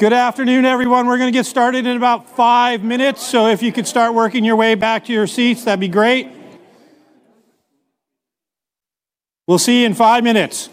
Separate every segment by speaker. Speaker 1: Good afternoon, everyone. We're going to get started in about five minutes, so if you could start working your way back to your seats, that'd be great. We'll see you in five minutes.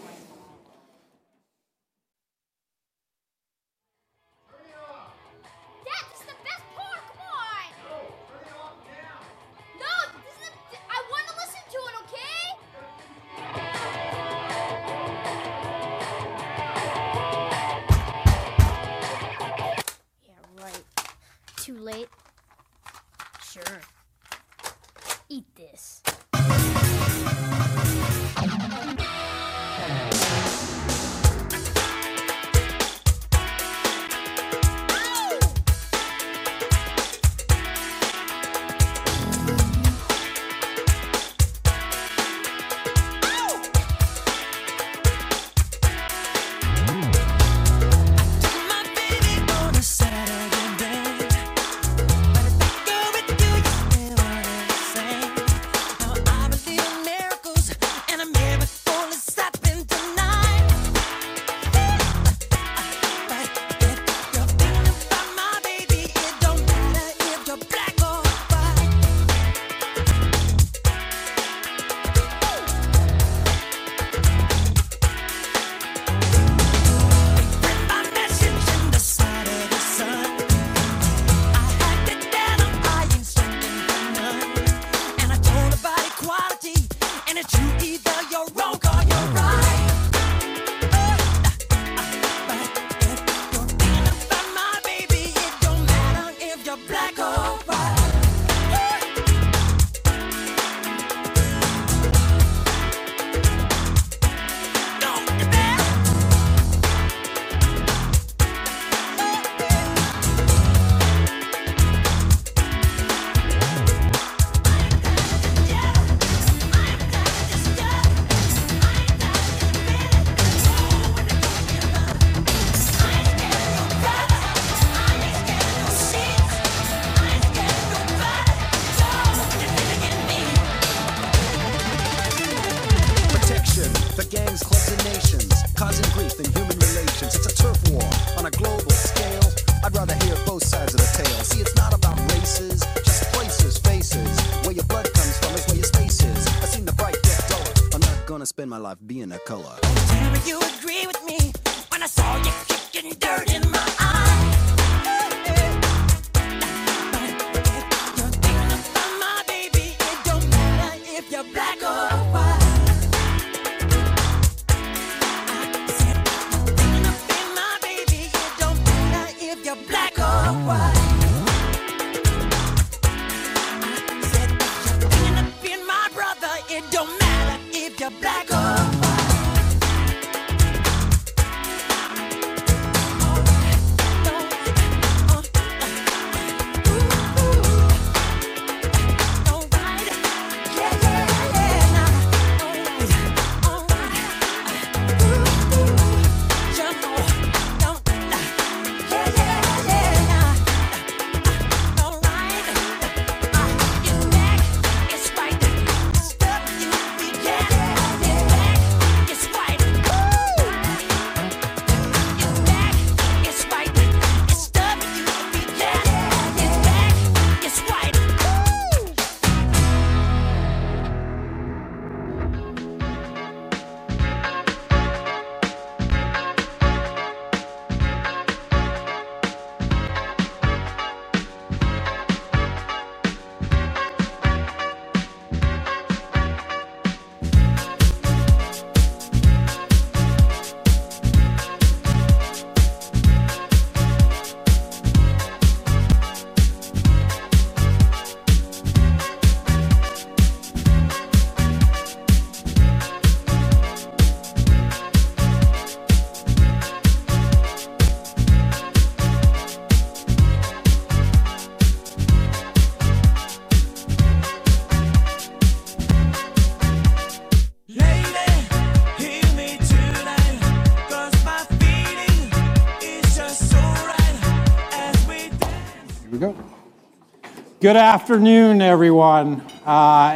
Speaker 1: being a color you agree with me when I saw you kicking dirt in my eye. If you're thinking about my baby, it don't matter if you're black or white. Enough in my baby, it don't matter if you're black or white. Said that, you end up being my brother. Don't matter if you're Black or Sam. Here we go. Good afternoon, everyone,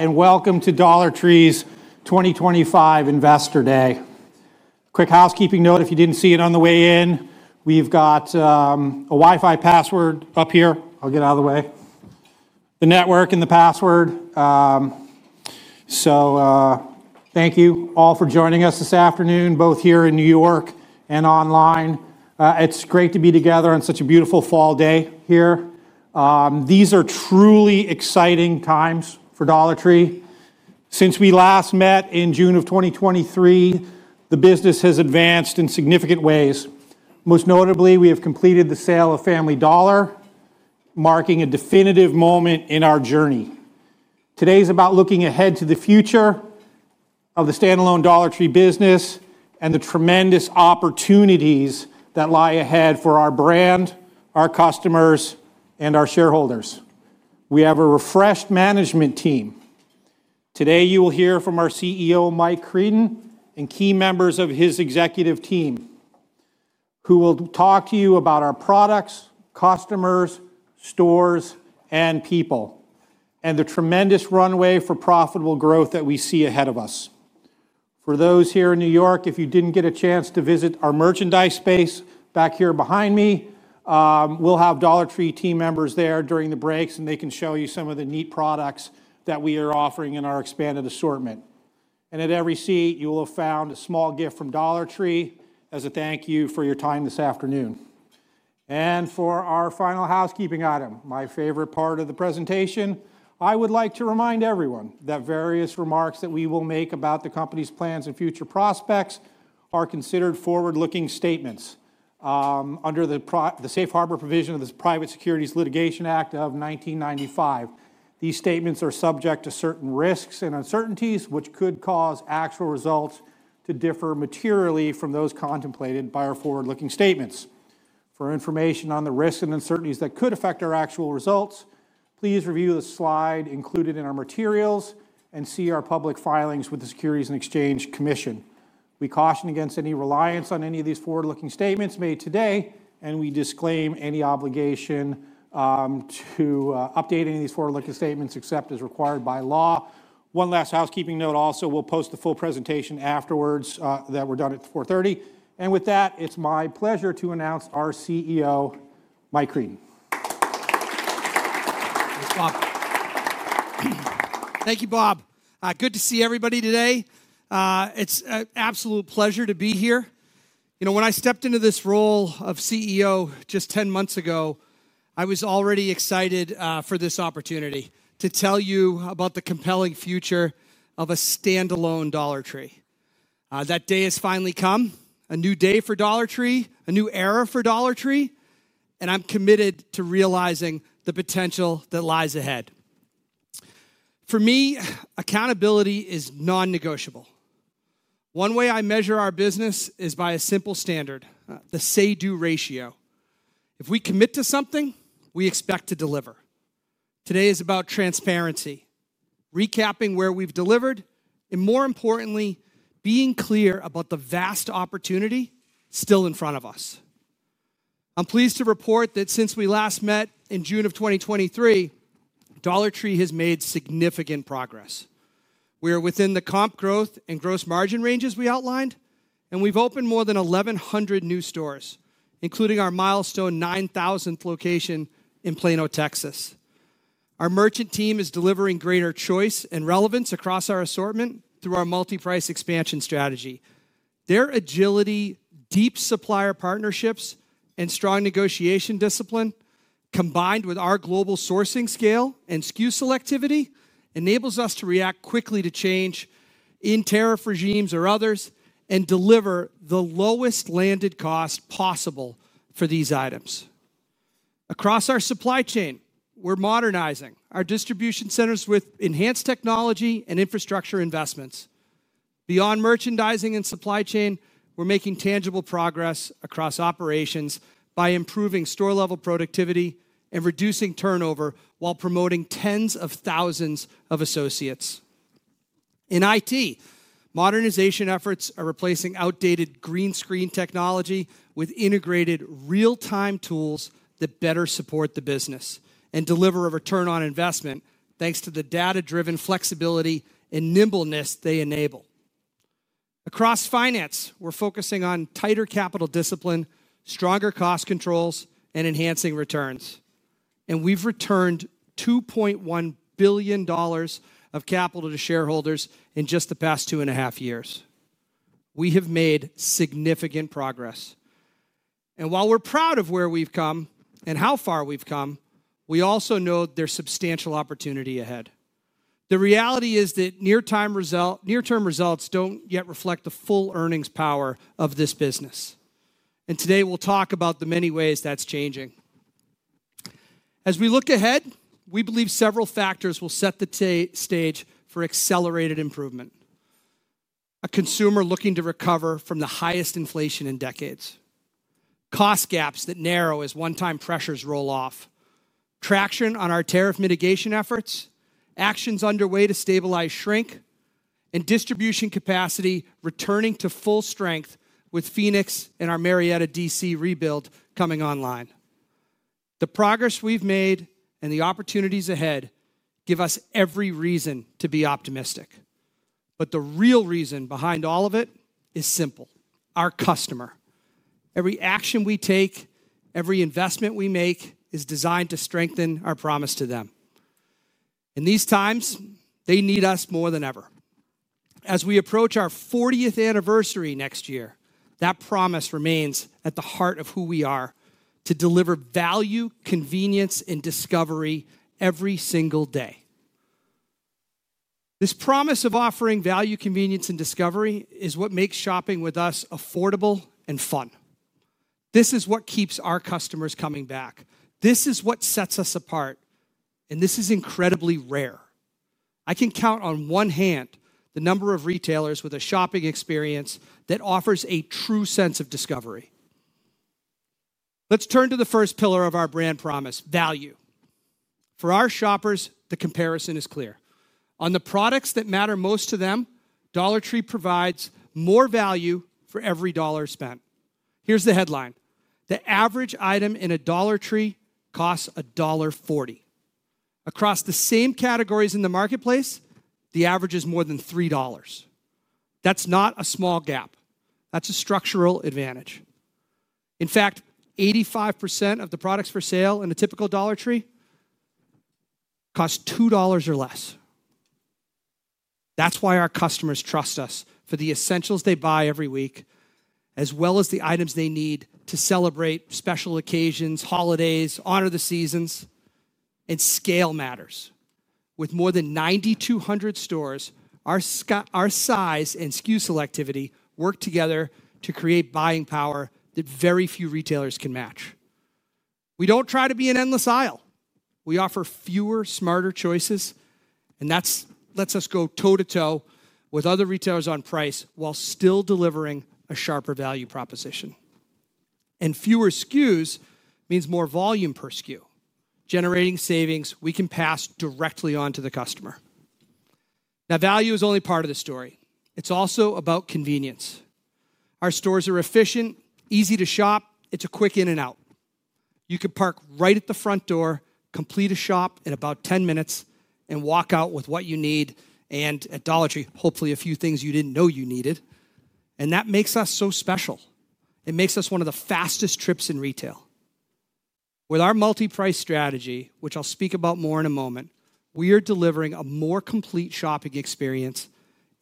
Speaker 1: and welcome to Dollar Tree's 2025 Investor Day. Quick housekeeping note. If you didn't see it on the way in, we've got a Wi-Fi password up here. I'll get out of the way the network and the password. Thank you all for joining us this afternoon both here in New York and online. It's great to be together on such a beautiful fall day here. These are truly exciting times for Dollar Tree. Since we last met in June of 2023, the business has advanced in significant ways. Most notably, we have completed the sale of Family Dollar, marking a definitive moment in our journey. Today is about looking ahead to the future of the standalone Dollar Tree business and the tremendous opportunities that lie ahead for our brand, our customers, and our shareholders. We have a refreshed management team. Today you will hear from our CEO, Mike Creedon, and key members of his executive team who will talk to you about our products, customers, stores, and people and the tremendous runway for profitable growth that we see ahead of us. For those here in New York, if you didn't get a chance to visit our merchandise space back here behind me, we'll have Dollar Tree team members there during the breaks and they can show you some of the neat products that we are offering in our expanded assortment and at every seat you will have found a small gift from Dollar Tree as a thank you for your time this afternoon. For our final housekeeping item, my favorite part of the presentation, I would like to remind everyone that various remarks that we will make about the company's plans and future prospects are considered forward-looking statements under the safe harbor provision of the Private Securities Litigation Act of 1995. These statements are subject to certain risks and uncertainties which could cause actual results to differ materially from those contemplated by our forward-looking statements. For information on the risks and uncertainties that could affect our actual results, please review the slide included in our materials and see our public filings with the Securities and Exchange Commission. We caution against any reliance on any of these forward-looking statements made today and we disclaim any obligation to update any of these forward-looking statements except as required by law. One last housekeeping note. Also, we'll post the full presentation afterwards when we're done at 4:30 P.M. With that, it's my pleasure to announce our CEO, Mike Creedon.
Speaker 2: Thank you, Bob. Good to see everybody today. It's an absolute pleasure to be here. You know, when I stepped into this role of CEO just 10 months ago, I was already excited for this opportunity to tell you about the compelling future of a standalone Dollar Tree. That day has finally come. A new day for Dollar Tree. A new era for Dollar Tree, and I'm committed to realizing the potential that lies ahead. For me, accountability is non-negotiable. One way I measure our business is by a simple standard: the say-do ratio. If we commit to something, we expect to deliver. Today is about transparency, recapping where we've delivered, and more importantly, being clear about the vast opportunity still in front of us. I'm pleased to report that since we last met in June of 2023, Dollar Tree has made significant progress. We are within the comp growth and gross margin ranges we outlined, and we've opened more than 1,100 new stores, including our milestone 9,000th location in Plano, Texas. Our merchant team is delivering greater choice and relevance across our assortment through our multi-price expansion strategy. Their agility, deep supplier partnerships, and strong negotiation discipline, combined with our global sourcing scale and SKU selectivity, enables us to react quickly to changes in tariff regimes or others and deliver the lowest landed cost possible for these items across our supply chain. We're modernizing our distribution centers with enhanced technology and infrastructure investments. Beyond merchandising and supply chain, we're making tangible progress across operations by improving store-level productivity and reducing turnover while promoting tens of thousands of associates. IT modernization efforts are replacing outdated green screen technology with integrated real-time tools that better support the business and deliver a return on investment, thanks to the data-driven flexibility and nimbleness they enable. Across finance, we're focusing on tighter capital discipline, stronger cost controls, and enhancing returns. We've returned $2.1 billion of capital to shareholders in just the past two and a half years. We have made significant progress, and while we're proud of where we've come and how far we've come, we also know there's substantial opportunity ahead. The reality is that near-term results don't yet reflect the full earnings power of this business, and today we'll talk about the many ways that's changing as we look ahead. We believe several factors will set the stage for accelerated improvement. A consumer looking to recover from the highest inflation in decades. Cost gaps that narrow as one-time pressures roll off. Traction on our tariff mitigation efforts. Actions underway to stabilize, shrink, and distribution capacity. Returning to full strength. With Phoenix and our Marietta, Oklahoma DC rebuild coming online, the progress we've made and the opportunities ahead give us every reason to be optimistic. The real reason behind all of it is simple. Our customer. Every action we take, every investment we make is designed to strengthen our promise to them. In these times, they need us more than ever. As we approach our 40th anniversary next year, that promise remains at the heart of who we are: to deliver value, convenience, and discovery every single day. This promise of offering value, convenience, and discovery is what makes shopping with us affordable and fun. This is what keeps our customers coming back. This is what sets us apart. This is incredibly rare. I can count on one hand the number of retailers with a shopping experience that offers a true sense of discovery. Let's turn to the first pillar of our brand promise: value. For our shoppers, the comparison is clear on the products that matter most to them. Dollar Tree provides more value for every dollar spent. Here's the headline. The average item in a Dollar Tree costs $1.40. Across the same categories in the marketplace, the average is more than $3. That's not a small gap. That's a structural advantage. In fact, 85% of the products for sale in a typical Dollar Tree cost $2 or less. That's why our customers trust us for the essentials they buy every week, as well as the items they need to celebrate special occasions, holidays, honor the seasons, and scale matters. With more than 9,200 stores, our size and SKU selectivity work together to create buying power that very few retailers can match. We don't try to be an endless aisle. We offer fewer, smarter choices. That lets us go toe to toe with other retailers on price while still delivering a sharper value proposition. Fewer SKUs means more volume per SKU, generating savings we can pass directly on to the customer. Value is only part of the story. It's also about convenience. Our stores are efficient, easy to shop. It's a quick in and out. You could park right at the front door, complete a shop in about 10 minutes, and walk out with what you need. At Dollar Tree, hopefully a few things you didn't know you needed. That makes us so special. It makes us one of the fastest trips in retail. With our multi-price strategy, which I'll speak about more in a moment, we are delivering a more complete shopping experience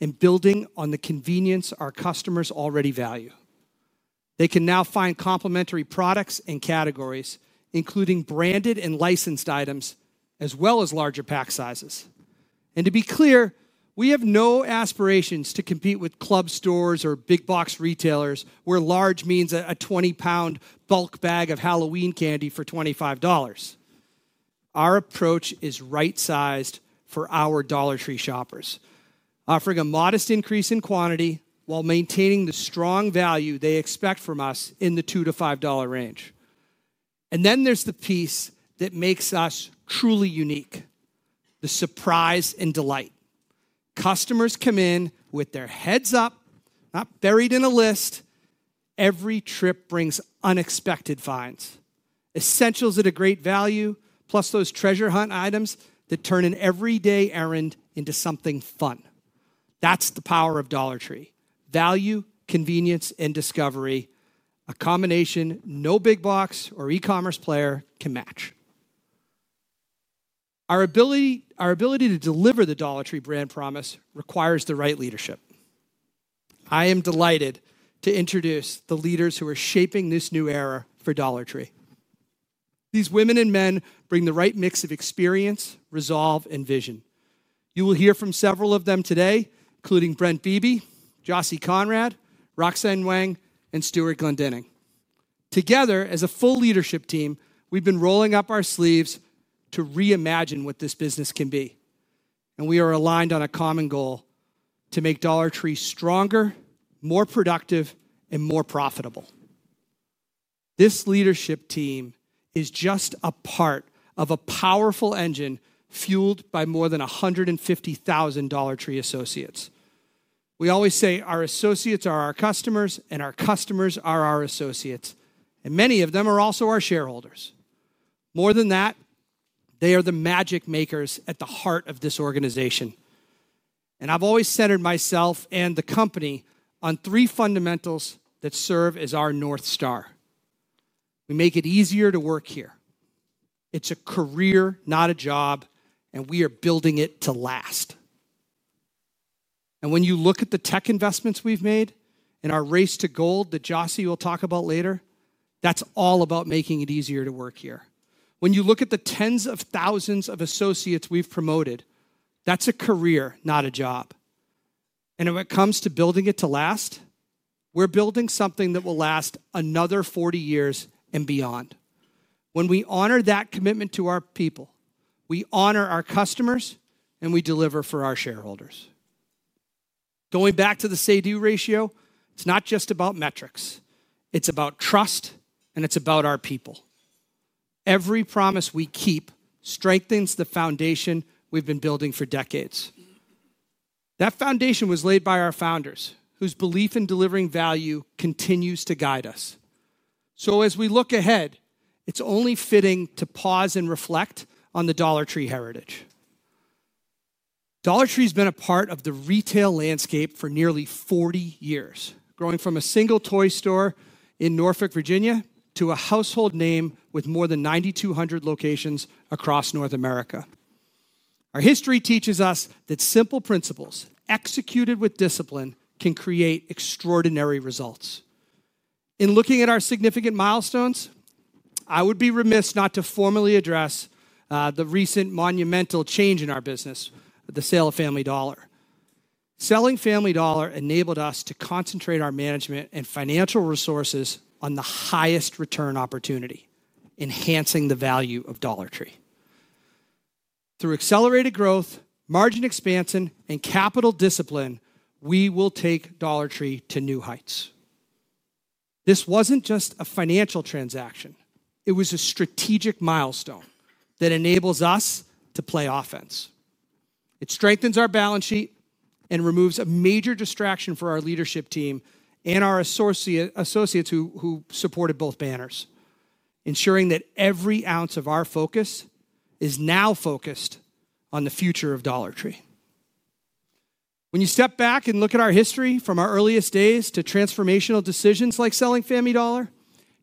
Speaker 2: and building on the convenience our customers already value. They can now find complementary products and categories including branded and licensed items, as well as larger pack sizes. To be clear, we have no aspirations to compete with club stores or big box retailers where large means a 20 lbs bulk bag of Halloween candy for $25. Our approach is right sized for our Dollar Tree shoppers, offering a modest increase in quantity while maintaining the strong value they expect from us in the $2-$5 range. There is the piece that makes us truly unique: the surprise and delight. Customers come in with their heads up, not buried in a list. Every trip brings unexpected finds, essentials at a great value, plus those treasure hunt items that turn an everyday errand into something fun. That's the power of Dollar Tree value, convenience, and discovery—a combination no big box or e-commerce player can match. Our ability to deliver the Dollar Tree brand promise requires the right leadership. I am delighted to introduce the leaders who are shaping this new era for Dollar Tree. These women and men bring the right mix of experience, resolve, and vision. You will hear from several of them today, including Brent Beebe, Jocy Konrad, Roxanne Weng, and Stewart Glendinning. Together as a full leadership team, we've been rolling up our sleeves to reimagine what this business can be. We are aligned on a common goal to make Dollar Tree stronger, more productive, and more profitable. This leadership team is just a part of a powerful engine fueled by more than 150,000 Dollar Tree associates. We always say our associates are our customers and our customers are our associates. Many of them are also our shareholders. More than that, they are the magic makers at the heart of this organization. I've always centered myself and the company on three fundamentals that serve as our North Star: we make it easier to work here, it's a career, not a job, and we are building it to last. When you look at the tech investments we've made in our Race to G.O.L.D. that Jocy will talk about later, that's all about making it easier to work here. When you look at the tens of thousands of associates we've promoted, that's a career, not a job. When it comes to building it to last, we're building something that will last another 40 years and beyond. When we honor that commitment to our people, we honor our customers, and we deliver for our shareholders. Going back to the say-do ratio, it's not just about metrics. It's about trust, and it's about our people. Every promise we keep strengthens the foundation we've been building for decades. That foundation was laid by our founders, whose belief in delivering value continues to guide us. As we look ahead, it's only fitting to pause and reflect on the Dollar Tree heritage. Dollar Tree has been a part of the retail landscape for nearly 40 years, growing from a single toy store in Norfolk, Virginia to a household name with more than 9,200 locations across North America. Our history teaches us that simple principles executed with discipline can create extraordinary results. In looking at our significant milestones, I would be remiss not to formally address the recent monumental change in our business, the sale of Family Dollar. Selling Family Dollar enabled us to concentrate our management and financial resources on the highest return opportunity, enhancing the value of Dollar Tree through accelerated growth, margin expansion, and capital discipline. We will take Dollar Tree to new heights. This wasn't just a financial transaction, it was a strategic milestone that enables us to play offense. It strengthens our balance sheet and removes a major distraction for our leadership team and our associates who supported both banners, ensuring that every ounce of our focus is now focused on the future of Dollar Tree. When you step back and look at our history, from our earliest days to transformational decisions like selling Family Dollar,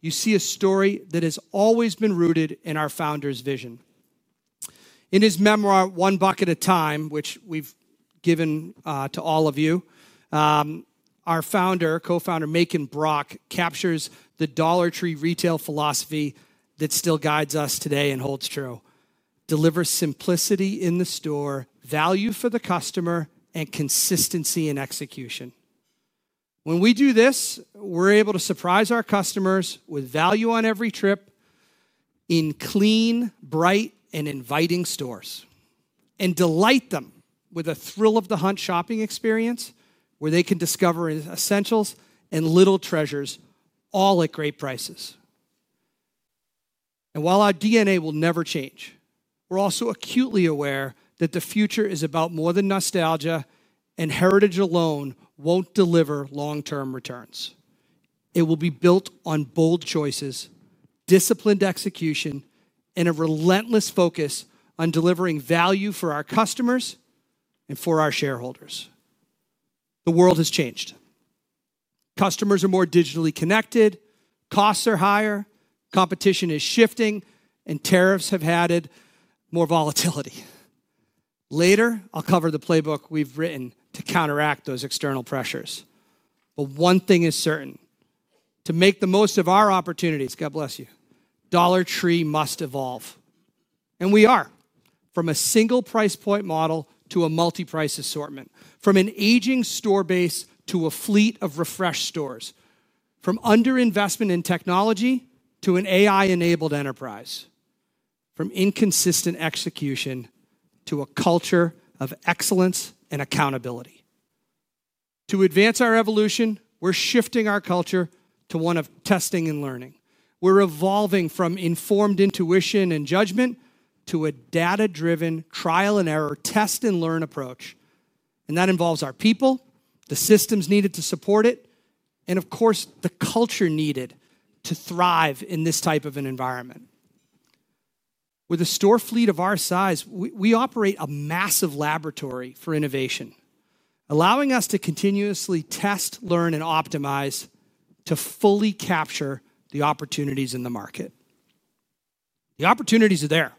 Speaker 2: you see a story that has always been rooted in our founder's vision. In his memoir, One Buck at a Time, which we've given to all of you, our co-founder Macon Brock captures the Dollar Tree retail philosophy that still guides us today and holds true: deliver simplicity in the store, value for the customer, and consistency in execution. When we do this, we're able to surprise our customers with value on every trip in clean, bright, and inviting stores and delight them with a thrill of the hunt shopping experience where they can discover essentials and little treasures, all at great prices. While our DNA will never change, we're also acutely aware that the future is about more than nostalgia. Heritage alone won't deliver long-term returns. It will be built on bold choices, disciplined execution, and a relentless focus on delivering value for our customers and for our shareholders. The world has changed. Customers are more digitally connected, costs are higher, competition is shifting, and tariffs have added more volatility. Later, I'll cover the playbook we've written to counteract those external pressures. One thing is certain: to make the most of our opportunities, Dollar Tree must evolve, and we are—from a single price point model to a multi-price assortment, from an aging store base to a fleet of refreshed stores, from underinvestment in technology to an AI-enabled enterprise, from inconsistent execution to a culture of excellence and accountability. To advance our evolution, we're shifting our culture to one of testing and learning. We're evolving from informed intuition and judgment to a data-driven trial and error, test and learn approach. That involves our people, the systems needed to support it, and, of course, the culture needed to thrive in this type of environment. With a store fleet of our size, we operate a massive laboratory for innovation, allowing us to continuously test, learn, and optimize to fully capture the opportunities in the market. The opportunities are there,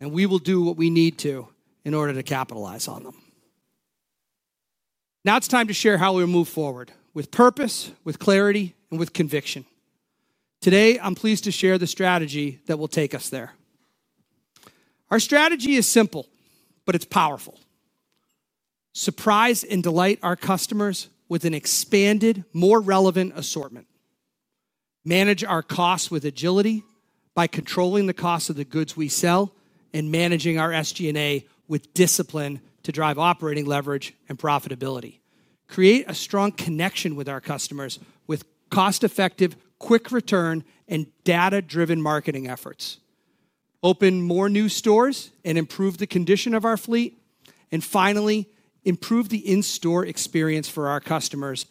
Speaker 2: and we will do what we need to in order to capitalize on them. Now it's time to share how we move forward with purpose, with clarity, and with conviction. Today, I'm pleased to share the strategy that will take us there. Our strategy is simple, but it's powerful: surprise and delight our customers with an expanded, more relevant assortment; manage our costs with agility by controlling the cost of the goods we sell and managing our SG&A with discipline to drive operating leverage and profitability; create a strong connection with our customers with cost-effective, quick-return, and data-driven marketing efforts; open more new stores and improve the condition of our fleet; and finally, improve the in-store experience for our customers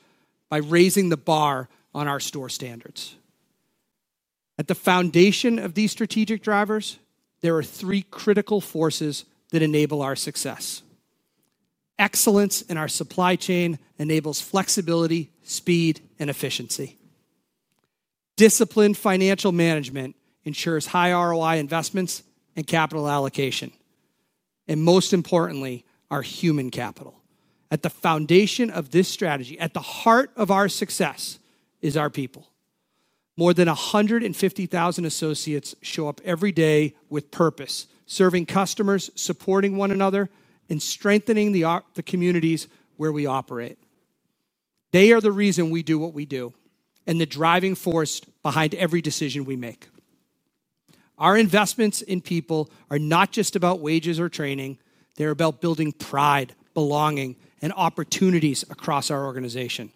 Speaker 2: by raising the bar on our store standards. At the foundation of these strategic drivers, there are three critical forces that enable our success. Excellence in our supply chain enables flexibility, speed, and efficiency. Disciplined financial management ensures high ROI investments and capital allocation and, most importantly, our human capital. At the foundation of this strategy, at the heart of our success, is our people. More than 150,000 associates show up every day with purpose, serving customers, supporting one another, and strengthening the communities where we operate. They are the reason we do what we do and the driving force behind every decision we make. Our investments in people are not just about wages or training, they're about building pride, belonging, and opportunities across our organization.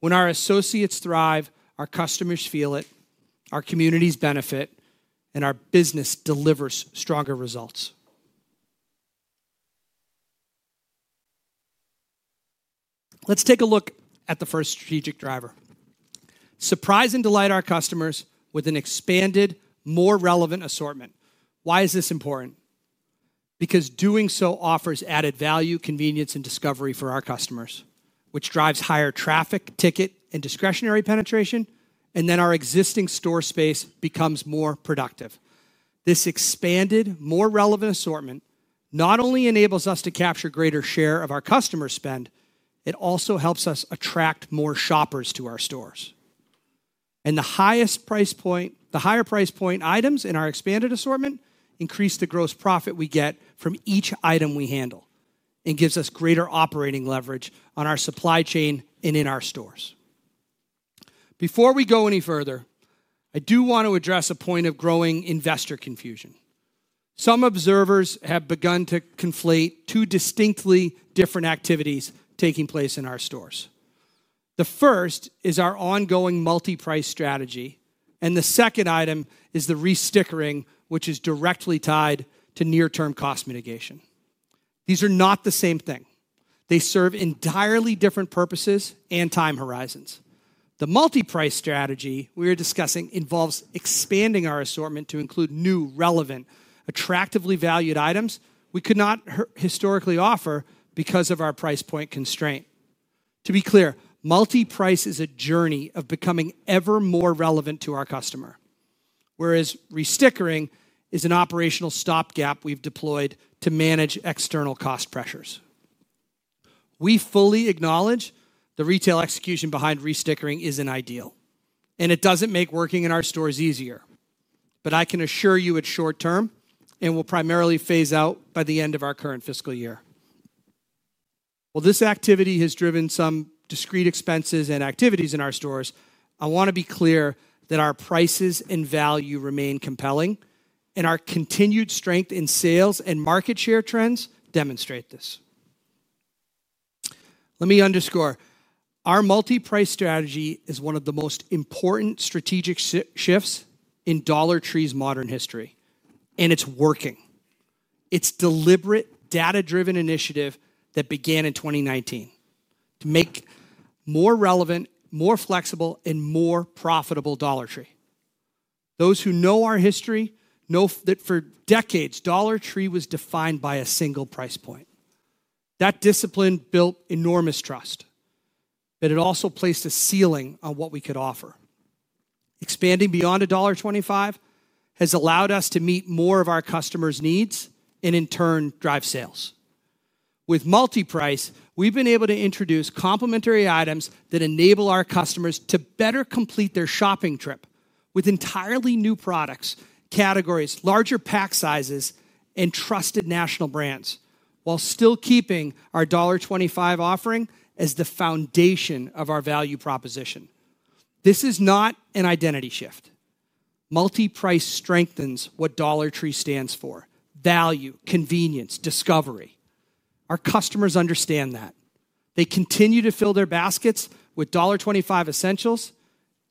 Speaker 2: When our associates thrive, our customers feel it, our communities benefit, and our business delivers stronger results. Let's take a look at the first strategic driver: surprise and delight our customers with an expanded, more relevant assortment. Why is this important? Because doing so offers added value, convenience, and discovery for our customers, which drives higher traffic, ticket, and discretionary penetration, and then our existing store space becomes more productive. This expanded, more relevant assortment not only enables us to capture greater share of our customer spend, it also helps us attract more shoppers to our stores and the highest price point. The higher price point items in our expanded assortment increase the gross profit we get from each item we handle and give us greater operating leverage on our supply chain and in our stores. Before we go any further, I do want to address a point of growing investor confusion. Some observers have begun to conflate two distinctly different activities taking place in our stores. The first is our ongoing multi-price expansion strategy and the second item is the re-stickering, which is directly tied to near-term cost mitigation. These are not the same thing, they serve entirely different purposes and time horizons. The multi-price expansion strategy we are discussing involves expanding our assortment to include new, relevant, attractively valued items we could not historically offer because of our price point constraint. To be clear, multi-price is a journey of becoming ever more relevant to our customer, whereas re-stickering is an operational stopgap we've deployed to manage external cost pressures. We fully acknowledge the retail execution behind re-stickering isn't ideal and it doesn't make working in our stores easier, but I can assure you it's short term and will primarily phase out by the end of our current fiscal year. While this activity has driven some discrete expenses and activities in our stores, I want to be clear that our prices and value remain compelling, and our continued strength in sales and market share trends demonstrate this. Let me underscore our multi-price strategy is one of the most important strategic shifts in Dollar Tree's modern history, and it's working. It's a deliberate, data-driven initiative that began in 2019 to make a more relevant, more flexible, and more profitable Dollar Tree. Those who know our history know that for decades Dollar Tree was defined by a single price point. That discipline built enormous trust, but it also placed a ceiling on what we could offer. Expanding beyond $1.25 has allowed us to meet more of our customers' needs and in turn drive sales with multi-price. We've been able to introduce complementary items that enable our customers to better complete their shopping trip with entirely new product categories, larger pack sizes, and trusted national brands while still keeping our $1.25 offering as the foundation of our value proposition. This is not an identity shift. Multi-price strengthens what Dollar Tree stands for: value, convenience, discovery. Our customers understand that they continue to fill their baskets with $1.25 essentials,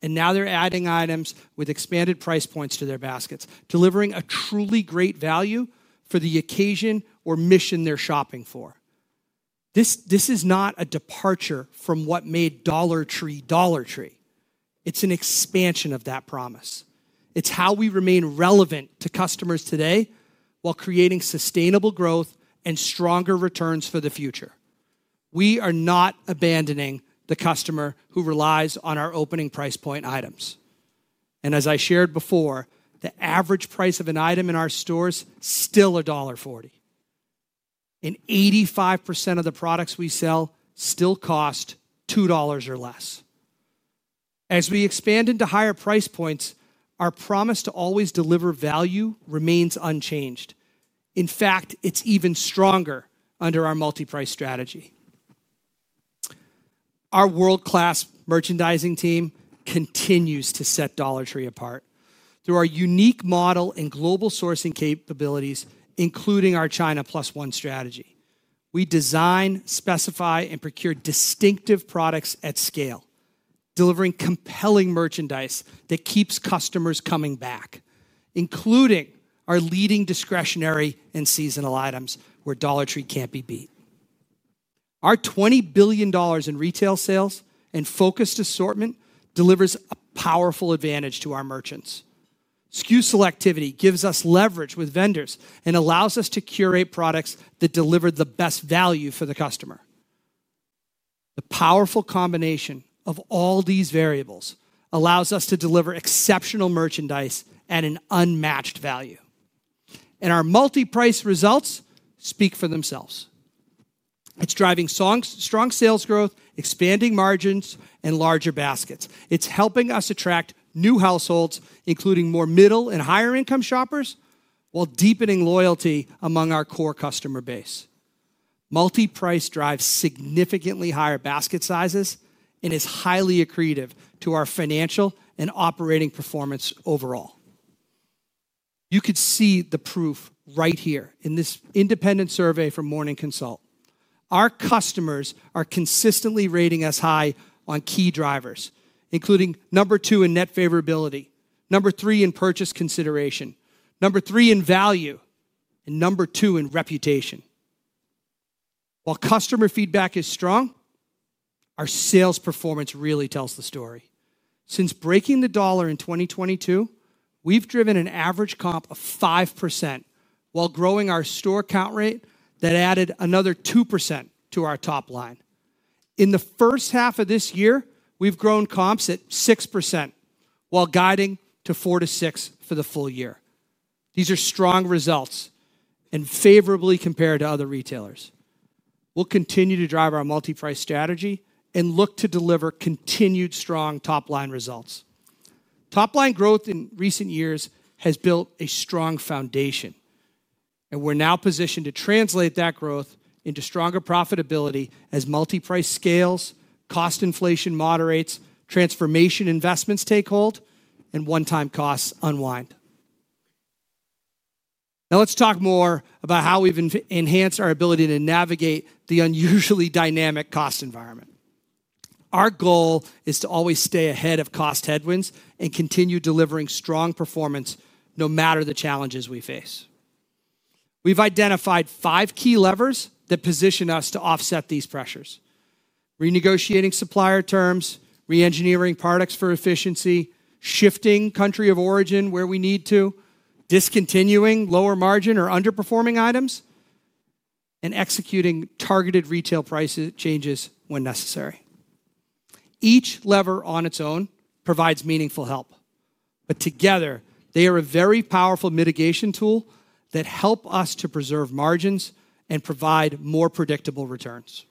Speaker 2: and now they're adding items with expanded price points to their baskets, delivering a truly great value for the occasion or mission they're shopping for. This is not a departure from what made Dollar Tree Dollar Tree. It's an expansion of that promise. It's how we remain relevant to customers today while creating sustainable growth and stronger returns for the future. We are not abandoning the customer who relies on our opening price point items, and as I shared before, the average price of an item in our stores is still $1.40, and 85% of the products we sell still cost $2 or less. As we expand into higher price points, our promise to always deliver value remains unchanged. In fact, it's even stronger under our multi-price strategy. Our world-class merchandising team continues to set Dollar Tree apart through our unique model and global sourcing capabilities, including our China plus one strategy. We design, specify, and procure distinctive products at scale, delivering compelling merchandise that keeps customers coming back, including our leading discretionary and seasonal items where Dollar Tree can't be beat. Our $20 billion in retail sales and focused assortment delivers a powerful advantage to our merchants. SKU selectivity gives us leverage with vendors and allows us to curate products that deliver the best value for the customer. The powerful combination of all these variables allows us to deliver exceptional merchandise at an unmatched value, and our multi-price results speak for themselves. It's driving strong sales growth, expanding margins, and larger baskets. It's helping us attract new households, including more middle and higher income shoppers, while deepening loyalty among our core customer base. Multi-price drives significantly higher basket sizes and is highly accretive to our financial and operating performance overall. You could see the proof right here in this independent survey from Morning Consult. Our customers are consistently rating us high on key drivers, including number two in net favorability, number three in purchase consideration, number three in value, and number two in reputation. While customer feedback is strong, our sales performance really tells the story. Since breaking the dollar in 2022, we've driven an average comp of 5% while growing our store count rate. That added another 2% to our top line. In the first half of this year, we've grown comps at 6% while guiding to 4%-6% for the full year. These are strong results and favorably compared to other retailers. We'll continue to drive our multi-price strategy and look to deliver continued strong top line results. Top line growth in recent years has built a strong foundation, and we're now positioned to translate that growth into stronger profitability as multi-price scales, cost inflation moderates, transformation investments take hold, and one-time costs unwind. Now let's talk more about how we've enhanced our ability to navigate the unusually dynamic cost environment. Our goal is to always stay ahead of cost headwinds and continue delivering strong performance, no matter the challenges we face. We've identified five key levers that position us to offset these pressures: renegotiating supplier terms, reengineering products for efficiency, shifting country of origin where we need to, discontinuing lower margin or underperforming items, and executing targeted retail price changes when necessary. Each lever on its own provides meaningful help, but together they are a very powerful mitigation tool that help us to preserve margins and provide more predictable returns.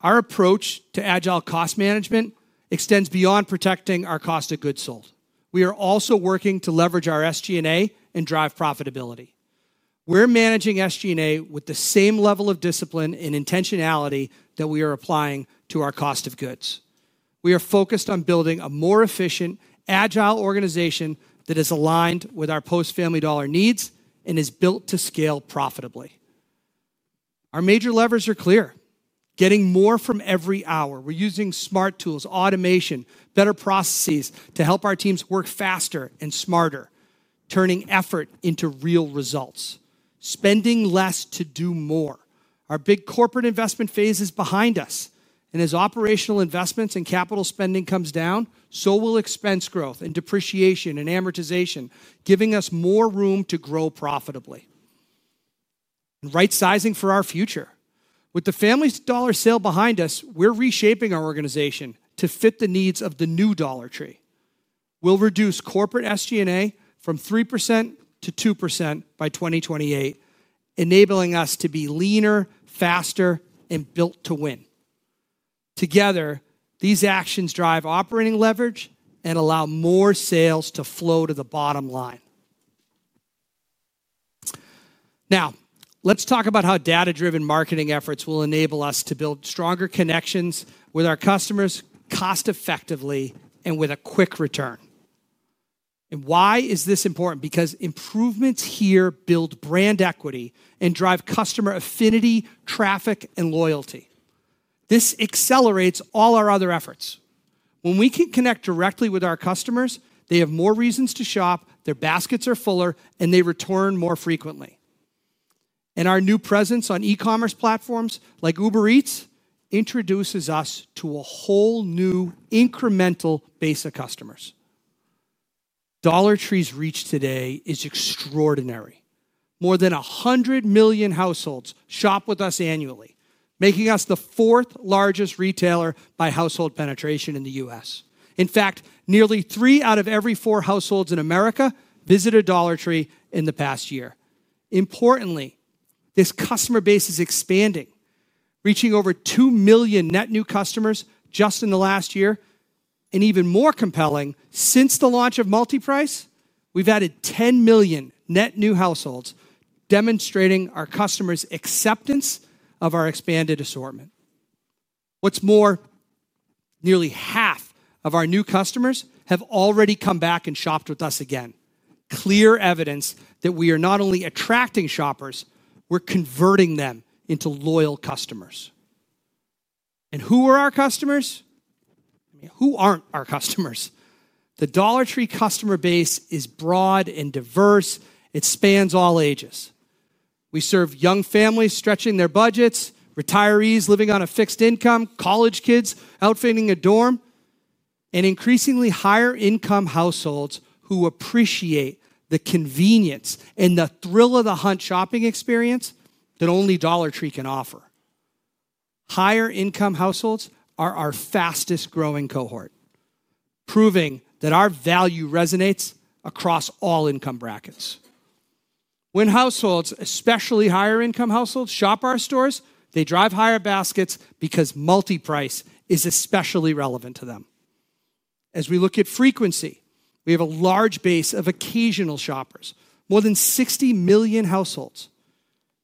Speaker 2: Our approach to agile cost management extends beyond protecting our cost of goods sold. We are also working to leverage our SG&A and drive profitability. We're managing SG&A with the same level of discipline and intentionality that we are applying to our cost of goods. We are focused on building a more efficient, agile organization that is aligned with our post Family Dollar needs and is built to scale profitably. Our major levers are clear: getting more from every hour. We're using smart tools, automation, better processes to help our teams work faster and smarter, turning effort into real results. Spending less to do more, our big corporate investment phase is behind us, and as operational investments and capital spending comes down, so will expense growth and depreciation and amortization, giving us more room to grow profitably. Right sizing for our future, with the Family Dollar sale behind us, we're reshaping our organization to fit the needs of the new Dollar Tree. We will reduce corporate SG&A from 3% to 2% by 2028, enabling us to be leaner, faster, and built to win. Together, these actions drive operating leverage and allow more sales to flow to the bottom line. Now let's talk about how data-driven marketing efforts will enable us to build stronger connections with our customers, cost effectively and with a quick return. Why is this important? Because improvements here build brand equity and drive customer affinity, traffic, and loyalty. This accelerates all our other efforts. When we can connect directly with our customers, they have more reasons to shop. Their baskets are fuller, and they return more frequently. Our new presence on e-commerce platforms like Uber Eats introduces us to a whole new incremental base of customers. Dollar Tree's reach today is extraordinary. More than 100 million households shop with us annually, making us the fourth largest retailer by household penetration in the U.S. In fact, nearly three out of every four households in America visited Dollar Tree in the past year. Importantly, this customer base is expanding, reaching over 2 million net new customers just in the last year. Even more compelling, since the launch of multi-price, we've added 10 million net new households, demonstrating our customers' acceptance of our expanded assortment. What's more, nearly half of our new customers have already come back and shopped with us again. Clear evidence that we are not only attracting shoppers, we're converting them into loyal customers. Who are our customers? Who aren't our customers? The Dollar Tree customer base is broad and diverse. It spans all ages. We serve young families stretching their budgets, retirees living on a fixed income, college kids outfitting a dorm, and increasingly higher income households who appreciate the convenience and the thrill of the hunt shopping experience that only Dollar Tree can offer. Higher income households are our fastest growing cohort, proving that our value resonates across all income brackets. When households, especially higher income households, shop our stores, they drive higher baskets because multi price is especially relevant to them. As we look at frequency, we have a large base of occasional shoppers, more than 60 million households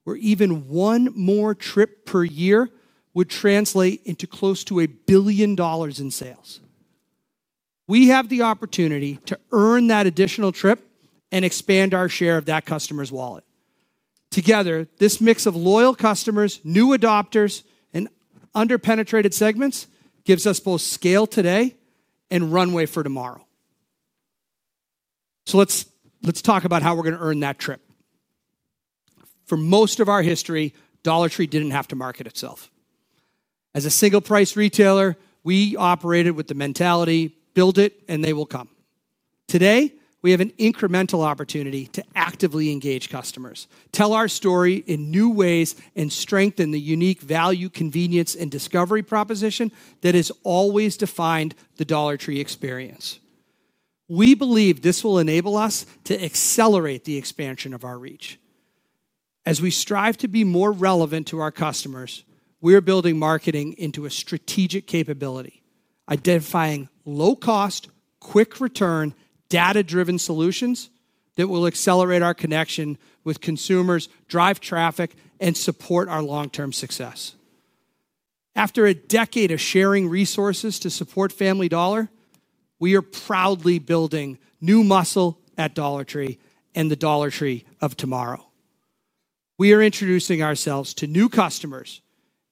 Speaker 2: where even one more trip per year would translate into close to $1 billion in sales. We have the opportunity to earn that additional trip and expand our share of that customer's wallet. Together, this mix of loyal customers, new adopters, and underpenetrated segments gives us both scale today and runway for tomorrow. Let's talk about how we're going to earn that trip. For most of our history, Dollar Tree didn't have to market itself as a single price retailer. We operated with the mentality build it and they will come. Today we have an incremental opportunity to actively engage customers, tell our story in new ways, and strengthen the unique value, convenience, and discovery proposition that has always defined the Dollar Tree experience. We believe this will enable us to accelerate the expansion of our reach as we strive to be more relevant to our customers. We are building marketing into a strategic capability, identifying low cost, quick return, data driven solutions that will accelerate our connection with consumers, drive traffic, and support our long-term success. After a decade of sharing resources to support Family Dollar, we are proudly building new muscle at Dollar Tree and the Dollar Tree of tomorrow. We are introducing ourselves to new customers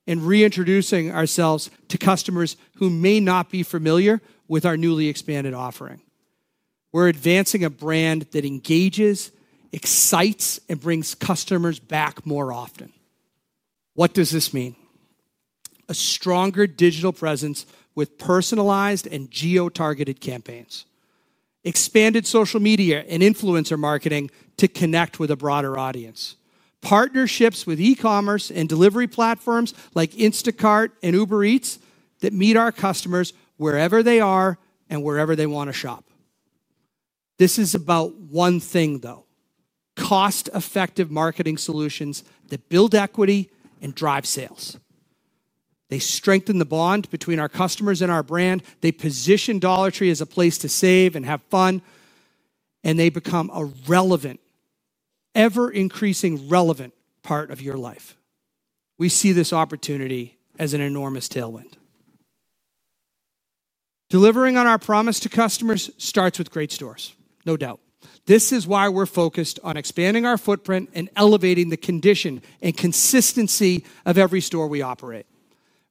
Speaker 2: and reintroducing ourselves to customers who may not be familiar with our newly expanded offering. We're advancing a brand that engages, excites, and brings customers back more often. What does this mean? A stronger digital presence with personalized and geo-targeted campaigns. Expanded social media and influencer marketing to connect with a broader audience. Partnerships with e-commerce and delivery platforms like Instacart and Uber Eats that meet our customers wherever they are and wherever they want to shop. This is about one thing, though. Cost-effective marketing solutions that build equity and drive sales. They strengthen the bond between our customers and our brand. They position Dollar Tree as a place to save and have fun, and they become a relevant, ever-increasing relevant part of your life. We see this opportunity as an enormous tailwind. Delivering on our promise to customers starts with great stores. No doubt this is why we're focused on expanding our footprint and elevating the condition and consistency of every store we operate.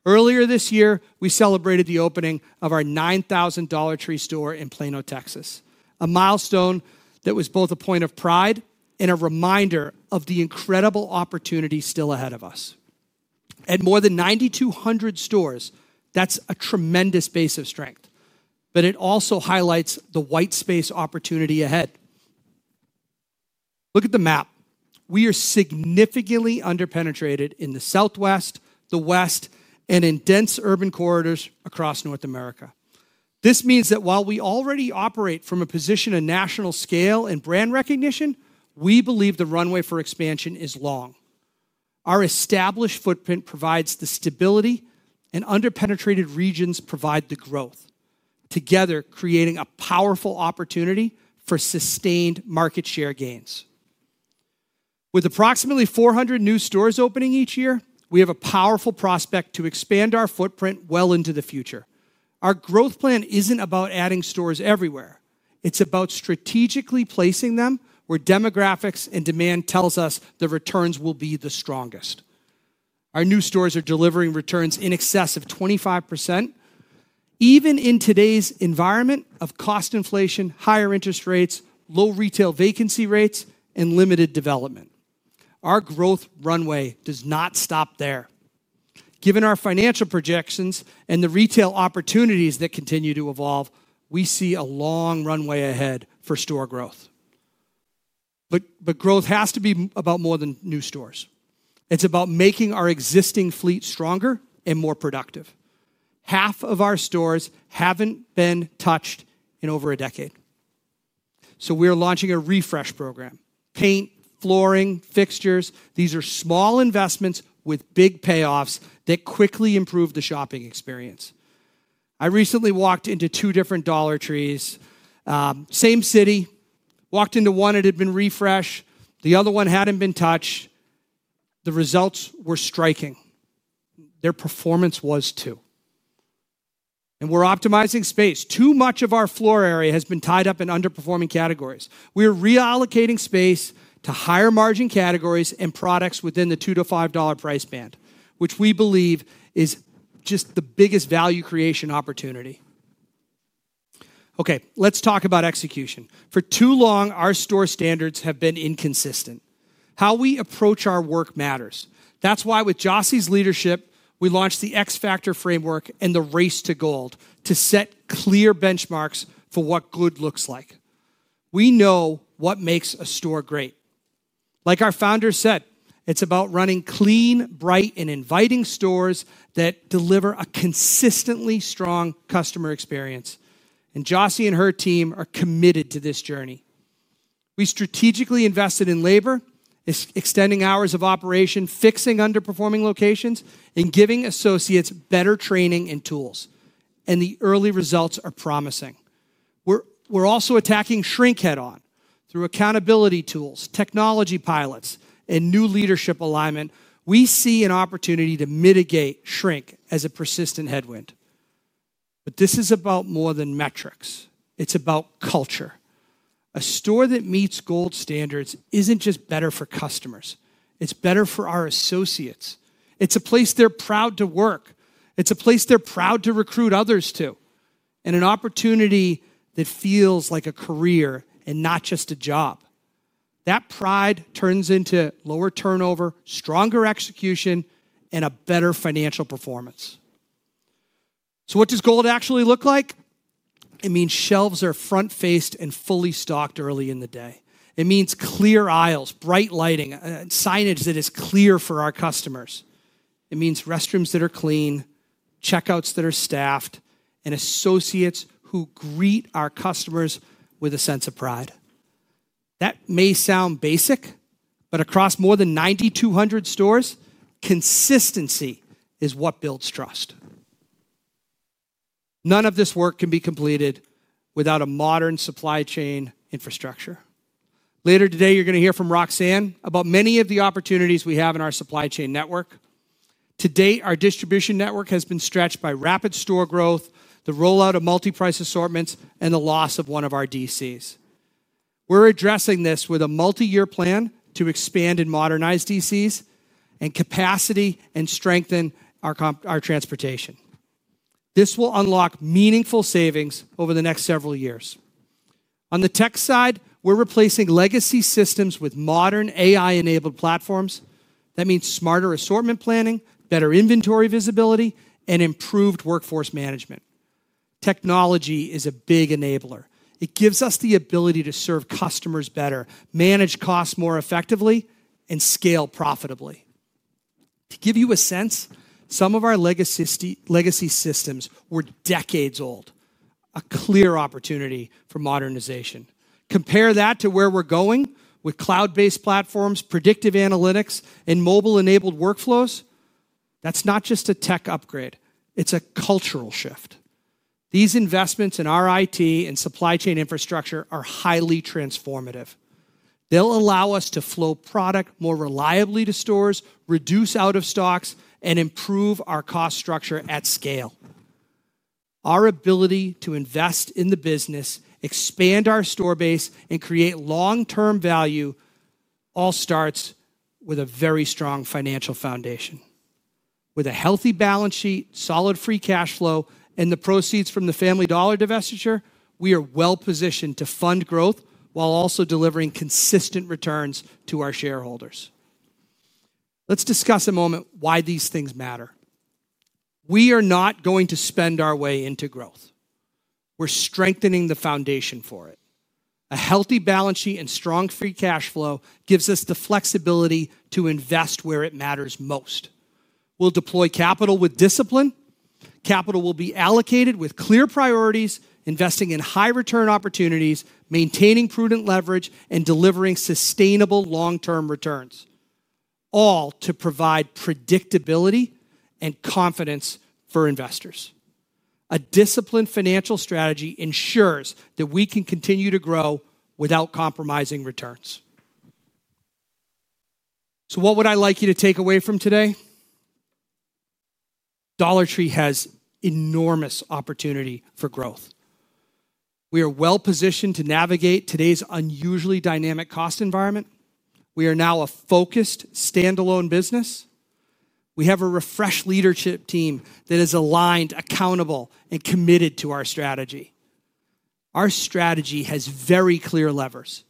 Speaker 2: Earlier this year, we celebrated the opening of our 9,000th Dollar Tree store in Plano, Texas, a milestone that was both a point of pride and a reminder of the incredible opportunity still ahead of us at more than 9,200 stores. That's a tremendous base of strength, but it also highlights the white space opportunity ahead. Look at the map. We are significantly underpenetrated in the Southwest, the West, and in dense urban corridors across North America. This means that while we already operate from a position of national scale and brand recognition, we believe the runway for expansion is long. Our established footprint provides the stability, and underpenetrated regions provide the growth, together creating a powerful opportunity for sustained market share gains. With approximately 400 new stores opening each year, we have a powerful prospect to expand our footprint well into the future. Our growth plan isn't about adding stores everywhere, it's about strategically placing them where demographics and demand tell us the returns will be the strongest. Our new stores are delivering returns in excess of 25%. Even in today's environment of cost inflation, higher interest rates, low retail vacancy rates, and limited development, our growth runway does not stop there. Given our financial projections and the retail opportunities that continue to evolve, we see a long runway ahead for store growth. Growth has to be about more than new stores. It's about making our existing fleet stronger and more productive. Half of our stores haven't been touched in over a decade, so we are launching a refresh program. Paint, flooring, fixtures. These are small investments with big payoffs that quickly improve the shopping experience. I recently walked into two different Dollar Trees. Same city, walked into one. It had been refreshed. The other one hadn't been touched. The results were striking. Their performance was too, and we're optimizing space. Too much of our floor area has been tied up in underperforming categories. We are reallocating space to higher margin categories and products within the $2-$5 price band, which we believe is just the biggest value creation opportunity. Let's talk about execution. For too long, our store standards have been inconsistent. How we approach our work matters. That's why with Jocy's leadership, we launched the X Factor framework and the Race to G.O.L.D. to set clear benchmarks for what good looks like. We know what makes a store great. Like our founders said, it's about running clean, bright, and inviting stores that deliver a consistently strong customer experience. Jocy and her team are committed to this journey. We strategically invested in labor, extending hours of operation, fixing underperforming locations, and giving associates better training and tools. The early results are promising. We're also attacking shrink head on. Through accountability tools, technology pilots, and new leadership alignment, we see an opportunity to mitigate shrink as a persistent headwind. This is about more than metrics. It's about culture. A store that meets G.O.L.D. standards isn't just better for customers, it's better for our associates. It's a place they're proud to work. It's a place they're proud to recruit others to and an opportunity that feels like a career and not just a job. That pride turns into lower turnover, stronger execution, and a better financial performance. What does G.O.L.D.. actually look like? It means shelves are front faced and fully stocked early in the day. It means clear aisles, bright lighting, signage that is clear for our customers. It means restrooms that are clean, checkouts that are staffed, and associates who greet our customers with a sense of pride. That may sound basic, but across more than 9,200 stores, consistency is what builds trust. None of this work can be completed without a modern supply chain infrastructure. Later today you're going to hear from Roxanne about many of the opportunities we have in our supply chain network. To date, our distribution network has been stretched by rapid store growth, the rollout of multi-price assortments, and the loss of one of our DCs. We're addressing this with a multi-year plan to expand and modernize DCs and capacity and strengthen our transportation. This will unlock meaningful savings over the next several years. On the tech side, we're replacing legacy systems with modern AI-enabled platforms. That means smarter assortment planning, better inventory visibility, and improved workforce management. Technology is a big enabler. It gives us the ability to serve customers better, manage costs more effectively, and scale profitably. To give you a sense, some of our legacy systems were decades old, a clear opportunity for modernization. Compare that to where we're going with cloud-based platforms, predictive analytics, and mobile-enabled workflows. That's not just a tech upgrade, it's a cultural shift. These investments in our IT and supply chain infrastructure are highly transformative. They'll allow us to flow product more reliably to stores, reduce out-of-stocks, and improve our cost structure at scale. Our ability to invest in the business, expand our store base, and create long-term value all starts with a very strong financial foundation. With a healthy balance sheet, solid free cash flow, and the proceeds from the Family Dollar divestiture, we are well positioned to fund growth while also delivering consistent returns to our shareholders. Let's discuss a moment why these things matter. We are not going to spend our way into growth. We're strengthening the foundation for it. A healthy balance sheet and strong free cash flow gives us the flexibility to invest where it matters most. We'll deploy capital with discipline. Capital will be allocated with clear priorities, investing in high-return opportunities, maintaining prudent leverage, and delivering sustainable long-term returns. All to provide predictability and confidence for investors. A disciplined financial strategy ensures that we can continue to grow without compromising returns. What would I like you to take away from today? Dollar Tree has enormous opportunity for growth. We are well positioned to navigate today's unusually dynamic cost environment. We are now a focused standalone business. We have a refreshed leadership team that is aligned, accountable, and committed to our strategy. Our strategy has very clear levers.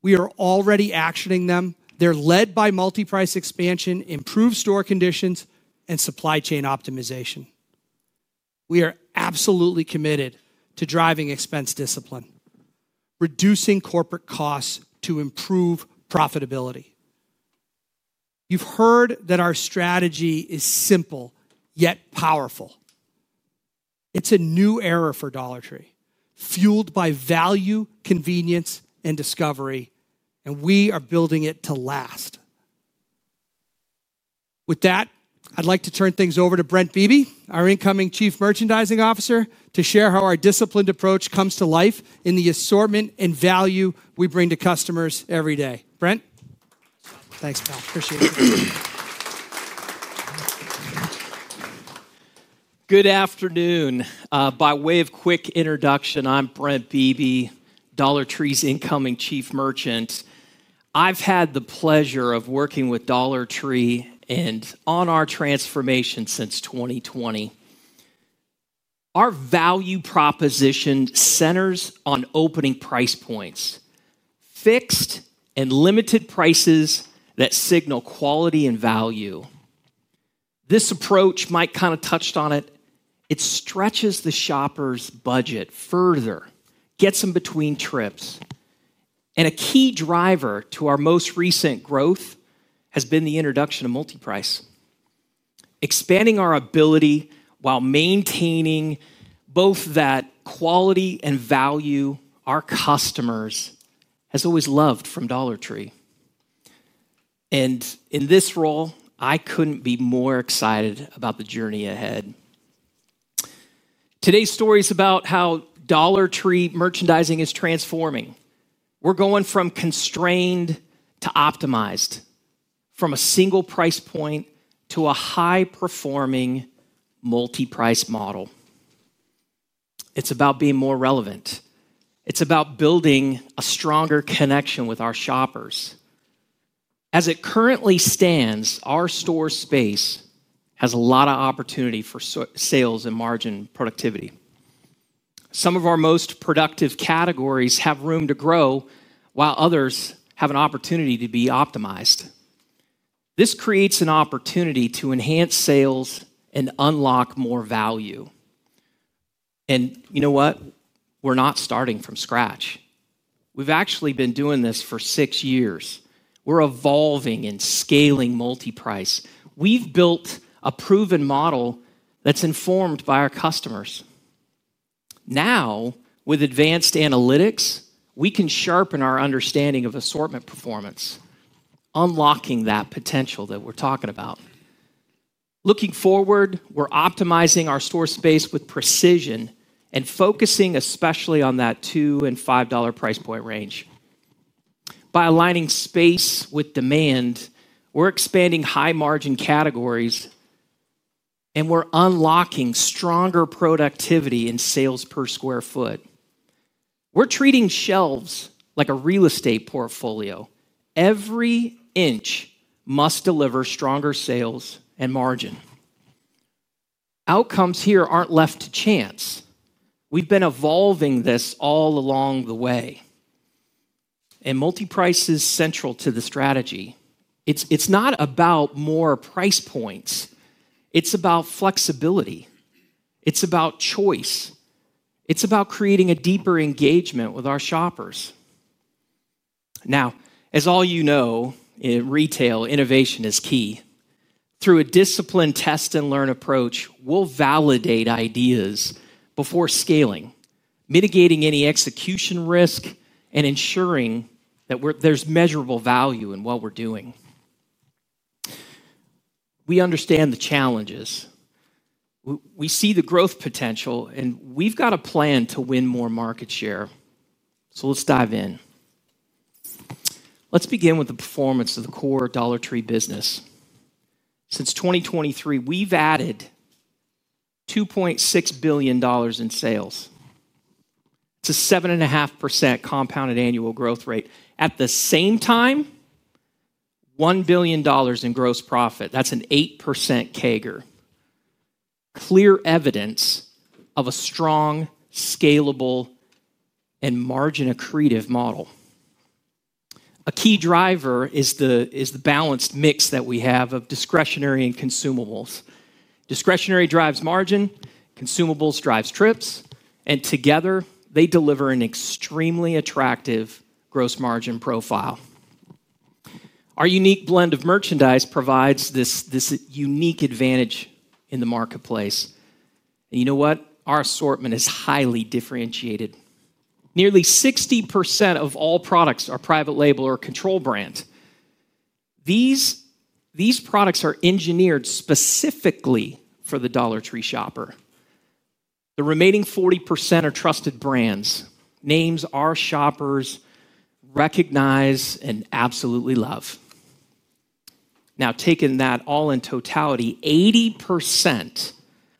Speaker 2: We are already actioning them. They're led by multi-price expansion, improved store conditions, and supply chain optimization. We are absolutely committed to driving expense discipline, reducing corporate costs to improve profitability. You've heard that our strategy is simple yet powerful. It's a new era for Dollar Tree fueled by value, convenience, and discovery. We are building it to last. With that, I'd like to turn things over to Brent Beebe, our incoming Chief Merchandising Officer, to share how our disciplined approach comes to life in the assortment and value we bring to customers every day. Brent.
Speaker 3: Thanks, pal. Appreciate it. Good afternoon. By way of quick introduction, I'm Brent Beebe, Dollar Tree's incoming Chief Merchant. I've had the pleasure of working with Dollar Tree and on our transformation since 2020. Our value proposition centers on opening price points. Fixed and limited prices that signal quality and value. This approach Mike kind of touched on stretches the shopper's budget further, gets them between trips. A key driver to our most recent growth has been the introduction of multi-price, expanding our ability while maintaining both that quality and value our customers have always loved from Dollar Tree. In this role, I couldn't be more excited about the journey ahead. Today's story is about how Dollar Tree merchandising is transforming. We're going from constrained to optimized, from a single price point to a high performing multi-price model. It's about being more relevant. It's about building a stronger connection with our shoppers. As it currently stands, our store space has a lot of opportunity for sales and margin productivity. Some of our most productive categories have room to grow, while others have an opportunity to be optimized. This creates an opportunity to enhance sales and unlock more value. We're not starting from scratch. We've actually been doing this for six years. We're evolving and scaling multi-price. We've built a proven model that's informed by our customers. Now, with advanced analytics, we can sharpen our understanding of assortment performance, unlocking that potential that we're talking about. Looking forward, we're optimizing our store space with precision and focusing especially on that $2 and $5 price point range. By aligning space with demand, we're expanding high margin categories and unlocking stronger productivity in sales per square foot. We're treating shelves like a real estate portfolio. Every inch must deliver stronger sales and margin outcomes. Outcomes here aren't left to chance. We've been evolving this all along the way, and multi-price is central to the strategy. It's not about more price points. It's about flexibility. It's about choice. It's about creating a deeper engagement with our shoppers. As all you know, in retail, innovation is key. Through a disciplined test and learn approach, we'll validate ideas before scaling, mitigating any execution risk and ensuring that there's measurable value in what we're doing. We understand the challenges, we see the growth potential, and we've got a plan to win more market share. Let's dive in. Let's begin with the performance of the core Dollar Tree business. Since 2023, we've added $2.6 billion in sales to 7.5% compound annual growth rate. At the same time, $1 billion in gross profit. That's an 8% CAGR. Clear evidence of a strong, scalable, and margin accretive model. A key driver is the balanced mix that we have of discretionary and consumables. Discretionary drives margin, consumables drive trips, and together they deliver an extremely attractive gross margin profile. Our unique blend of merchandise provides this unique advantage in the marketplace. Our assortment is highly differentiated. Nearly 60% of all products are private label or control brand. These products are engineered specifically for the Dollar Tree shopper. The remaining 40% are trusted brand names our shoppers recognize and absolutely love. Now, taking that all in totality, 80%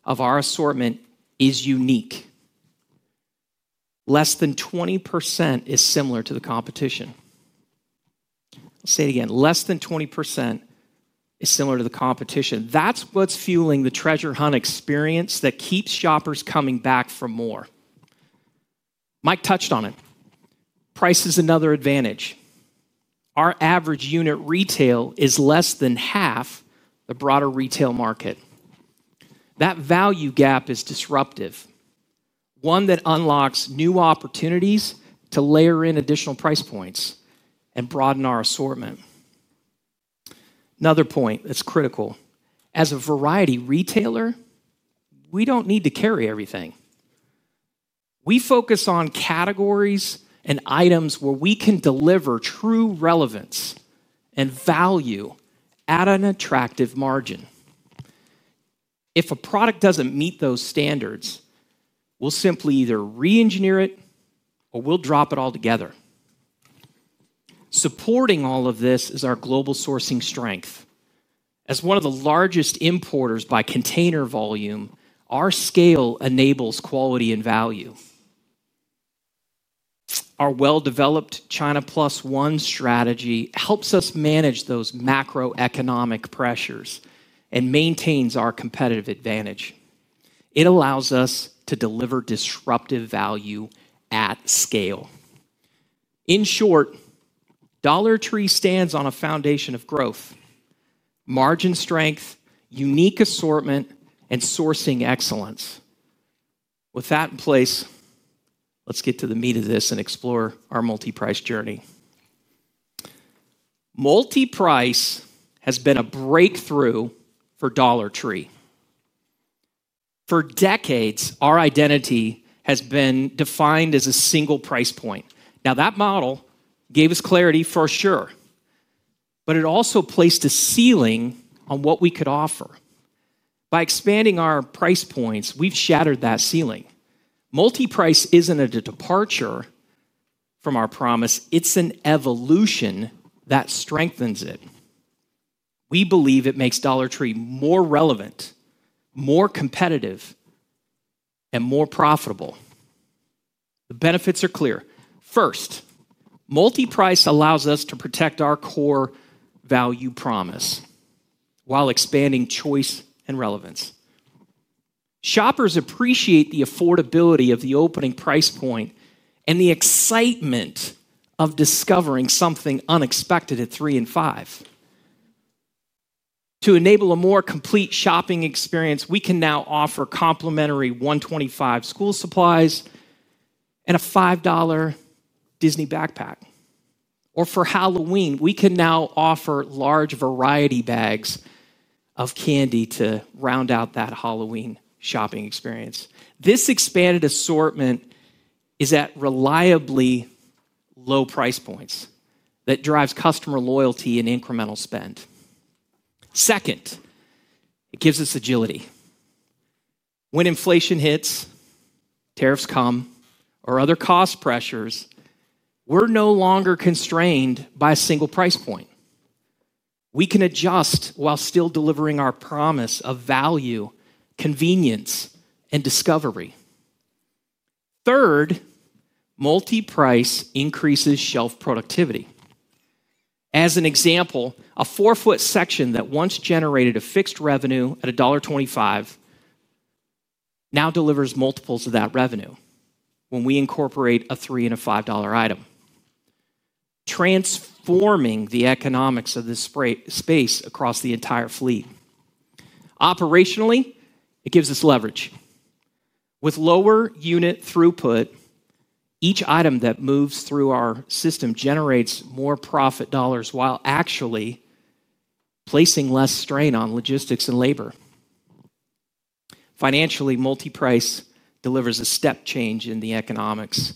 Speaker 3: of our assortment is unique. Less than 20% is similar to the competition. Less than 20% is similar to the competition. That's what's fueling the treasure hunt experience that keeps shoppers coming back for more. Mike touched on it. Price is another advantage. Our average unit retail is less than half the broader retail market. That value gap is disruptive, one that unlocks new opportunities to layer in additional price points and broaden our assortment. Another point that's critical. As a variety retailer, we don't need to carry everything. We focus on categories and items where we can deliver true relevance and value at an attractive margin. If a product doesn't meet those standards, we'll simply either re-engineer it or we'll drop it altogether. Supporting all of this is our global sourcing strength. As one of the largest importers by container volume, our scale enables quality and value. Our well-developed China plus one strategy helps us manage those macroeconomic pressures and maintains our competitive advantage. It allows us to deliver disruptive value at scale. In short, Dollar Tree stands on a foundation of growth, margin strength, unique assortment, and sourcing excellence. With that in place, let's get to the meat of this and explore our multi-price journey. Multi-price has been a breakthrough for Dollar Tree. For decades, our identity has been defined as a single price point. Now, that model gave us clarity for sure, but it also placed a ceiling on what we could offer. By expanding our price points, we've shattered that ceiling. Multiprice isn't a departure from our promise. It's an evolution that strengthens it. We believe it makes Dollar Tree more relevant, more competitive, and more profitable. The benefits are clear. First, multiprice allows us to protect our core value promise while expanding choice and relevance. Shoppers appreciate the affordability of the opening price point and the excitement of discovering something unexpected at $3 and $5. To enable a more complete shopping experience, we can now offer complimentary $1.25 school supplies and a $5 Disney backpack. For Halloween, we can now offer large variety bags of candy to round out that Halloween shopping experience. This expanded assortment is at reliably low price points. That drives customer loyalty and incremental spend. Second, it gives us agility. When inflation hits, tariffs come, or other cost pressures, we're no longer constrained by a single price point. We can adjust while still delivering our promise of value, convenience, and discovery. Third, multiprice increases shelf productivity. As an example, a 4 ft section that once generated a fixed revenue at $1.25 now delivers multiples of that revenue when we incorporate a $3 and a $5 item, transforming the economics of this space across the entire fleet. Operationally, it gives us leverage with lower unit throughput. Each item that moves through our system generates more profit dollars while actually placing less strain on logistics and labor. Financially, multiprice delivers a step change in the economics.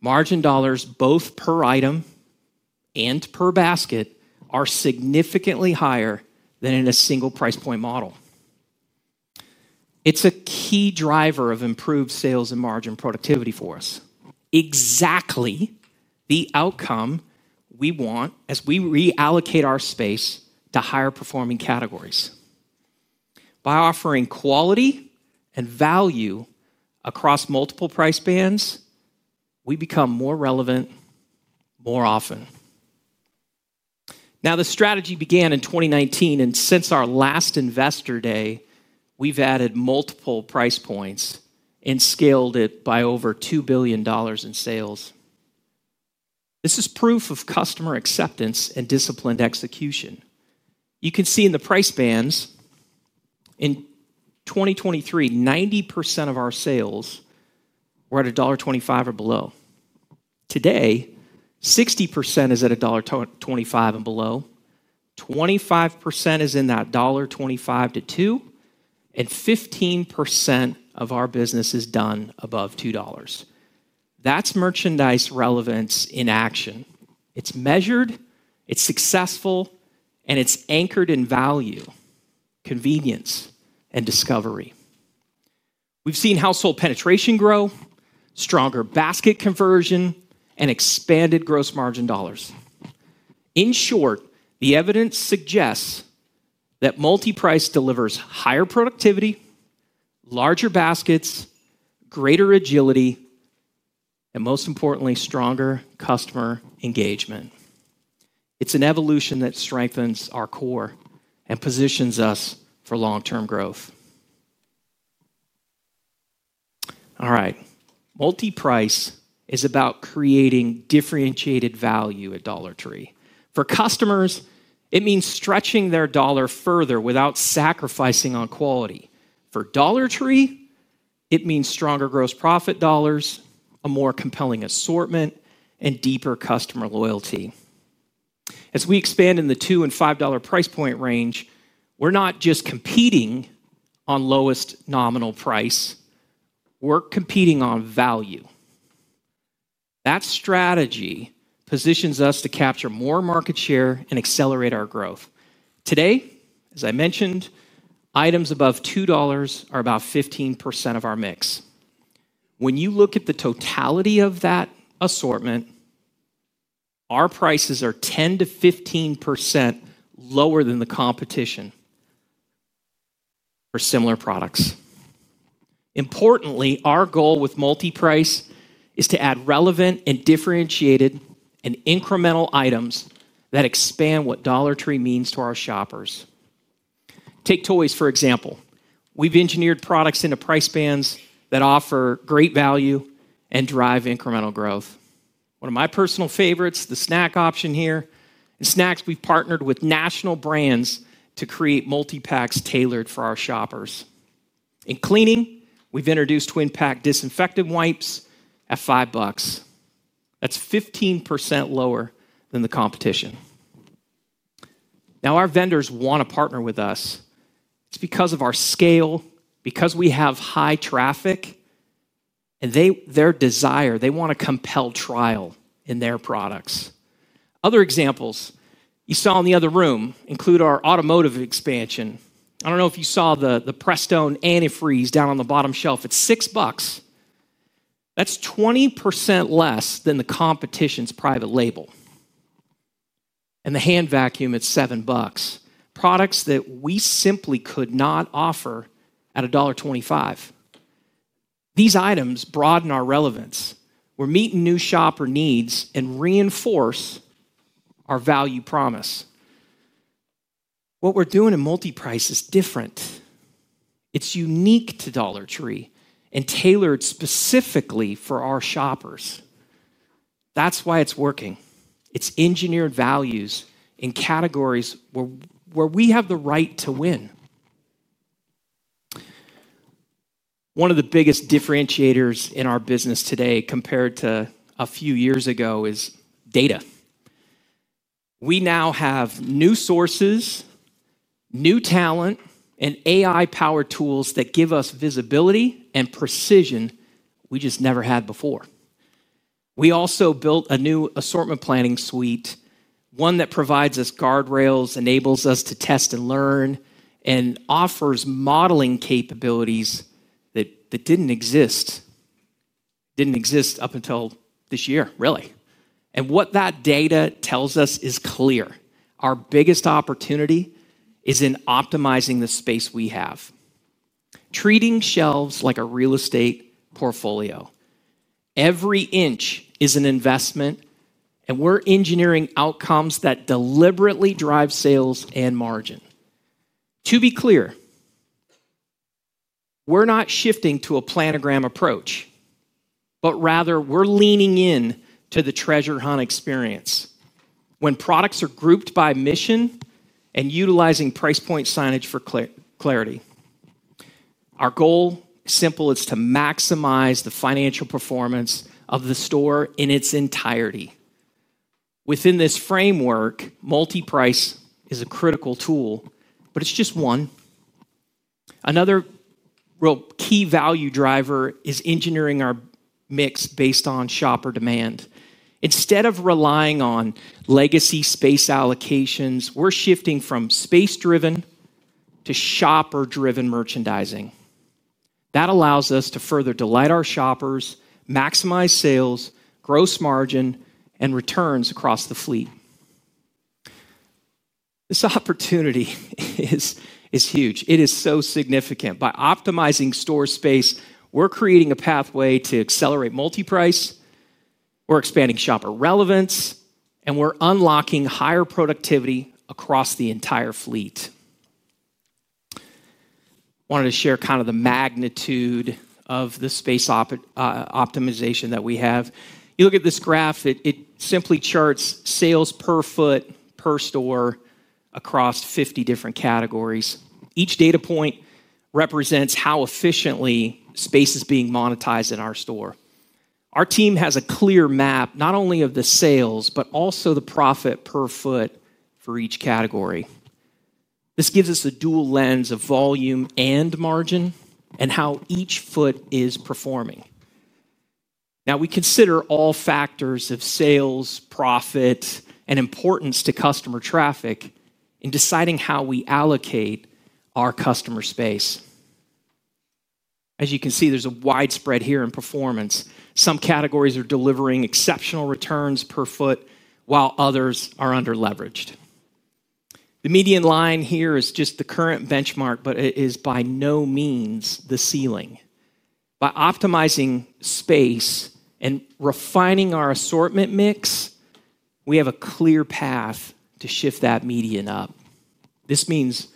Speaker 3: Margin dollars both per item and per basket are significantly higher than in a single price point model. It's a key driver of improved sales and margin productivity for us, exactly the outcome we want. As we reallocate our space to higher performing categories by offering quality and value across multiple price bands, we become more relevant more often. Now, the strategy began in 2019, and since our last investor day, we've added multiple price points and scaled it by over $2 billion in sales. This is proof of customer acceptance and disciplined execution. You can see in the price bands. In 2023, 90% of our sales were at $1.25 or below. Today, 60% is at $1.25 and below, 25% is in that $1.25-$2, and 15% of our business is done above $2. That's merchandise relevance in action. It's measured, it's successful, and it's anchored in value, convenience, discovery. We've seen household penetration grow, stronger basket conversion, and expanded gross margin dollars. In short, the evidence suggests that multiprice delivers higher productivity, larger baskets, greater agility, and most importantly, stronger customer engagement. It's an evolution that strengthens our core and positions us for long-term growth. All right, multiprice is about creating differentiated value at Dollar Tree. For customers, it means stretching their dollar further without sacrificing on quality. For Dollar Tree, it means stronger gross profit dollars, a more compelling assortment, and deeper customer loyalty. As we expand in the $2 and $5 price point range, we're not just competing on lowest nominal price, we're competing on value. That strategy positions us to capture more market share and accelerate our growth. Today, as I mentioned, items above $2 are about 15% of our mix. When you look at the totality of that assortment, our prices are 10%-15% lower than the competition for similar products. Importantly, our goal with multiprice is to add relevant and differentiated and incremental items that expand what Dollar Tree means to our shoppers. Take toys for example. We've engineered products into price bands that offer great value and drive incremental growth. One of my personal favorites, the snack option here. Snacks, we've partnered with national brands to create multipacks tailored for our shoppers. In cleaning, we've introduced twin pack disinfectant wipes at $5. That's 15% lower than the competition. Now our vendors want to partner with us. It's because of our scale, because we have high traffic, and their desire, they want to compel trial in their products. Other examples you saw in the other room include our automotive expansion. I don't know if you saw the Prestone antifreeze down on the bottom shelf, it's $6. That's 20% less than the competition's private label. And the hand vacuum at $7. Products that we simply could not offer at $1.25. These items broaden our relevance. We're meeting new shopper needs and reinforce our value promise. What we're doing in multiprice is different. It's unique to Dollar Tree and tailored specifically for our shoppers. That's why it's working. It's engineered values in categories where we have the right to win. One of the biggest differentiators in our business today, compared to a few years ago, is data. We now have new sources, new talent, and AI power tools that give us visibility and precision we just never had before. We also built a new assortment planning suite, one that provides us guardrails, enables us to test and learn, and offers modeling capabilities that didn't exist up until this year. Really, what that data tells us is clear. Our biggest opportunity is in optimizing the space we have, treating shelves like a real estate portfolio. Every inch is an investment, and we're engineering outcomes that deliberately drive sales and margin. To be clear, we're not shifting to a planogram approach, rather we're leaning in to the treasure hunt experience when products are grouped by mission and utilizing price point signage for clarity. Our goal, simple, is to maximize the financial performance of the store in its entirety. Within this framework, multi-price is a critical tool, but it's just one. Another real key value driver is engineering our mix based on shopper demand. Instead of relying on legacy space allocations, we're shifting from space driven to shopper driven merchandising that allows us to further delight our shoppers, maximize sales, gross margin, and returns across the fleet. This opportunity is huge. It is so significant. By optimizing store space, we're creating a pathway to accelerate multi-price, we're expanding shopper relevance, and we're unlocking higher productivity across the entire fleet. Wanted to share kind of the magnitude of the space optimization that we have. You look at this graph. It simply charts sales per foot per store across 50 different categories. Each data point represents how efficiently space is being monetized in our store. Our team has a clear map not only of the sales, but also the profit per foot for each category. This gives us a dual lens of volume and margin and how each foot is performing. Now we consider all factors of sales, profit, and importance to customer traffic in deciding how we allocate our customer space. As you can see, there's a widespread here in performance. Some categories are delivering exceptional returns per foot, while others are under leveraged. The median line here is just the current benchmark, but it is by no means the ceiling. By optimizing space and refining our assortment mix, we have a clear path to shift that median up. This means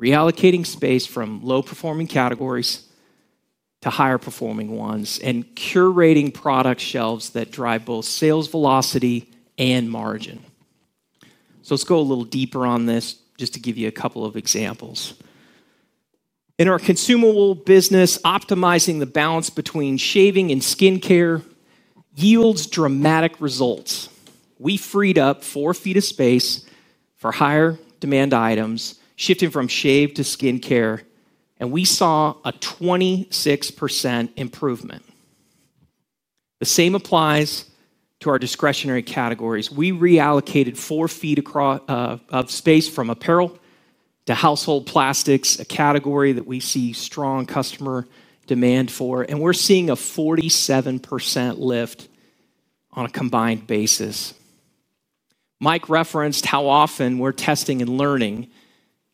Speaker 3: reallocating space from low performing categories to higher performing ones and curating product shelves that drive both sales velocity and margin. Let's go a little deeper on this just to give you a couple of examples. In our consumable business, optimizing the balance between shaving and skincare yields dramatic results. We freed up 4 ft of space for higher demand items, shifted from shave to skin care, and we saw a 26% improvement. The same applies to our discretionary categories. We reallocated 4 ft of space from apparel to household plastics, a category that we see strong customer demand for, and we're seeing a 47% lift on a combined basis. Mike referenced how often we're testing and learning.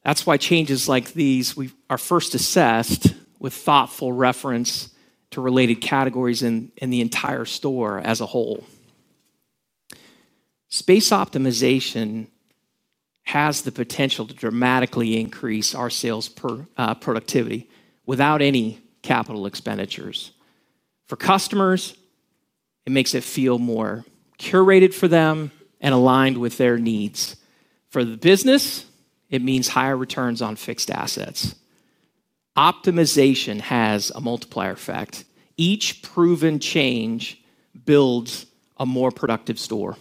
Speaker 3: That's why changes like these are first assessed with thoughtful reference to related categories in the entire store as a whole. Space optimization has the potential to dramatically increase our sales per productivity without any capital expenditures. For customers, it makes it feel more curated for them and aligned with their needs. For the business, it means higher returns on fixed assets. Optimization has a multiplier effect. Each proven change builds a more productive store.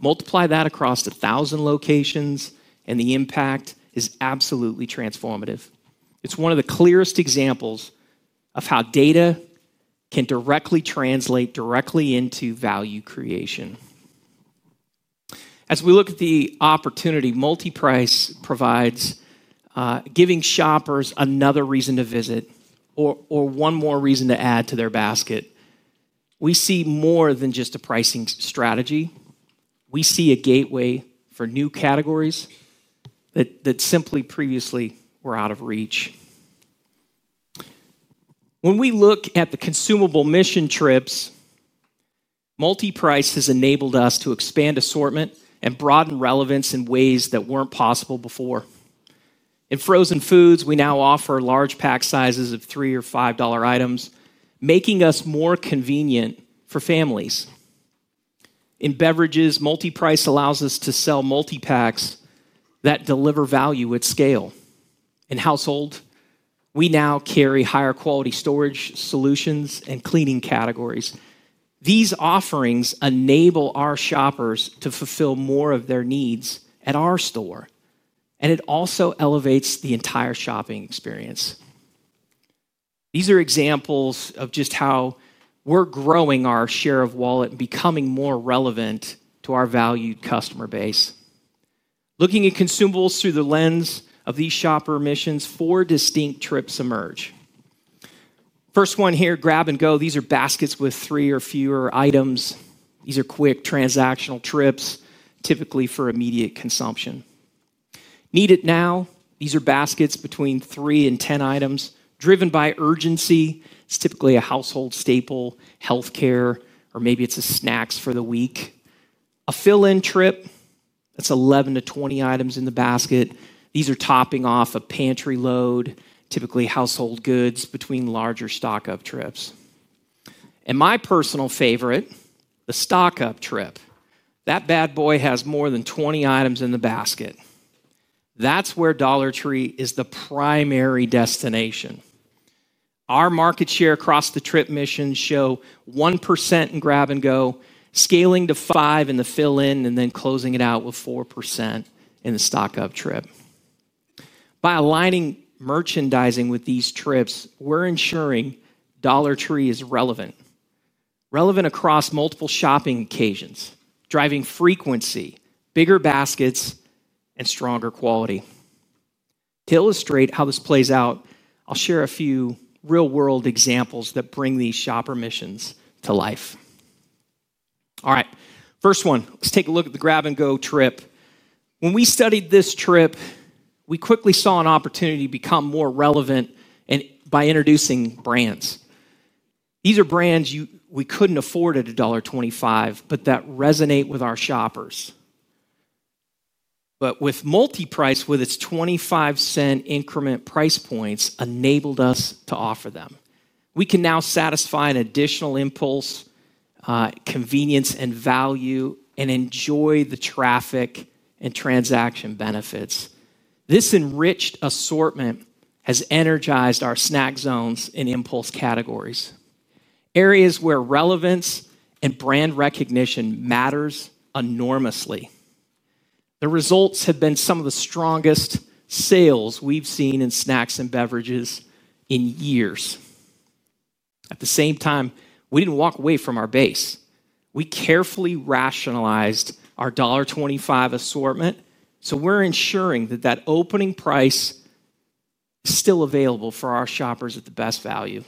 Speaker 3: Multiply that across a thousand locations and the impact is absolutely transformative. It's one of the clearest examples of how data can directly translate into value creation. As we look at the opportunity multiprice provides, giving shoppers another reason to visit or one more reason to add to their basket, we see more than just a pricing strategy. We see a gateway for new categories that simply previously were out of reach. When we look at the consumable mission trips, multiprice has enabled us to expand assortment and broaden relevance in ways that weren't possible before. In frozen foods, we now offer large pack sizes of $3 or $5 items, making us more convenient for families. In beverages, multiprice allows us to sell multipacks that deliver value at scale. In household, we now carry higher quality storage solutions and cleaning categories. These offerings enable our shoppers to fulfill more of their needs at our store and it also elevates the entire shopping experience. These are examples of just how we're growing our share of wallet and becoming more relevant to our valued customer base. Looking at consumables through the lens of these shopper missions, four distinct trips emerge. First one here. grab and go, these are baskets with three or fewer items. These are quick transactional trips, typically for immediate consumption. Need it now, these are baskets between three and 10 items, driven by urgency. It's typically a household staple, health care, or maybe it's snacks for the week. A fill-in trip is 11-20 items in the basket. These are topping off a pantry load, typically household goods, between larger stock-up trips. My personal favorite, the stock-up trip, that bad boy has more than 20 items in the basket. That's where Dollar Tree is the primary destination. Our market share across the trip missions shows 1% in grab and go, scaling to 5% in the fill-in, and then closing it out with 4% in the stock-up trip. By aligning merchandising with these trips, we're ensuring Dollar Tree is relevant across multiple shopping occasions, driving frequency, bigger baskets, and stronger quality. To illustrate how this plays out, I'll share a few real-world examples that bring these shopper missions to life. Alright, first one, let's take a look at the grab and go trip. When we studied this trip, we quickly saw an opportunity to become more relevant by introducing brands. These are brands we couldn't afford at $1.25 but that resonate with our shoppers. With multiprice, with its $0.25 increment, price points enabled us to offer them. We can now satisfy an additional impulse, convenience, and value, and enjoy the traffic and transaction benefits. This enriched assortment has energized our snack zones and impulse categories, areas where relevance and brand recognition matter enormously. The results have been some of the strongest sales we've seen in snacks and beverages in years. At the same time, we didn't walk away from our base. We carefully rationalized our $1.25 assortment, so we're ensuring that opening price is still available for our shoppers at the best value.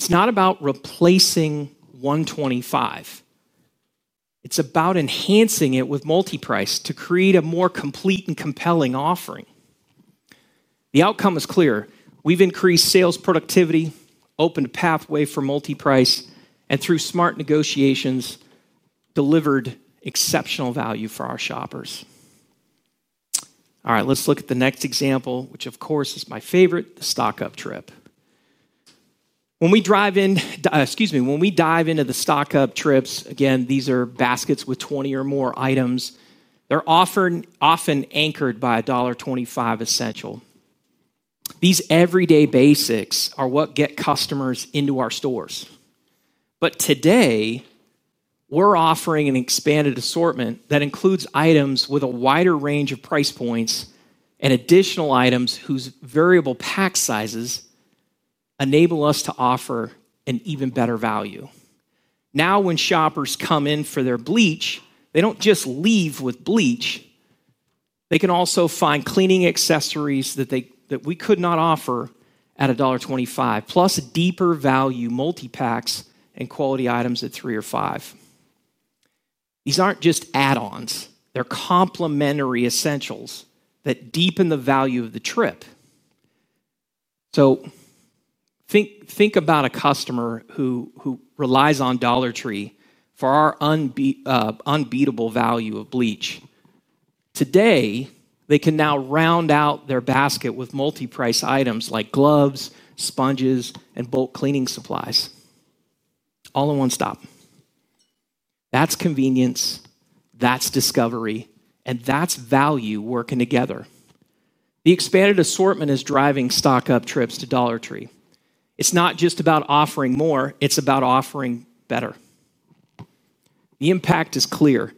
Speaker 3: It's not about replacing $1.25. It's about enhancing it with multiprice to create a more complete and compelling offering. The outcome is clear. We've increased sales productivity, opened a pathway for multiprice, and through smart negotiations delivered exceptional value for our shoppers. Alright, let's look at the next example, which of course is my favorite, the stock-up trip. When we dive into the stock-up trips, again, these are baskets with 20 or more items. They're often anchored by $1.25 essential. These everyday basics are what get customers into our stores. Today we're offering an expanded assortment that includes items with a wider range of price points and additional items whose variable pack sizes enable us to offer an even better value. Now, when shoppers come in for their bleach, they don't just leave with bleach. They can also find cleaning accessories that we could not offer at $1.25, plus deeper value multipacks and quality items at $3 or $5. These aren't just add-ons, they're complementary essentials that deepen the value of the trip. Think about a customer who relies on Dollar Tree for our unbeatable value of bleach. Today they can now round out their basket with multi-price items like gloves, sponges, and bulk cleaning supplies all in one stop. That's convenience, that's discovery, and that's value. Working together, the expanded assortment is driving stock-up trips to Dollar Tree. It's not just about offering more, it's about offering better. The impact is clear.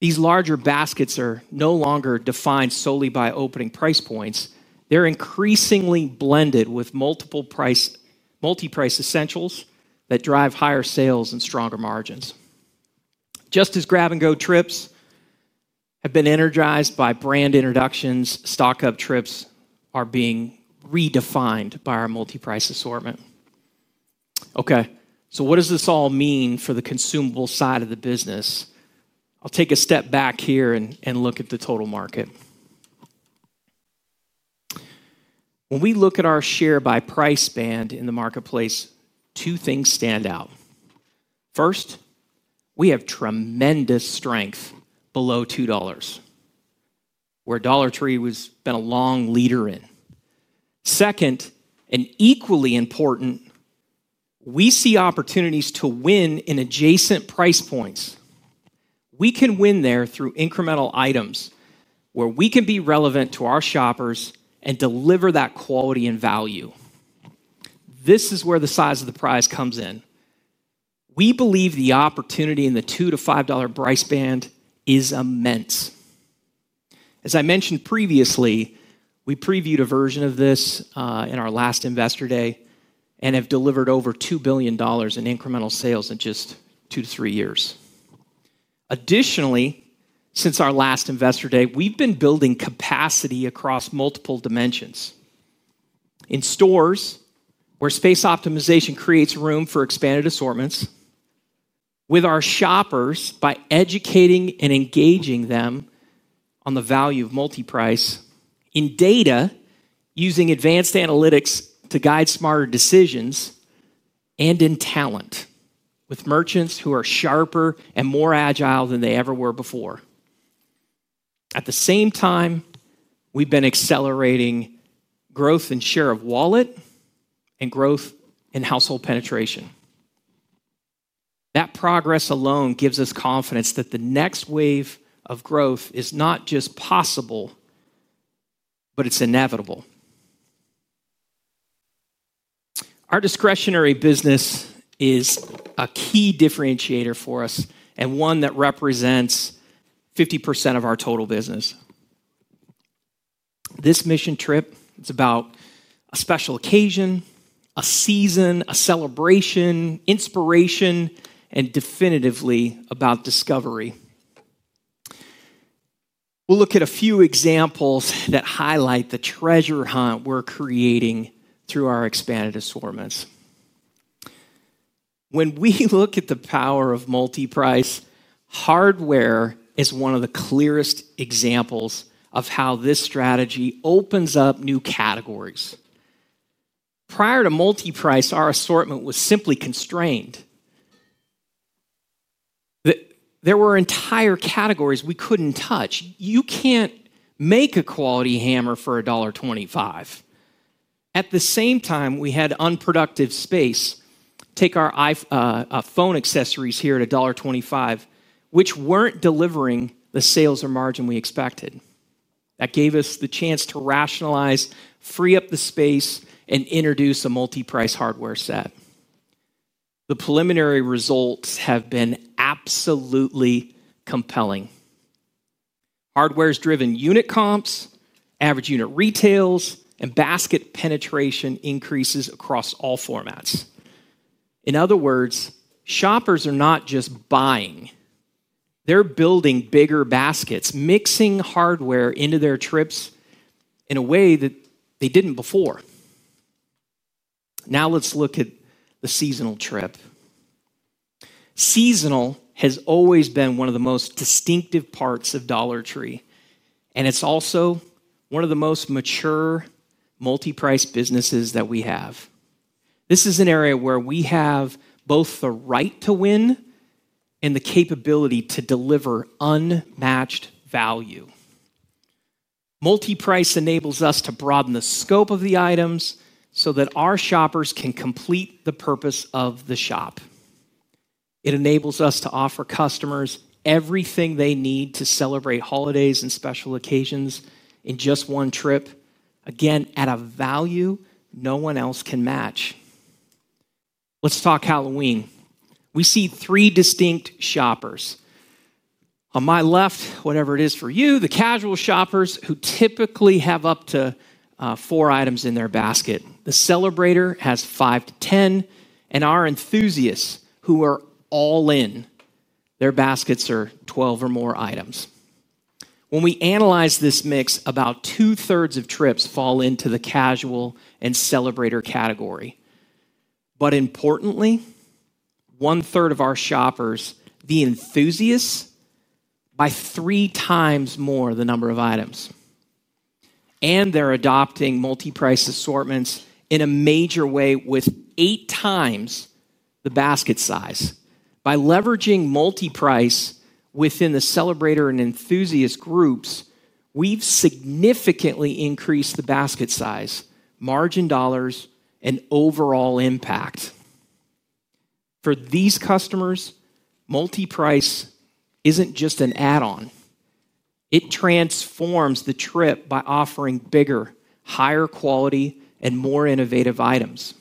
Speaker 3: These larger baskets are no longer defined solely by opening price points. They're increasingly blended with multiple price, multi-price essentials that drive higher sales and stronger margins. Just as grab and go trips have been energized by brand introductions, stock-up trips are being redefined by our multi-price assortment. What does this all mean for the consumable side of the business? I'll take a step back here and look at the total market. When we look at our share by price band in the marketplace, two things stand out. First, we have tremendous strength below $2, where Dollar Tree has been a long leader in. Second, and equally important, we see opportunities to win in adjacent price points. We can win there through incremental items where we can be relevant to our shoppers and deliver that quality and value. This is where the size of the prize comes in. We believe the opportunity in the $2-$5 price band is immense. As I mentioned previously, we previewed a version of this in our last Investor Day and have delivered over $2 billion in incremental sales in just two to three years. Additionally, since our last investor day, we've been building capacity across multiple dimensions in stores where space optimization creates room for expanded assortments with our shoppers by educating and engaging them on the value of multiprice in data using advanced analytics to guide smarter decisions, and in talent with merchants who are sharper and more agile than they ever were before. At the same time, we've been accelerating growth and share of wallet growth in household penetration. That progress alone gives us confidence that the next wave of growth is not just possible, but it's inevitable. Our discretionary business is a key differentiator for us and one that represents 50% of our total business. This mission trip is about a special occasion, a season, a celebration, inspiration, and definitively about discovery. We'll look at a few examples that highlight the treasure hunt we're creating through our expanded assortments. When we look at the power of multiprice, hardware is one of the clearest examples of how this strategy opens up new categories. Prior to multiprice, our assortment was simply constrained. There were entire categories we couldn't touch. You can't make a quality hammer for $1.25. At the same time, we had unproductive space. Take our phone accessories here at $1.25, which weren't delivering the sales or margin we expected. That gave us the chance to rationalize, free up the space, and introduce a multiprice hardware set. The preliminary results have been absolutely compelling. Hardware-driven unit comps, average unit retails, and basket penetration increases across all formats. In other words, shoppers are not just buying, they're building bigger baskets, mixing hardware into their trips in a way that they didn't before. Now let's look at the seasonal trip. Seasonal has always been one of the most distinctive parts of Dollar Tree and it's also one of the most mature multiprice businesses that we have. This is an area where we have both the right to win and the capability to deliver unmatched value. Multiprice enables us to broaden the scope of the items so that our shoppers can complete the purpose of the shop. It enables us to offer customers everything they need to celebrate holidays and special occasions in just one trip, again at a value no one else can match. Let's talk Halloween. We see three distinct shoppers on my left. Whatever it is for you, the casual shoppers who typically have up to four items in their basket. The celebrator has five to 10 and our enthusiasts who are all in their baskets are 12 or more items. When we analyze this mix, about 2/3 of trips fall into the casual and celebrator category. Importantly, 1/3 of our shoppers, the enthusiasts, buy three times more the number of items and they're adopting multi price assortments in a major way with eight times the basket size. By leveraging multi price within the celebrator and enthusiast groups, we've significantly increased the basket size, margin, dollars, and overall impact for these customers. Multi price isn't just an add on. It transforms the trip by offering bigger, higher quality, and more innovative items.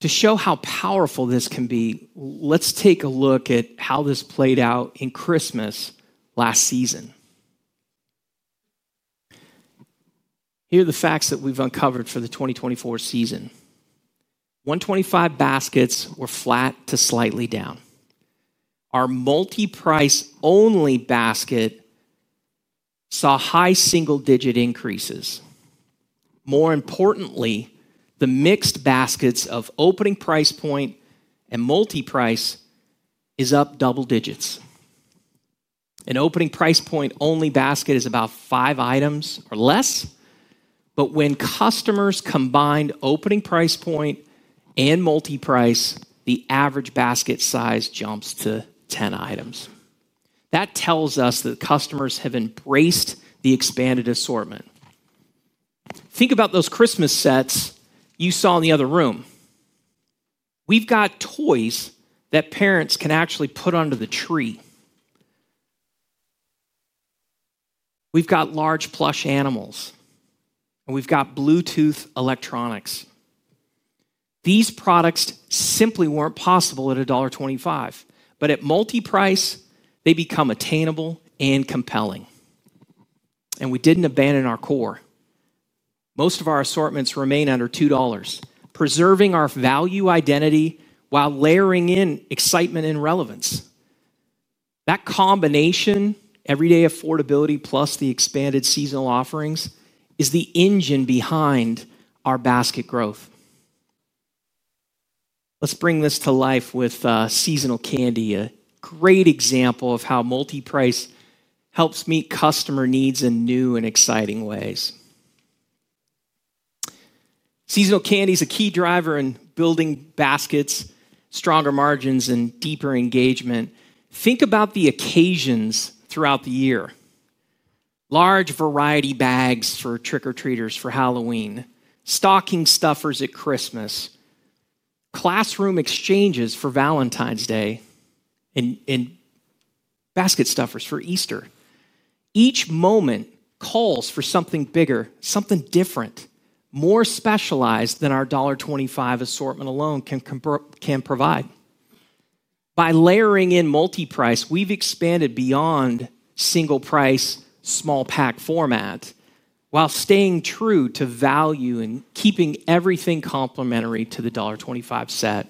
Speaker 3: To show how powerful this can be, let's take a look at how this played out in Christmas last season. Here are the facts that we've uncovered for the 2024 season, $1.25 baskets were flat to slightly down. Our multi price only basket saw high single digit increases. More importantly, the mixed baskets of opening price point and multi price is up double digits. An opening price point only basket is about five items or less. When customers combined opening price point and multi price, the average basket size jumps to 10 items. That tells us that customers have embraced the expanded assortment. Think about those Christmas sets you saw in the other room. We've got toys that parents can actually put under the tree. We've got large plush animals. We've got Bluetooth electronics. These products simply weren't possible at $1.25. At multi price, they become attainable and compelling. We didn't abandon our core. Most of our assortments remain under $2, preserving our value identity while layering in excitement and relevance. That combination, everyday affordability plus the expanded seasonal offerings, is the engine behind our basket growth. Let's bring this to life with seasonal candy, a great example of how multi price helps meet customer needs in new and exciting ways. Seasonal candy is a key driver in building baskets, stronger margins, and deeper engagement. Think about the occasions throughout the year: large variety bags for trick or treaters for Halloween, stocking stuffers at Christmas, classroom exchanges for Valentine's Day, and basket stuffers for Easter. Each moment calls for something bigger, something different, more specialized than our $1.25 assortment alone can provide. By layering in multi-price, we've expanded beyond single price, small pack format while staying true to value and keeping everything complementary to the $1.25 set.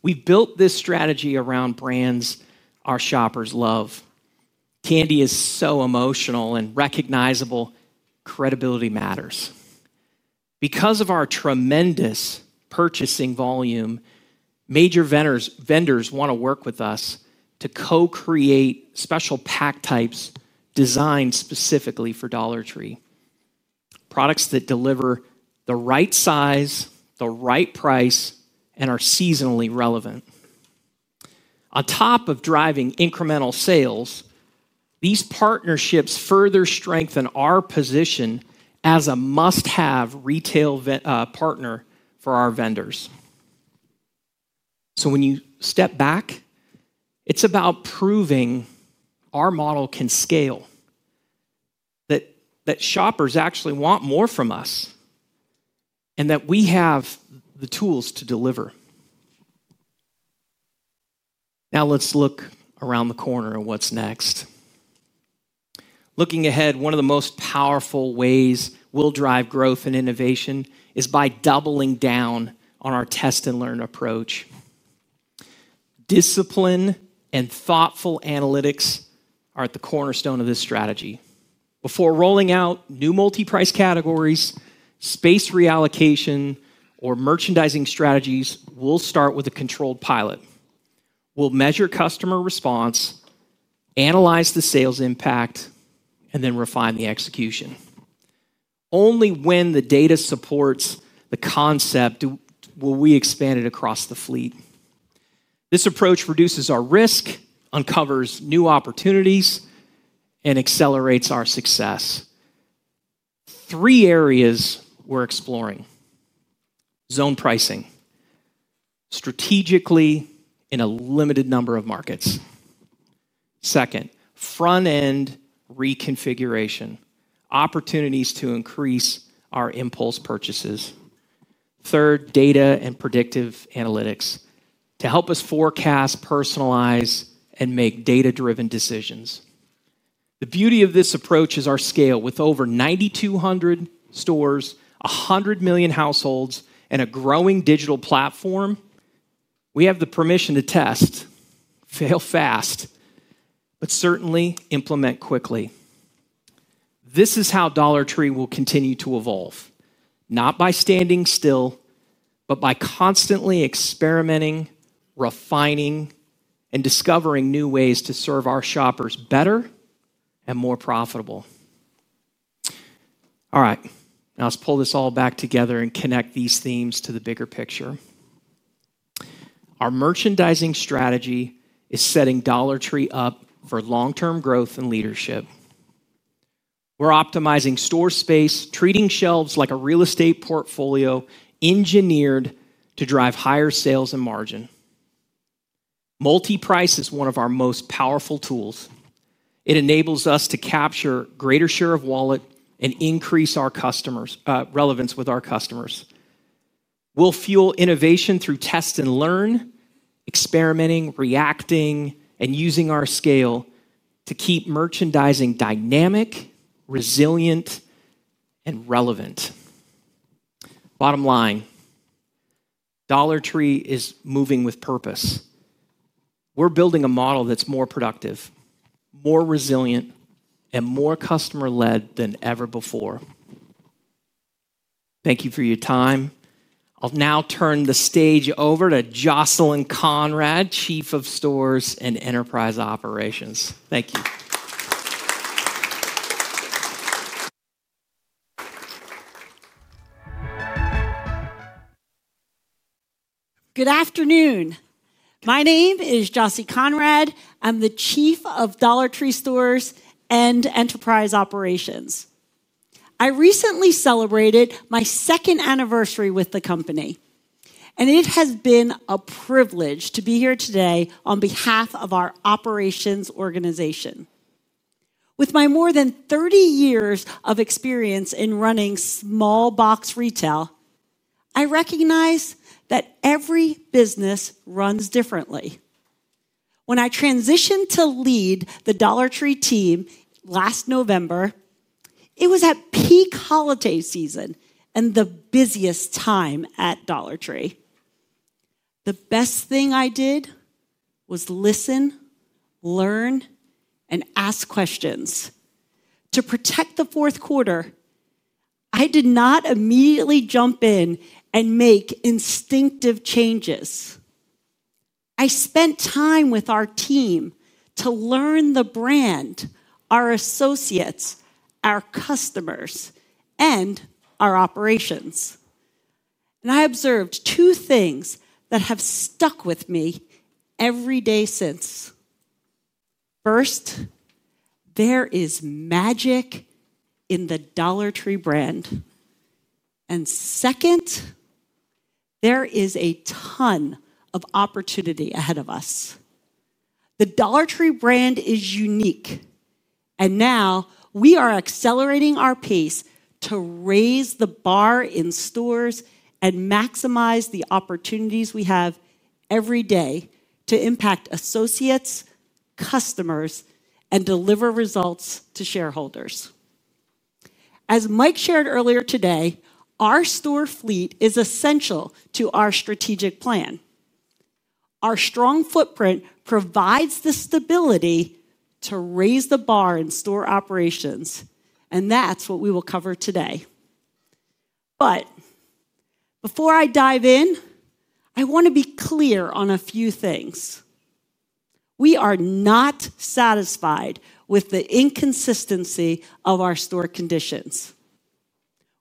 Speaker 3: We've built this strategy around brands our shoppers love. Candy is so emotional and recognizable. Credibility matters because of our tremendous purchasing volume. Major vendors want to work with us to co-create special pack types designed specifically for Dollar Tree. Products that deliver the right size, the right price, and are seasonally relevant on top of driving incremental sales. These partnerships further strengthen our position as a must-have retail partner for our vendors. When you step back, it's about proving our model can scale, that shoppers actually want more from us, and that we have the tools to deliver. Now let's look around the corner of what's next. Looking ahead one of the most powerful ways we'll drive growth and innovation is by doubling down on our test and learn approach. Discipline and thoughtful analytics are at the cornerstone of this strategy. Before rolling out new multi-price categories, space reallocation, or merchandising strategies, we'll start with a controlled pilot, measure customer response, analyze the sales impact, and then refine the execution. Only when the data supports the concept will we expand it across the fleet. This approach reduces our risk, uncovers new opportunities, and accelerates our success. Three areas we're exploring: zone pricing strategically in a limited number of markets; front end reconfiguration opportunities to increase our impulse purchases; and data and predictive analytics to help us forecast, personalize, and make data-driven decisions. The beauty of this approach is our scale. With over 9,200 stores, 100 million households, and a growing digital platform, we have the permission to test, fail fast, but certainly implement quickly. This is how Dollar Tree will continue to evolve, not by standing still, but by constantly experimenting, refining, and discovering new ways to serve our shoppers better, more profitably. All right, now let's pull this all back together and connect these themes to the bigger picture. Our merchandising strategy is setting Dollar Tree up for long-term growth and leadership. We're optimizing store space, treating shelves like a real estate portfolio engineered to drive higher sales and margin. Multi-price is one of our most powerful tools. It enables us to capture greater share of wallet and increase our relevance with our customers. We'll fuel innovation through test and learn, experimenting, reacting, and using our scale to keep merchandising dynamic, resilient, and relevant. Bottom line, Dollar Tree is moving with purpose. We're building a model that's more productive, more resilient, and more customer led than ever before. Thank you for your time. I'll now turn the stage over to Jocelyn Konrad, Chief of Stores and Enterprise Operations. Thank you.
Speaker 4: Good afternoon. My name is Jocy Konrad. I'm the Chief of Dollar Tree Stores and Enterprise Operations. I recently celebrated my second anniversary with the company and it has been a privilege to be here today on behalf of our operations organization. With my more than 30 years of experience in running small box retail, I recognize that every business runs differently. When I transitioned to lead the Dollar Tree team last November, it was at peak holiday season and the busiest time. At Dollar Tree, the best thing I did was listen, learn, and ask questions to protect the fourth quarter. I did not immediately jump in and make instinctive changes. I spent time with our team to learn the brand, our associates, our customers, and our operations. I observed two things that have stuck with me every day since: first, there is magic in the Dollar Tree brand and second, there is a ton of opportunity ahead of us. The Dollar Tree brand is unique and now we are accelerating our pace to raise the bar in stores and maximize the opportunities we have every day to impact associates, customers, and deliver results to shareholders. As Mike shared earlier today, our store fleet is essential to our strategic plan. Our strong footprint provides the stability to raise the bar in store operations and that's what we will cover today. Before I dive in, I want to be clear on a few things. We are not satisfied with the inconsistency of our store conditions.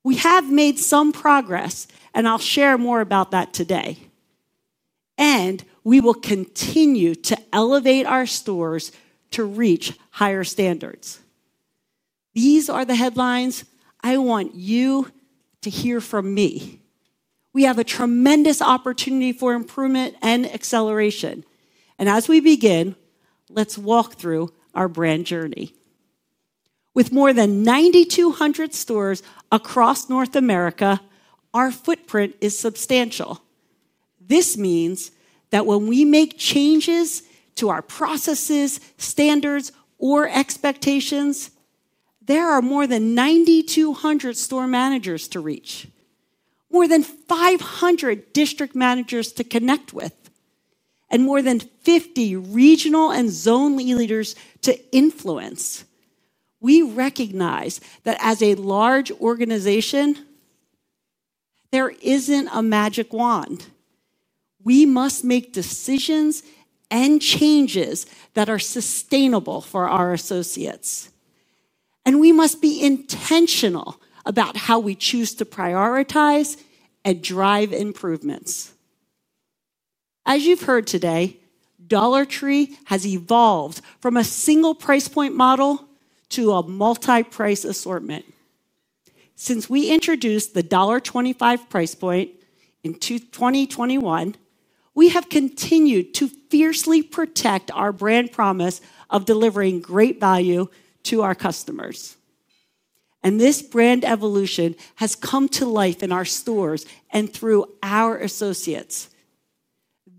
Speaker 4: We have made some progress and I'll share more about that today. We will continue to elevate our stores to reach higher standards. These are the headlines I want you to hear from me. We have a tremendous opportunity for improvement and acceleration. As we begin, let's walk through our brand journey. With more than 9,200 stores across North America, our footprint is substantial. This means that when we make changes to our processes, standards, or expectations, there are more than 9,200 store managers to reach, more than 500 district managers to connect with, and more than 50 regional and zone leaders to influence. We recognize that as a large organization there isn't a magic wand. We must make decisions and changes that are sustainable for our associates and we must be intentional about how we choose to prioritize and drive improvements. As you've heard today, Dollar Tree has evolved from a single price point model to a multi-price assortment. Since we introduced the $1.25 price point in 2021, we have continued to fiercely protect our brand promise of delivering great value to our customers. This brand evolution has come to life in our stores and through our associates.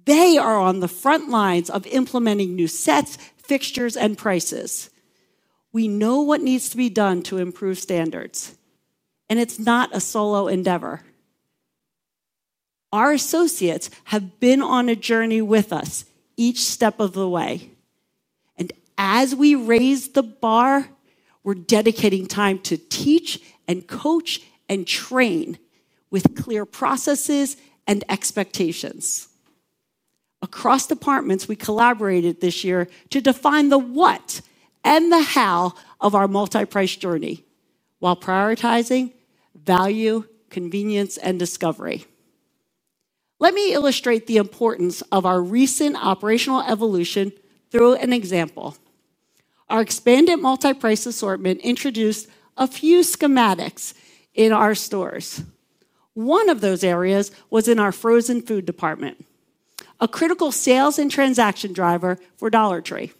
Speaker 4: They are on the front lines of implementing new sets, fixtures, and prices. We know what needs to be done to improve standards, and it's not a solo endeavor. Our associates have been on a journey with us each step of the way, and as we raise the bar, we're dedicating time to teach, coach, and train with clear processes and expectations across departments. We collaborated this year to define the what and the how of our multi-price journey while prioritizing value, convenience, and discovery. Let me illustrate the importance of our recent operational evolution through an example. Our expanded multi-price assortment introduced a few schematics in our stores. One of those areas was in our frozen food department, a critical sales and transaction driver for Dollar Tree.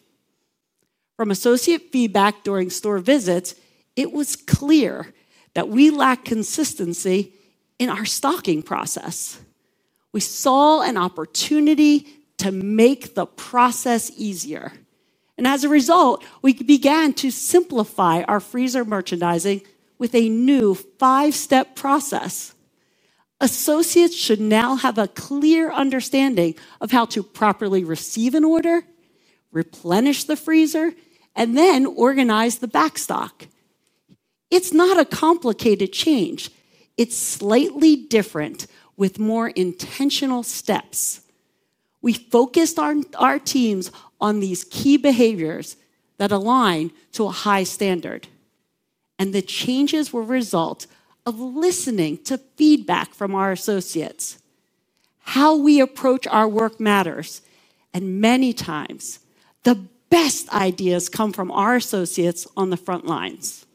Speaker 4: From associate feedback during store visits, it was clear that we lacked consistency in our stocking process. We saw an opportunity to make the process easier, and as a result, we began to simplify our freezer merchandising with a new five-step process. Associates should now have a clear understanding of how to properly receive an order, replenish the freezer, and then organize the back stock. It's not a complicated change. It's slightly different with more intentional steps. We focused our teams on these key behaviors that align to a high standard, and the changes were a result of listening to feedback from our associates. How we approach our work matters, and many times the best ideas come from our associates on the front lines.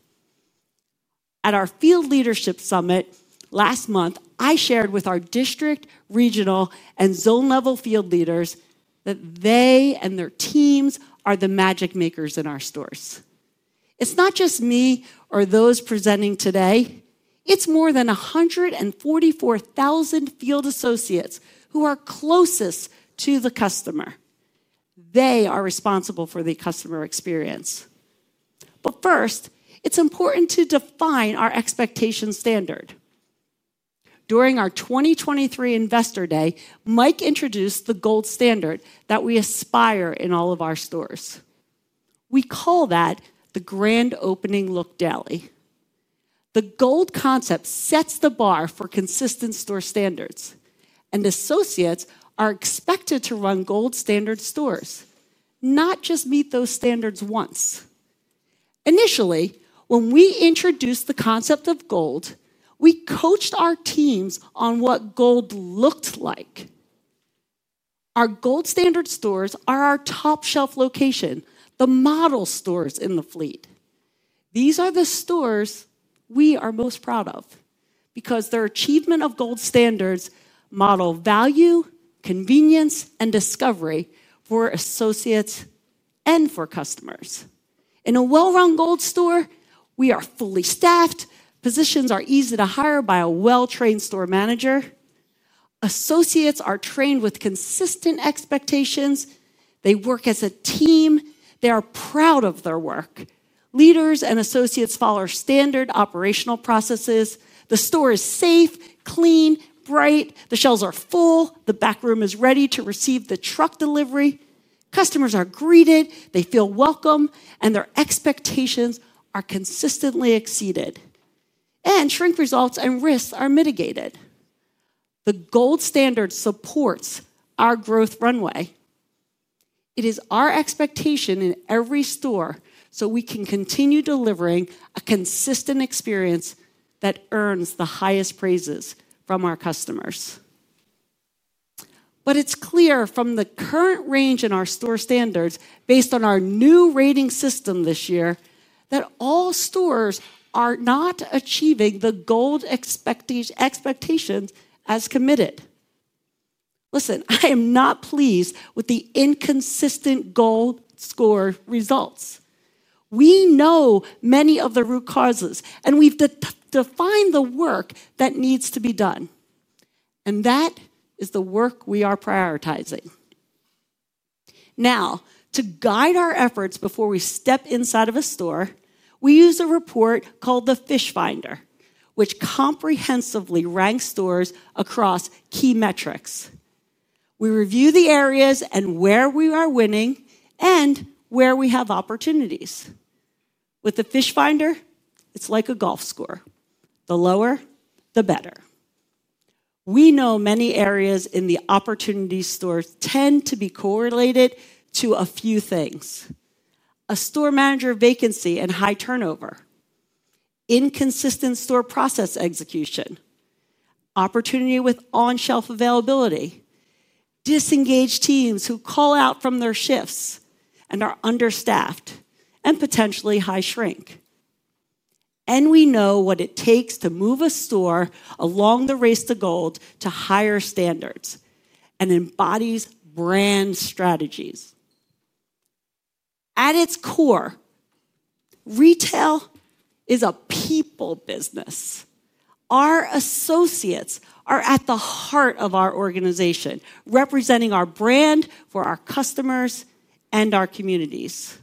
Speaker 4: At our field Leadership Summit last month, I shared with our district, regional, and zone level field leaders that they and their teams are the magic makers in our stores. It's not just me or those presenting today. It's more than 144,000 field associates who are closest to the customer. They are responsible for the customer experience. First, it's important to define our expectation standard. During our 2023 Investor Day, Mike introduced the G.O.L.D. standard that we aspire in all of our stores. We call that the grand opening look. Daily, the G.O.L.D. concept sets the bar for consistent store standards, and associates are expected to run G.O.L.D. standard stores, not just meet those standards once. Initially, when we introduced the concept of G.O.L.D., we coached our teams on what G.O.L.D. looked like. Our G.O.L.D. standard stores are our top shelf location, the model stores in the fleet. These are the stores we are most proud of because their achievement of G.O.L.D. standards, model value, convenience, and discovery for associates and for customers. In a well-run G.O.L.D. store, we are fully staffed. Positions are easy to hire by a well-trained store manager. Associates are trained with consistent expectations. They work as a team. They are proud of their work. Leaders and associates follow standard operational processes. The store is safe, clean, bright, the shelves are full, the back room is ready to receive the truck delivery. Customers are greeted, they feel welcome, and their expectations are consistently exceeded, and shrink results and risks are mitigated. The G.O.L.D. standard supports our growth runway. It is our expectation in every store so we can continue delivering a consistent experience that earns the highest praises from our customers. It is clear from the current range in our store standards based on our new rating system this year that all stores are not achieving the G.O.L.D. expectations as committed. I am not pleased with the inconsistent G.O.L.D. score results. We know many of the root causes, and we've defined the work that needs to be done, and that is the work we are prioritizing now to guide our efforts. Before we step inside of a store, we use a report called the Fish Finder, which comprehensively ranks stores across key metrics. We review the areas where we are winning and where we have opportunities. With the Fish Finder, it's like a golf score, the lower the better. We know many areas in the opportunity stores tend to be correlated to a few things: a store manager vacancy and high turnover, inconsistent store process execution, opportunity with on-shelf availability, disengaged teams who call out from their shifts and are understaffed, and potentially high shrink. We know what it takes to move a store along the Race to G.O.L.D. to higher standards and embodies brand strategies. At its core, retail is a people business. Our associates are at the heart of our organization, representing our brand for our customers and our communities.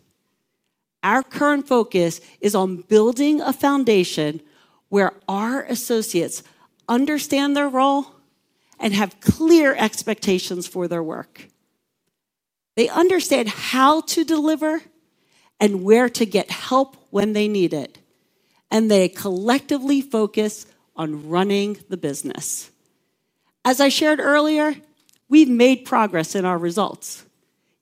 Speaker 4: Our current focus is on building a foundation where our associates understand their role and have clear expectations for their work. They understand how to deliver and where to get help when they need it, and they collectively focus on running the business. As I shared earlier, we've made progress in our results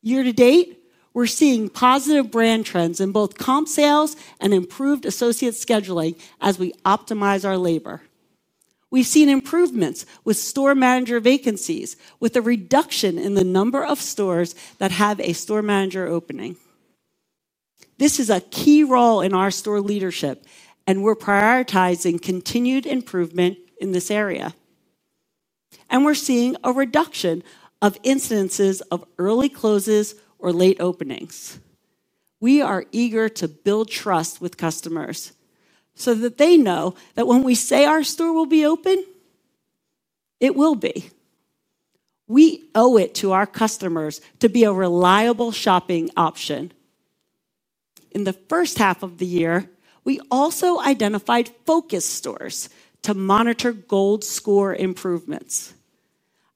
Speaker 4: year to date. We're seeing positive brand trends in both comp sales and improved associate scheduling. As we optimize our labor, we've seen improvements with store manager vacancies with a reduction in the number of stores that have a store manager opening. This is a key role in our store leadership, and we're prioritizing continued improvement in this area, and we're seeing a reduction of incidences of early closes or late openings. We are eager to build trust with customers so that they know that when we say our store will be open, it will be. We owe it to our customers to be a reliable shopping option. In the first half of the year, we also identified focus stores to monitor G.O.L.D. score improvements.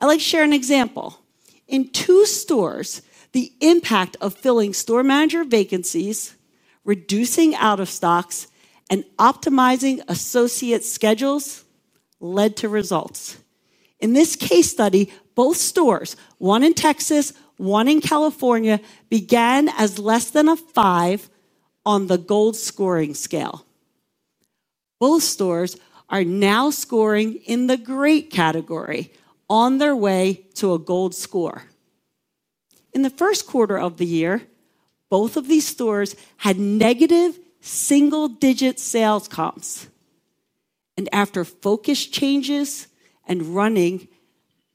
Speaker 4: I'd like to share an example. In two stores, the impact of filling store manager vacancies, reducing out of stocks, and optimizing associate schedules led to results. In this case study, both stores, one in Texas, one in California, began as less than a 5 on the G.O.L.D. scoring scale. Both stores are now scoring in the Great category on their way to a G.O.L.D. score. In the first quarter of the year, both of these stores had negative single digit sales comps, and after focus changes and running,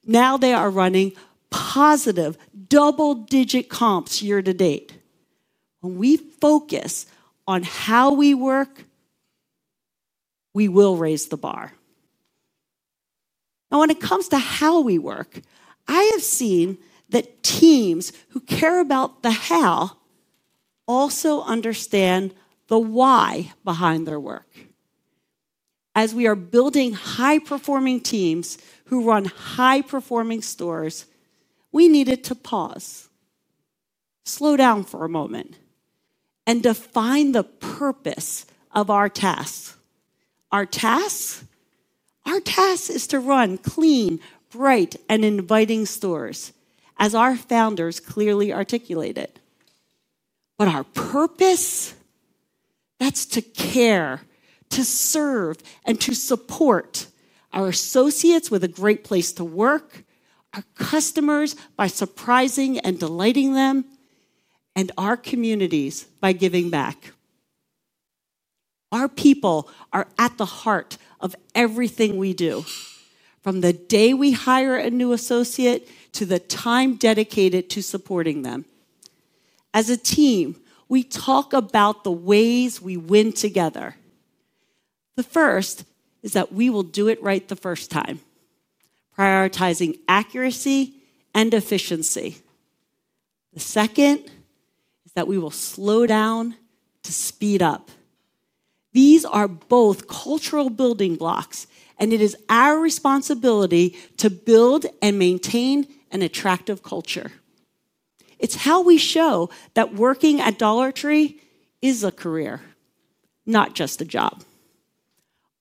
Speaker 4: now they are running positive double digit comps year to date. When we focus on how we work, we will raise the bar. Now, when it comes to how we work, I have seen that teams who care about the how also understand the why behind their work. As we are building high performing teams who run high performing stores, we needed to pause, slow down for a moment, and define the purpose of our tasks. Our task is to run clean, bright, and inviting stores as our founders clearly articulated. But our purpose? That's to care, to serve, and to support our associates with a great place to work, our customers by surprising and delighting them, and our communities by giving back. Our people are at the heart of everything we do. From the day we hire a new associate to the time dedicated to supporting them, as a team, we talk about the ways we win together. The first is that we will do it right the first time, prioritizing accuracy and efficiency. The second is that we will slow down to speed up. These are both cultural building blocks, and it is our responsibility to build and maintain an attractive culture. It's how we show that working at Dollar Tree is a career, not just a job.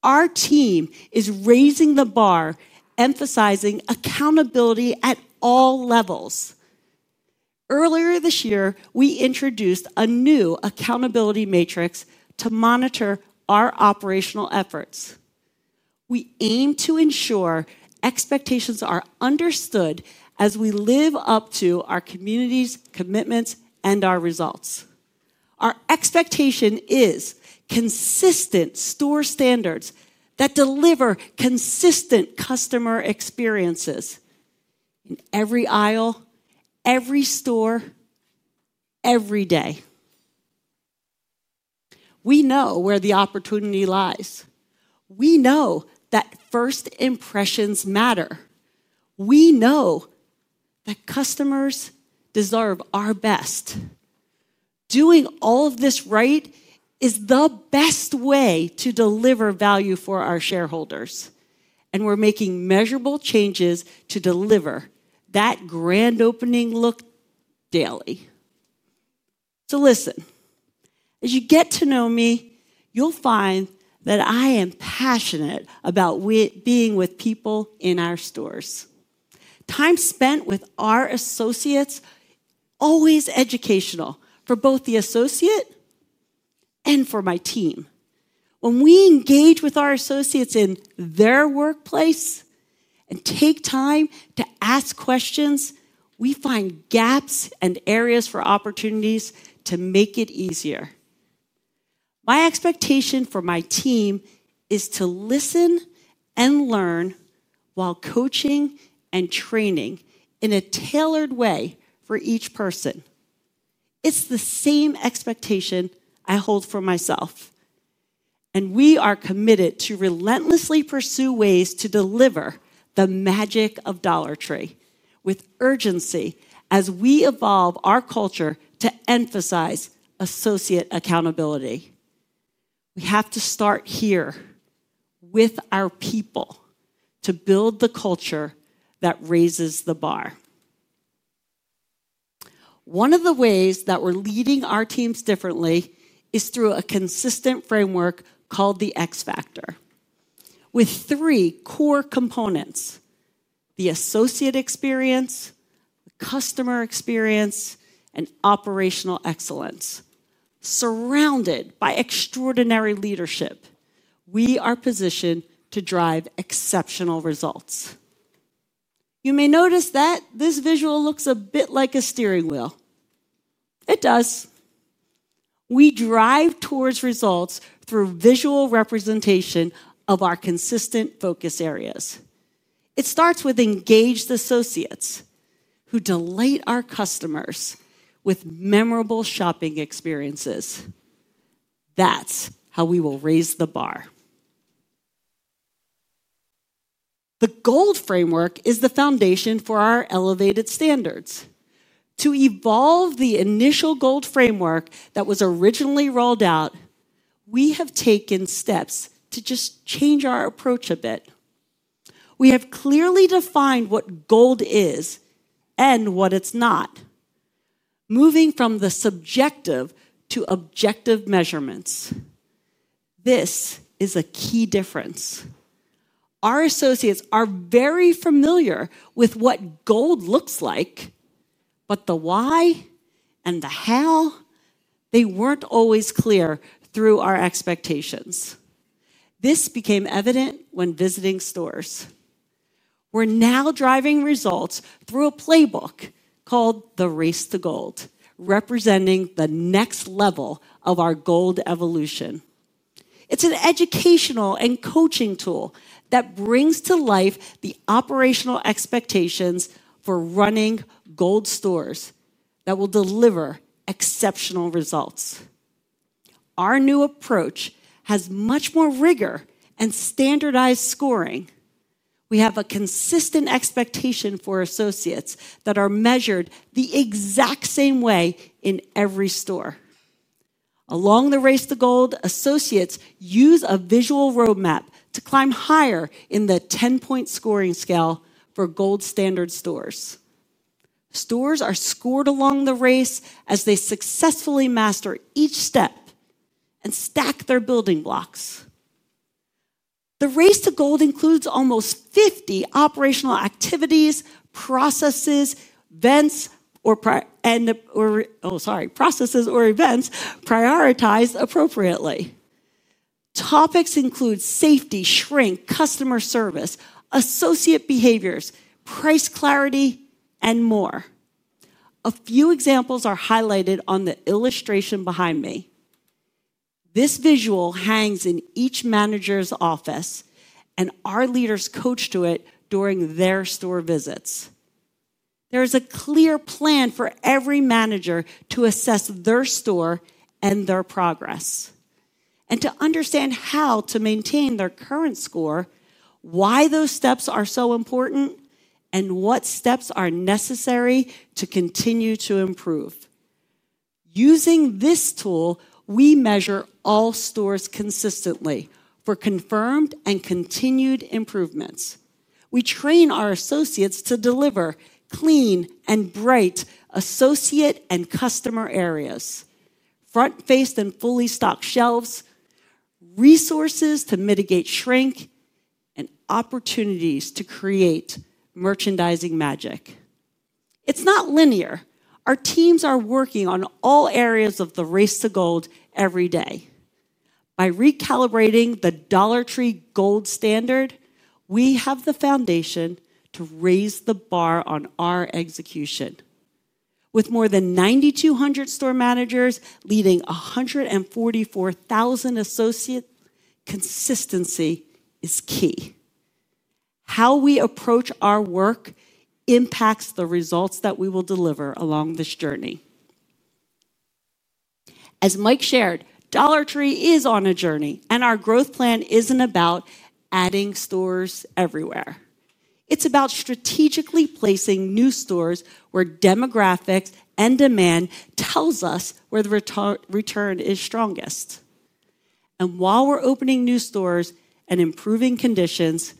Speaker 4: Our team is raising the bar and emphasizing accountability at all levels. Earlier this year, we introduced a new accountability matrix to monitor our operational efforts. We aim to ensure expectations are understood as we live up to our community's commitments and our results. Our expectation is consistent store standards that deliver consistent customer experiences in every aisle, every store, every day. We know where the opportunity lies. We know that first impressions matter. We know that customers deserve our best. Doing all of this right is the best way to deliver value for our shareholders, and we're making measurable changes to deliver that grand opening look daily. As you get to know me, you'll find that I am passionate about being with people in our stores. Time spent with our associates is always educational for both the associate and for my team. When we engage with our associates in their workplace and take time to ask questions, we find gaps and areas for opportunities to make it easier. My expectation for my team is to listen and learn while coaching and training in a tailored way for each person. It's the same expectation I hold for myself. We are committed to relentlessly pursue ways to deliver the magic of Dollar Tree with urgency. As we evolve our culture to emphasize associate accountability, we have to start here with our people to build the culture that raises the bar. One of the ways that we're leading our teams differently is through a consistent framework called the X Factor, with three core components: the Associate Xperience, Customer Xperience, and Operational Xcellence. Surrounded by extraordinary leadership, we are positioned to drive exceptional results. You may notice that this visual looks a bit like a steering wheel. It does. We drive towards results through visual representation of our consistent focus areas. It starts with engaged associates who delight our customers with memorable shopping experiences. That's how we will raise the bar. The G.O.L.D. framework is the foundation for our elevated standards to evolve. The initial G.O.L.D. framework that was originally rolled out, we have taken steps to just change our approach a bit. We have clearly defined what G.O.L.D. is and what it's not, moving from the subjective to objective measurements. This is a key difference. Our associates are very familiar with what G.O.L.D. looks like, but the why and the how they weren't always clear through our expectations. This became evident when visiting stores. We're now driving results through a playbook called the Race to G.O.L.D., representing the next level of our G.O.L.D. evolution. It's an educational and coaching tool that brings to life the operational expectations for running G.O.L.D. stores that will deliver exceptional results. Our new approach has much more rigor and standardized scoring. We have a consistent expectation for associates that are measured the exact same way in every store along the race. The G.O.L.D. associates use a visual roadmap to climb higher in the 10-point scoring scale for G.O.L.D. standard stores. Stores are scored along the race as they successfully master each step and stack their building blocks. The Race to G.O.L.D. includes almost 50 operational activities, processes or events prioritized appropriately. Topics include safety, shrink, customer service, associate behaviors, price, clarity and more. A few examples are highlighted on the illustration behind me. This visual hangs in each manager's office and our leaders coach to it during their store visits. There is a clear plan for every manager to assess their store and their progress and to understand how to maintain their current score, why those steps are so important and what steps are necessary to continue to improve. Using this tool we measure all stores consistently for confirmed and continued improvements. We train our associates to deliver clean and bright associate and customer areas, front faced and fully stocked shelves, resources to mitigate shrink and opportunities to create merchandising magic. It's not linear. Our teams are working on all areas of the Race to G.O.L.D. every day. By recalibrating the Dollar Tree G.O.L.D. standard, we have the foundation to raise the bar on our execution. With more than 9,200 store managers leading 144,000 associates, consistency is key. How we approach our work impacts the results that we will deliver along this journey. As Mike shared, Dollar Tree is on a journey and our growth plan isn't about adding stores everywhere. It's about strategically placing new stores where demographics and demand tells us where the return is strongest. While we're opening new stores and improving conditions,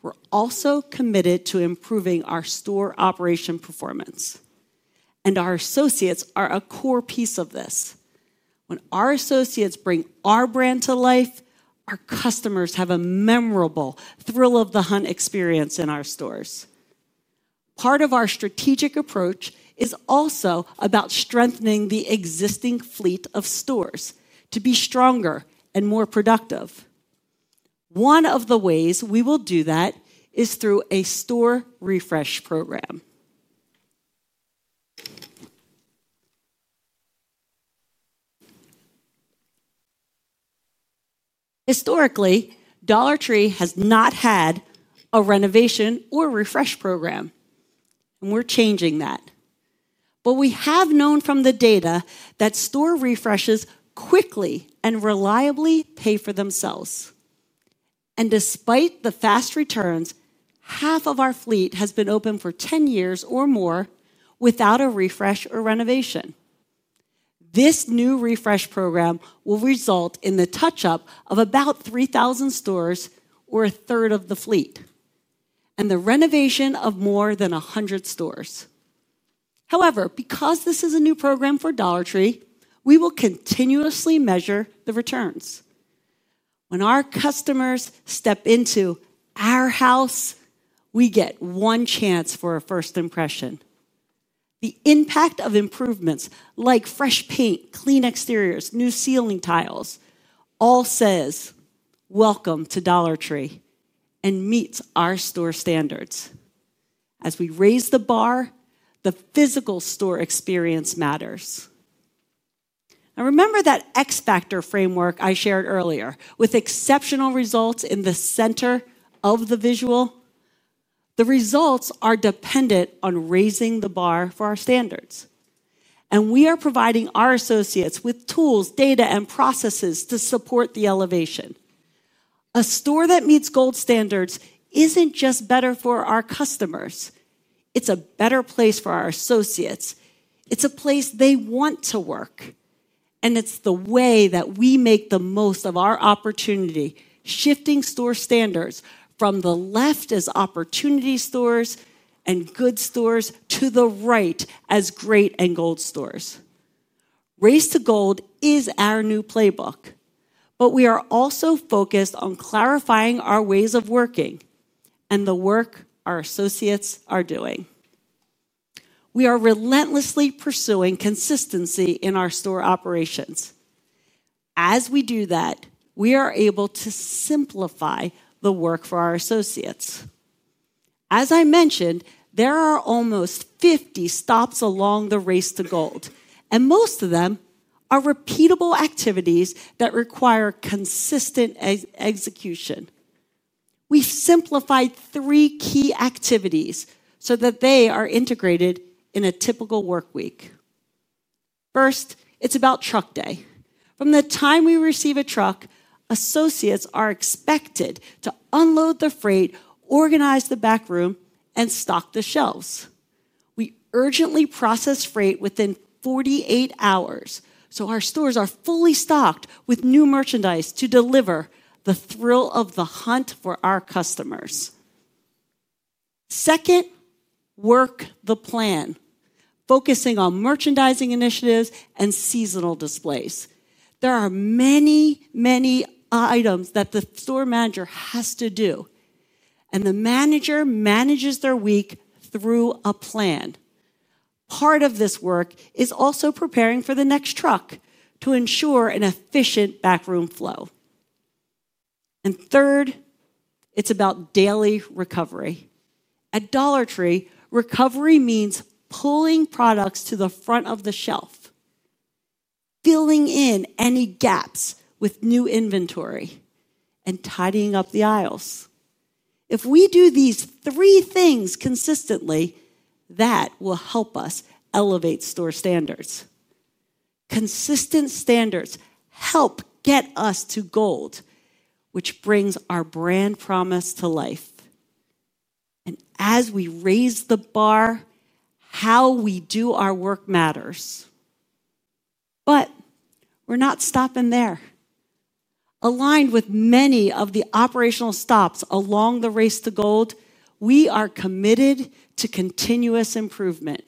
Speaker 4: we're also committed to improving our store operation performance and our associates are a core piece of this. When our associates bring our brand to life, our customers have a memorable thrill of the hunt experience in our stores. Part of our strategic approach is also about strengthening the existing fleet of stores to be stronger and more productive. One of the ways we will do that is through a store refresh program. Historically, Dollar Tree has not had a renovation or refresh program and we're changing that. We have known from the data that store refreshes quickly and reliably pay for themselves. Despite the fast returns, half of our fleet has been open for 10 years or more without a refresh or renovation. This new refresh program will result in the touch up of about 3,000 stores or a 1/3 of the fleet, and the renovation of more than 100 stores. However, because this is a new program for Dollar Tree, we will continuously measure the returns. When our customers step into our house, we get one chance for a first impression. The impact of improvements like fresh paint, clean exteriors, new ceiling tiles all says welcome to Dollar Tree and meets our store standards as we raise the bar. The physical store experience matters. Remember that X Factor framework I shared earlier with exceptional results in the center of the visual? The results are dependent on raising the bar for our standards and we are providing our associates with tools, data, and processes to support the elevation. A store that meets G.O.L.D. standards isn't just better for our customers, it's a better place for our associates. It's a place they want to work and it's the way that we make the most of our opportunity. Shifting store standards from the left as opportunity stores, good stores to the right as great and G.O.L.D. stores, Race to G.O.L.D. is our new playbook. We are also focused on clarifying our ways of working and the work our associates are doing. We are relentlessly pursuing consistency in our store operations as we do that we are able to simplify the work for our associates. As I mentioned, there are almost 50 stops along the Race to G.O.L.D. and most of them are repeatable activities that require consistent execution. We've simplified three key activities so that they are integrated in a typical work week. First, it's about truck day. From the time we receive a truck, associates are expected to unload the freight, organize the back room, and stock the shelves. We urgently process freight within 48 hours so our stores are fully stocked with new merchandise to deliver the thrill of the hunt for our customers. Second, work the plan focusing on merchandising initiatives and seasonal displays. There are many, many items that the store manager has to do, and the manager manages their week through a plan. Part of this work is also preparing for the next truck to ensure an efficient backroom flow. Third, it's about daily recovery. At Dollar Tree, recovery means pulling products to the front of the shelf, filling in any gaps with new inventory, and tidying up the aisles. If we do these three things consistently, that will help us elevate store standards. Consistent standards help get us to G.O.L.D., which brings our brand promise to life. As we raise the bar, how we do our work matters. We're not stopping there. Aligned with many of the operational stops along the Race to G.O.L.D., we are committed to continuous improvement.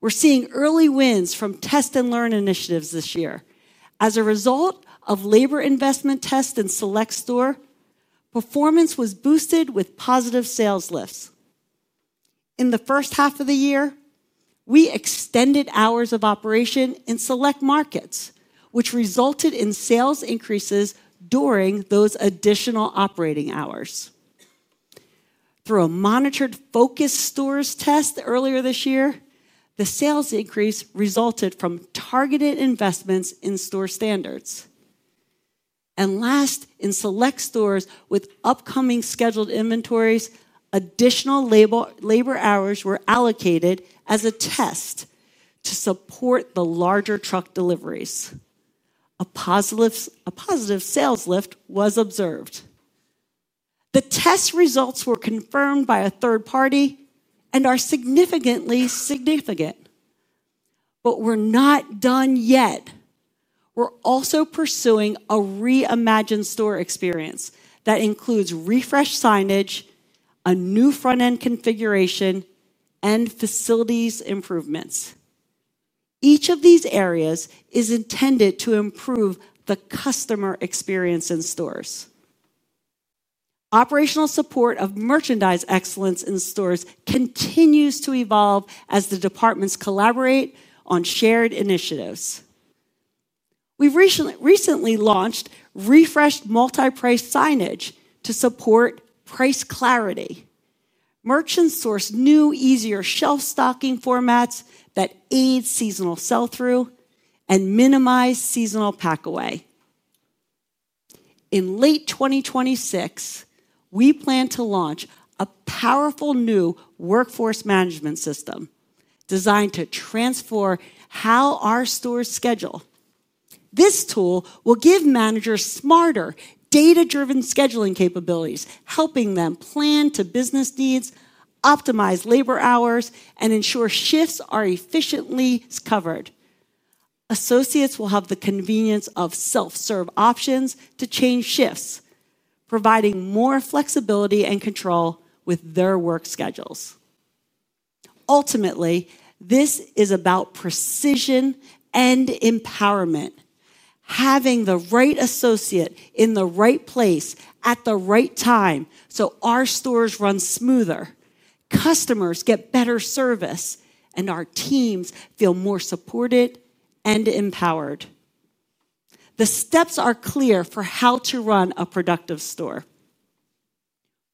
Speaker 4: We're seeing early wins from test and learn initiatives this year. As a result of labor investment, tests in select store performance were boosted with positive sales lifts in the first half of the year. We extended hours of operation in select markets, which resulted in sales increases during those additional operating hours. Through a monitored Focus Stores test earlier this year, the sales increase resulted from targeted investments in store standards. In select stores with upcoming scheduled inventories, additional labor hours were allocated as a test to support the larger truck deliveries. A positive sales lift was observed. The test results were confirmed by 1/3 party and are statistically significant. We're not done yet. We're also pursuing a reimagined store experience that includes refreshed signage, a new front end configuration, and facilities improvements. Each of these areas is intended to improve the customer experience in stores. Operational support of merchandise excellence in stores continues to evolve as the departments collaborate on shared initiatives. We've recently launched refreshed multi-price signage to support price clarity. Merchants source new, easier shelf stocking formats that aid seasonal sell through and minimize seasonal pack away. In late 2026, we plan to launch a powerful new workforce management system designed to transform how our stores schedule. This tool will give managers smarter, data-driven scheduling capabilities, helping them plan to business needs, optimize labor hours, and ensure shifts are efficiently covered. Associates will have the convenience of self-serve options to change shifts, providing more flexibility and control with their work schedules. Ultimately, this is about precision and empowerment, having the right associate in the right place at the right time so our stores run smoother, customers get better service, and our teams feel more supported and empowered. The steps are clear for how to run a productive store.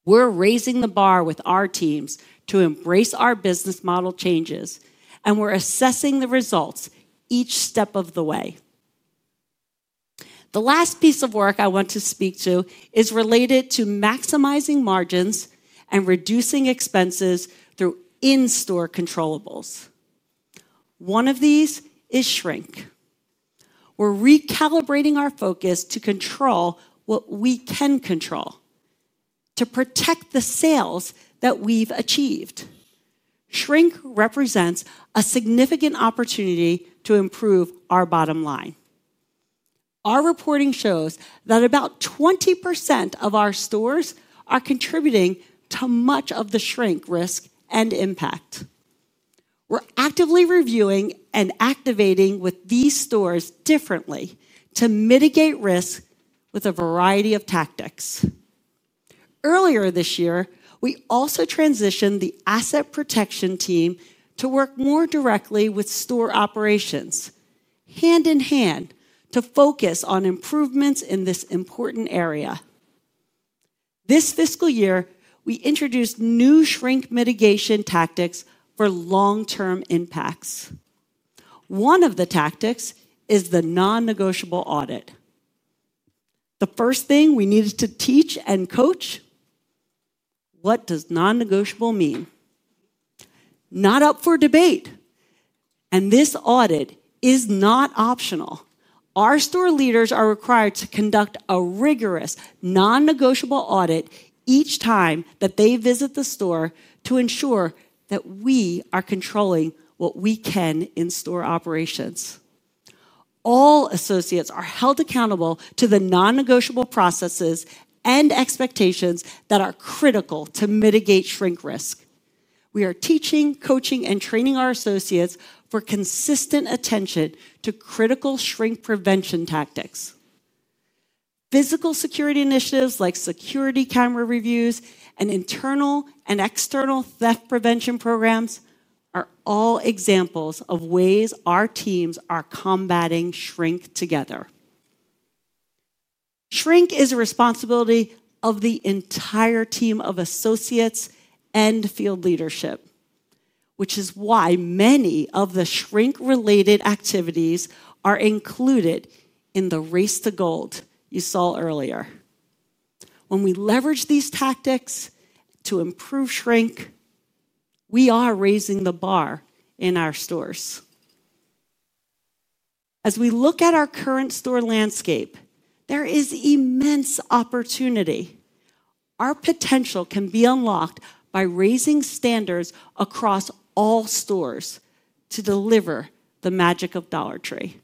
Speaker 4: We're raising the bar with our teams to embrace our business model changes, and we're assessing the results each step of the way. The last piece of work I want to speak to is related to maximizing margins and reducing expenses through in-store controllables. One of these is shrink. We're recalibrating our focus to control what we can control to protect the sales that we've achieved. Shrink represents a significant opportunity to improve our bottom line. Our reporting shows that about 20% of our stores are contributing to much of the shrink risk and impact. We're actively reviewing and activating with these stores differently to mitigate risk with a variety of tactics. Earlier this year, we also transitioned the asset protection team to work more directly with store operations, hand in hand, to focus on improvements in this important area. This fiscal year, we introduced new shrink mitigation tactics for long-term impacts. One of the tactics is the non-negotiable audit. The first thing we needed to teach and coach: What does non-negotiable mean? Not up for debate, and this audit is not optional. Our store leaders are required to conduct a rigorous non-negotiable audit each time that they visit the store to ensure that we are controlling what we can in store operations. All associates are held accountable to the non-negotiable processes and expectations that are critical to mitigate shrink risk. We are teaching, coaching, and training our associates for consistent attention to critical shrink prevention tactics. Physical security initiatives like security camera reviews and internal and external theft prevention programs are all examples of ways our teams are combating shrink together. Shrink is a responsibility of the entire team of associates and field leadership, which is why many of the shrink related activities are included in the Race to G.O.L.D. you saw earlier. When we leverage these tactics to improve shrink, we are raising the bar in our stores. As we look at our current store landscape, there is immense opportunity. Our potential can be unlocked by raising standards across all stores to deliver the magic of Dollar Tree.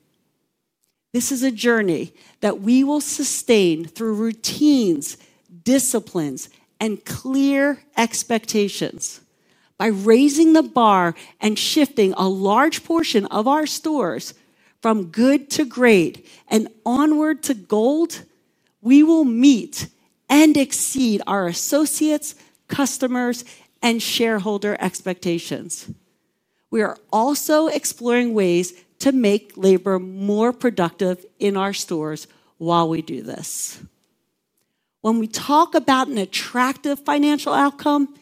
Speaker 4: This is a journey that we will sustain through routines, disciplines, and clear expectations. By raising the bar and shifting a large portion of our stores from good to great and onward to G.O.L.D., we will meet and exceed our associates, customers, and shareholder expectations. We are also exploring ways to make labor more productive in our stores. While we do this, when we talk about an attractive financial outcome,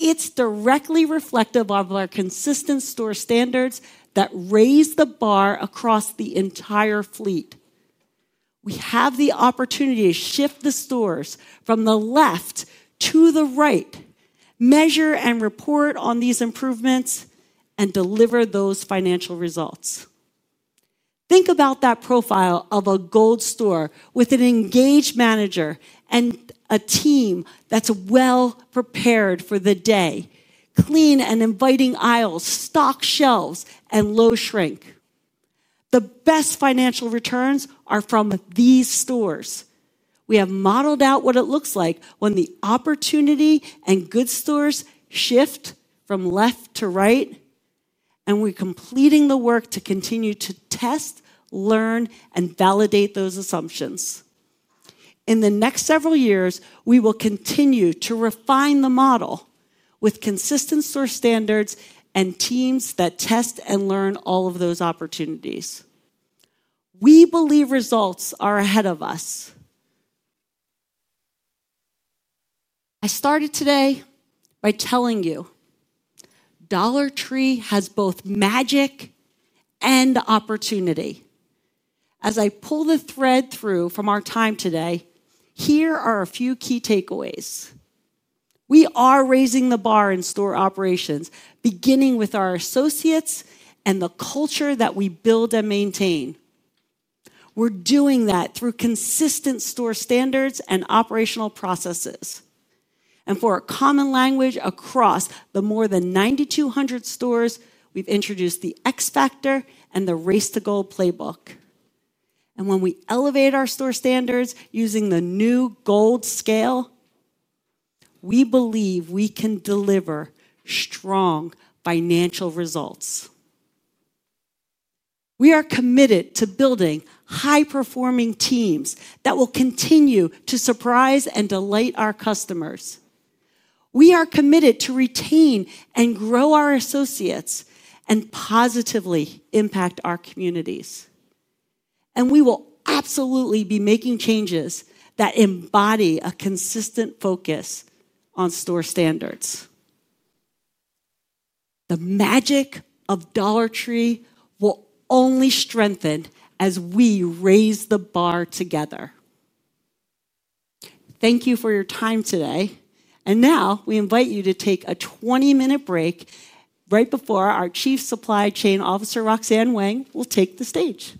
Speaker 4: it's directly reflective of our consistent store standards and that raise the bar across the entire fleet. We have the opportunity to shift the stores from the left to the right, measure and report on these improvements, and deliver those financial results. Think about that profile of a G.O.L.D. store with an engaged manager and a team that's well prepared for the day, clean and inviting aisles, stocked shelves, and low shrink. The best financial returns are from these stores. We have modeled out what it looks like when the opportunity and good stores shift from left to right, and we're completing the work to continue to test, learn, and validate those assumptions. In the next several years, we will continue to refine the model with consistent store standards and teams that test and learn all of those opportunities. We believe results are ahead of us. I started today by telling you Dollar Tree has both magic and opportunity. As I pull the thread through from our time today, here are a few key takeaways. We are raising the bar in store operations beginning with our associates and the culture that we build and maintain. We're doing that through consistent store standards and operational processes and for a common language across the more than 9,200 stores. We've introduced the X factor and the Race to G.O.L.D. playbook. When we elevate our store standards using the new G.O.L.D. scale, we believe we can deliver strong financial results. We are committed to building high performing teams that will continue to surprise and delight our customers. We are committed to retain and grow our associates and positively impact our communities. We will absolutely be making changes that embody a consistent focus on store standards. The magic of Dollar Tree will only strengthen as we raise the bar together. Thank you for your time today. We invite you to take a 20 minute break right before our Chief Supply Chain Officer Roxanne Weng will take the stage.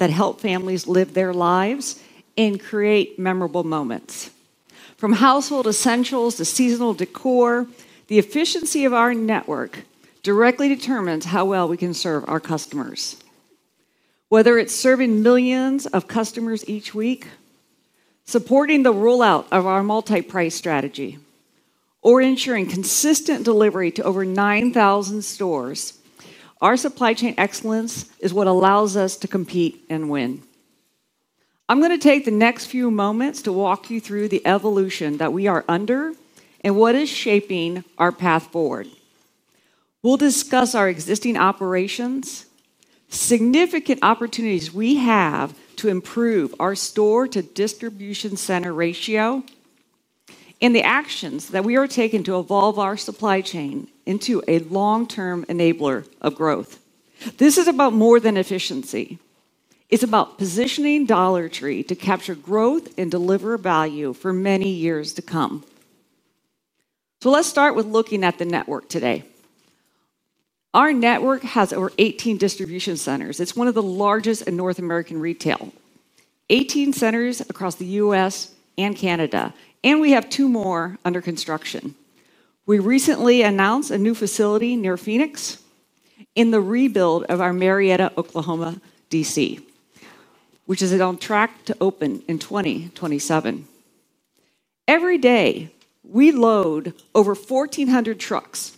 Speaker 5: that help families live their lives and create memorable moments. From household essentials to seasonal decor, the efficiency of our network directly determines how well we can serve our customers. Whether it's serving millions of customers each week, supporting the rollout of our multi-price expansion strategy, or ensuring consistent delivery to over 9,000 stores, our supply chain excellence is what allows us to compete and win. I'm going to take the next few moments to walk you through the evolution that we are under and what is shaping our path forward. We'll discuss our existing operations, significant opportunities we have to improve our store to distribution center ratio, and the actions that we are taking to evolve our supply chain into a long-term enabler of growth. This is about more than efficiency. It's about positioning Dollar Tree to capture growth and deliver value for many years to come. Let's start with looking at the network. Today our network has over 18 distribution centers. It's one of the largest in North American retail. 18 centers across the U.S. and Canada and we have two more under construction. We recently announced a new facility near Phoenix and the rebuild of our Marietta, Oklahoma DC which is on track to open in 2027. Every day we load over 1,400 trucks,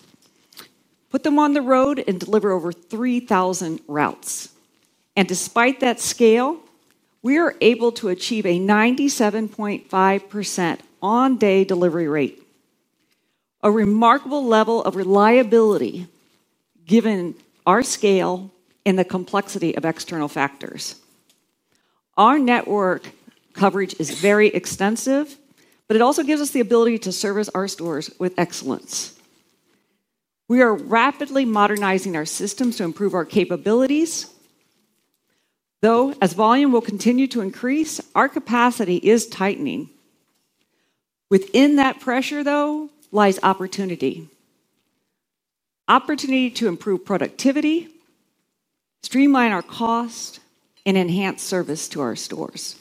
Speaker 5: put them on the road and deliver over 3,000 routes. Despite that scale, we are able to achieve a 97.5% on-day delivery rate, a remarkable level of reliability given our scale and the complexity of external factors. Our network coverage is very extensive, but it also gives us the ability to service our stores with excellence. We are rapidly modernizing our systems to improve our capabilities, though as volume will continue to increase, our capacity is tightening. Within that pressure lies opportunity. Opportunity to improve productivity, streamline our cost and enhance service to our stores.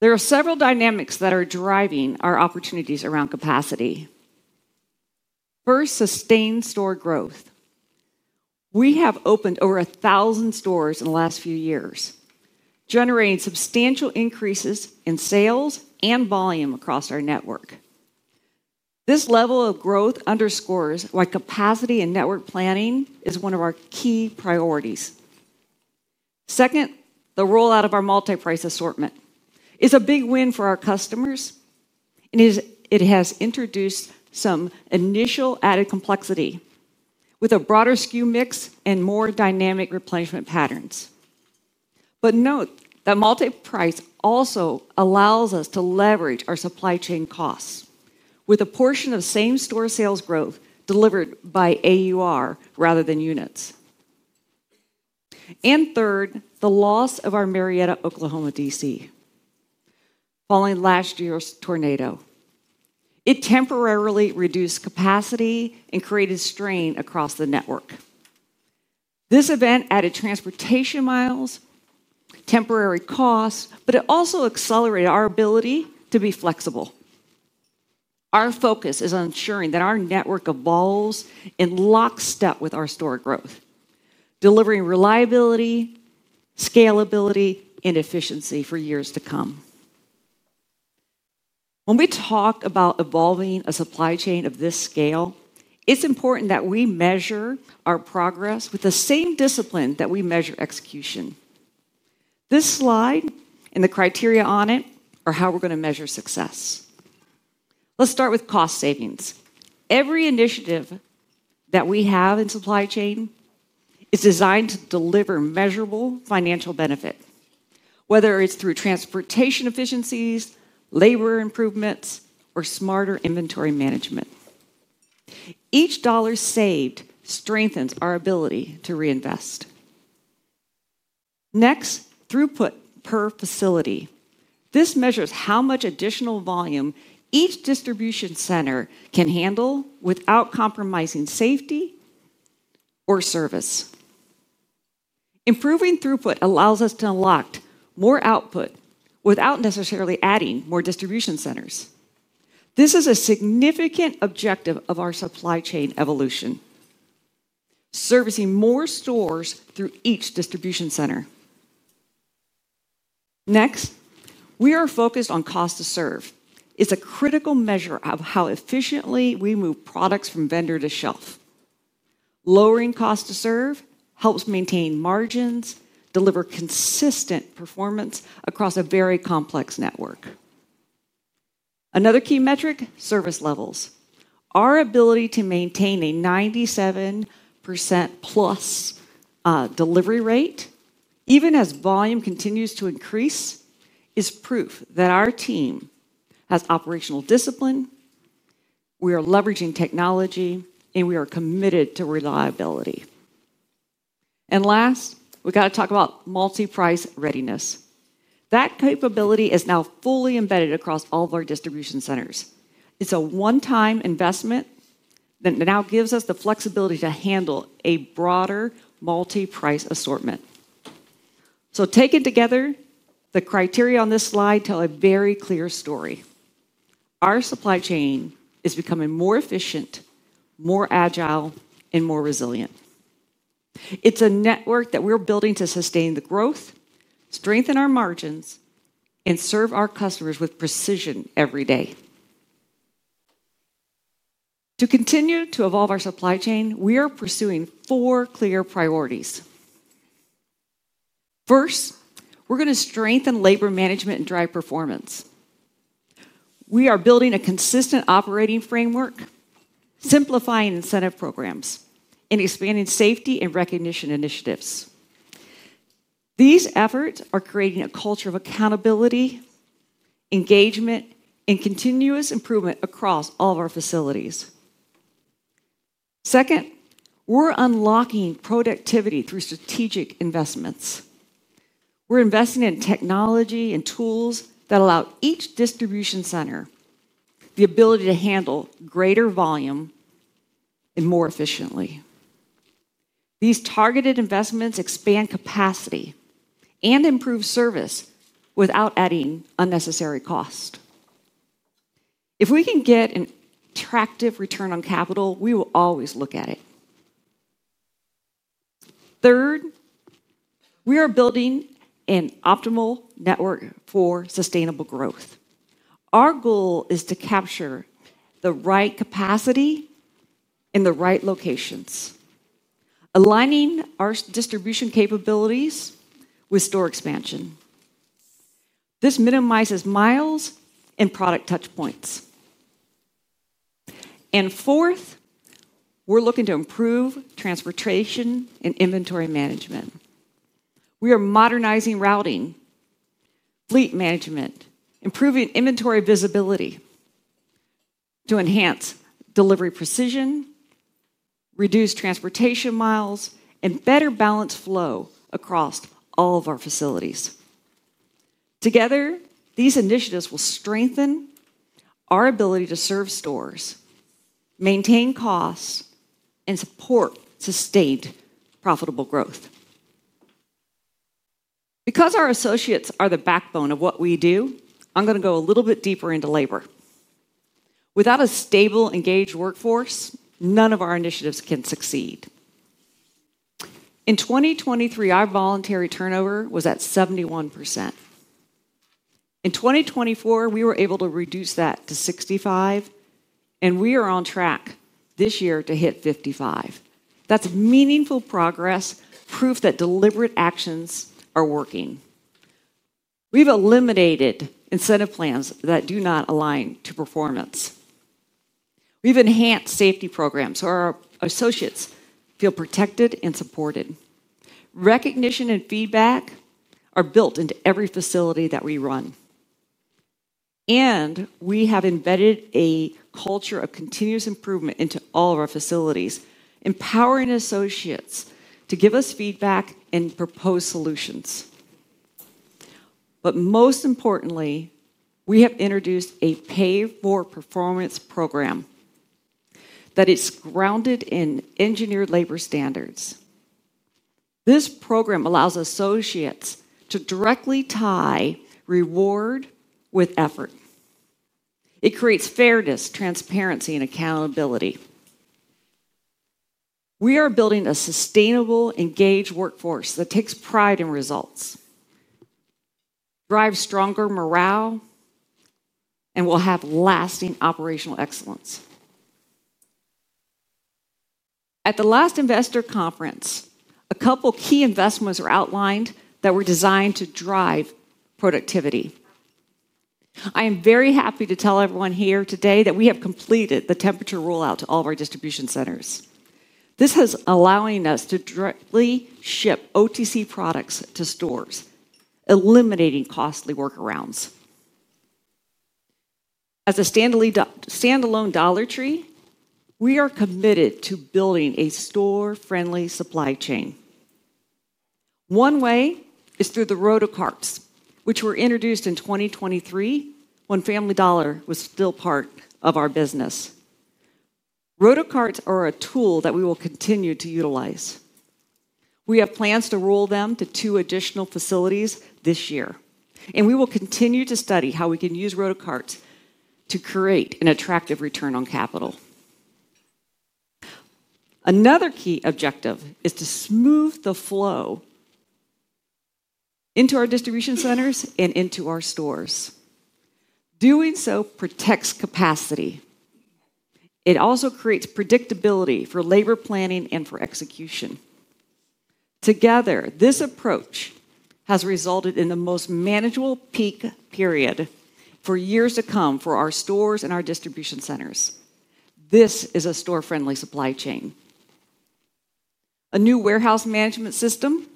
Speaker 5: There are several dynamics that are driving our opportunities around capacity. First, sustained store growth. We have opened over 1,000 stores in the last few years, generating substantial increases in sales and volume across our network. This level of growth underscores why capacity and network planning is one of our key priorities. Second, the rollout of our multi-price assortment is a big win for our customers. It has introduced some initial added complexity with a broader SKU mix and more dynamic replenishment patterns. Note that multi-price also allows us to leverage our supply chain costs with a portion of same-store sales growth delivered by AUR rather than units. Third, the loss of our Marietta, Oklahoma DC following last year's tornado temporarily reduced capacity and created strain across the network. This event added transportation miles and temporary costs, but it also accelerated our ability to be flexible. Our focus is on ensuring that our network evolves in lockstep with our store growth, delivering reliability, scalability, and efficiency for years to come. When we talk about evolving a supply chain of this scale, it's important that we measure our progress with the same discipline that we measure execution. This slide and the criteria on it are how we're going to measure success. Let's start with cost savings. Every initiative that we have in supply chain is designed to deliver measurable financial benefit, whether it's through transportation efficiencies, labor improvements, or smarter inventory management. Each dollar saved strengthens our ability to reinvest. Next, throughput per facility. This measures how much additional volume each distribution center can handle without compromising safety or service. Improving throughput allows us to unlock more output without necessarily adding more distribution centers. This is a significant objective of our supply chain evolution: servicing more stores through each distribution center. Next, we are focused on cost to serve. It's a critical measure of how efficiently we move products from vendor to shelf. Lowering cost to serve helps maintain margins and deliver consistent performance across a very complex network. Another key metric is service levels. Our ability to maintain a 97%+ delivery rate even as volume continues to increase is proof that our team has operational discipline. We are leveraging technology and we are committed to reliability. Last, we have to talk about multi-price readiness. That capability is now fully embedded across all of our distribution centers. It's a one-time investment that now gives us the flexibility to handle a broader multi-price assortment. Taken together, the criteria on this slide tell a very clear story. Our supply chain is becoming more efficient, more agile, and more resilient. It's a network that we're building to sustain the growth, strengthen our margins, and serve our customers with precision every day. To continue to evolve our supply chain, we are pursuing four clear priorities. First, we're going to strengthen labor management and drive performance. We are building a consistent operating framework, simplifying incentive programs, and expanding safety and recognition initiatives. These efforts are creating a culture of accountability, engagement, and continuous improvement across all of our facilities. Second, we're unlocking productivity through strategic investments. We're investing in technology and tools that allow each distribution center the ability to handle greater volume and more efficiently. These targeted investments expand capacity and improve service without adding unnecessary cost. If we can get an attractive return on capital, we will always look at it. Third, we are building an optimal network for sustainable growth. Our goal is to capture the right capacity in the right locations, aligning our distribution capabilities with store expansion. This minimizes miles and product touch points. Fourth, we're looking to improve transportation and inventory management. We are modernizing routing, fleet management, improving inventory visibility to enhance delivery precision, reduce transportation miles, and better balance flow across all of our facilities. Together, these initiatives will strengthen our ability to serve stores, maintain costs, and support sustained, profitable growth. Because our associates are the backbone of what we do, I'm going to go a little bit deeper into labor. Without a stable, engaged workforce, none of our initiatives can succeed. In 2023, our voluntary turnover was at 71%. In 2024, we were able to reduce that to 65%. We are on track this year to hit 55%. That's meaningful progress, proof that deliberate actions are working. We've eliminated incentive plans that do not align to performance. We've enhanced safety programs so our associates feel protected and supported. Recognition and feedback are built into every facility that we run. We have embedded a culture of continuous improvement into all of our facilities, empowering associates to give us feedback and propose solutions. Most importantly, we have introduced a pay for performance program that is grounded in engineered labor standards. This program allows associates to directly tie reward with effort. It creates fairness, transparency, and accountability. We are building a sustainable, engaged workforce that takes pride in results, drives stronger morale, and will have lasting operational excellence. At the last investor conference, a couple of key investments were outlined that were designed to drive productivity. I am very happy to tell everyone here today that we have completed the temperature rollout to all of our distribution centers. This is allowing us to ship OTC products to stores, eliminating costly workarounds. As a standalone Dollar Tree, we are committed to building a store-friendly supply chain. One way is through the RotaCarts, which were introduced in 2023 when Family Dollar was still part of our business. RotaCarts are a tool that we will continue to utilize. We have plans to roll them to two additional facilities this year, and we will continue to study how we can use RotaCarts to create an attractive return on capital. Another key objective is to smooth the flow into our distribution centers and into our stores. Doing so protects capacity. It also creates predictability for labor planning and for execution. Together, this approach has resulted in the most manageable peak period for years to come for our stores and our distribution centers. This is a store-friendly supply chain. A new warehouse management system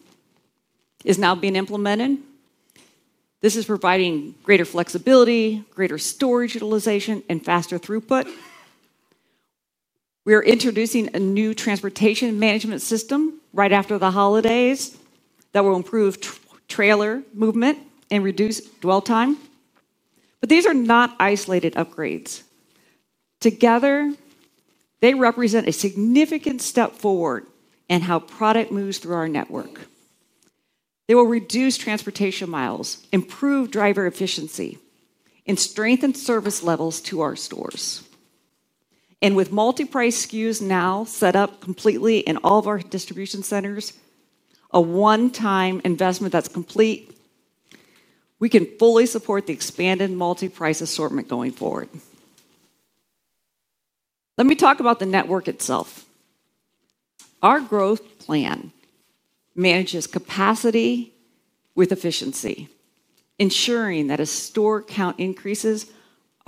Speaker 5: is now being implemented. This is providing greater flexibility, greater storage utilization, and faster throughput. We are introducing a new transportation management system right after the holidays that will improve trailer movement and reduce dwell time. These are not isolated upgrades. Together, they represent a significant step forward in how product moves through our network. They will reduce transportation miles, improve driver efficiency, and strengthen service levels to our stores. With multi price SKUs now set up completely in all of our distribution centers, a one-time investment that's complete, we can fully support the expanded multi price assortment going forward. Let me talk about the network itself. Our growth plan manages capacity with efficiency. Ensuring that as store count increases,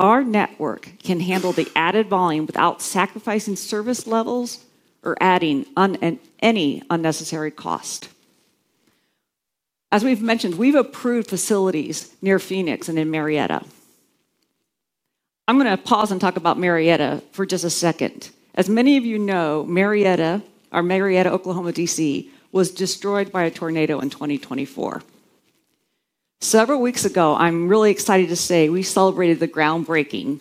Speaker 5: our network can handle the added volume without sacrificing service levels or adding any unnecessary cost. As we've mentioned, we've approved facilities near Phoenix and in Marietta. I'm going to pause and talk about Marietta for just a second. As many of you know, our Marietta, Oklahoma DC was destroyed by a tornado in 2024 several weeks ago. I'm really excited to say we celebrated the groundbreaking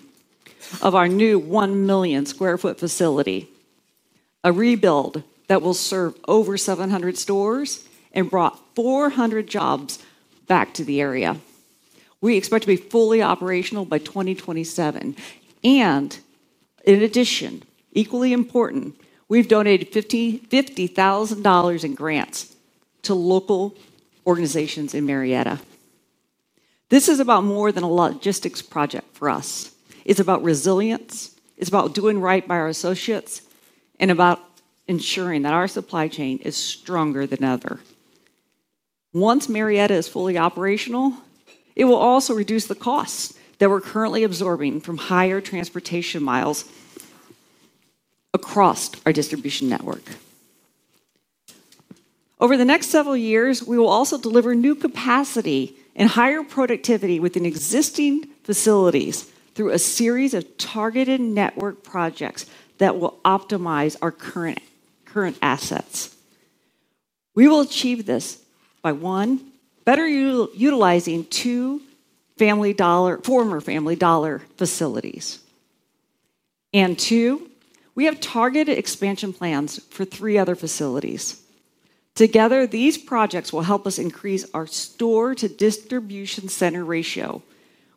Speaker 5: of our new 1 million sq ft facility, a rebuild that will serve over 700 stores and brought 400 jobs back to the area. We expect to be fully operational by 2027. In addition, equally important, we've donated $50,000 in grants to local organizations in Marietta. This is about more than a logistics project for us. It's about resilience. It's about doing right by our associates and about ensuring that our supply chain is stronger than ever. Once Marietta is fully operational, it will also reduce the costs that we're currently absorbing from higher transportation miles across our distribution network. Over the next several years, we will also deliver new capacity and higher productivity within existing facilities through a series of targeted network projects that will optimize our current assets. We will achieve this by, one, better utilizing two former Family Dollar facilities, and two, we have targeted expansion plans for three other facilities. Together, these projects will help us increase our store to distribution center ratio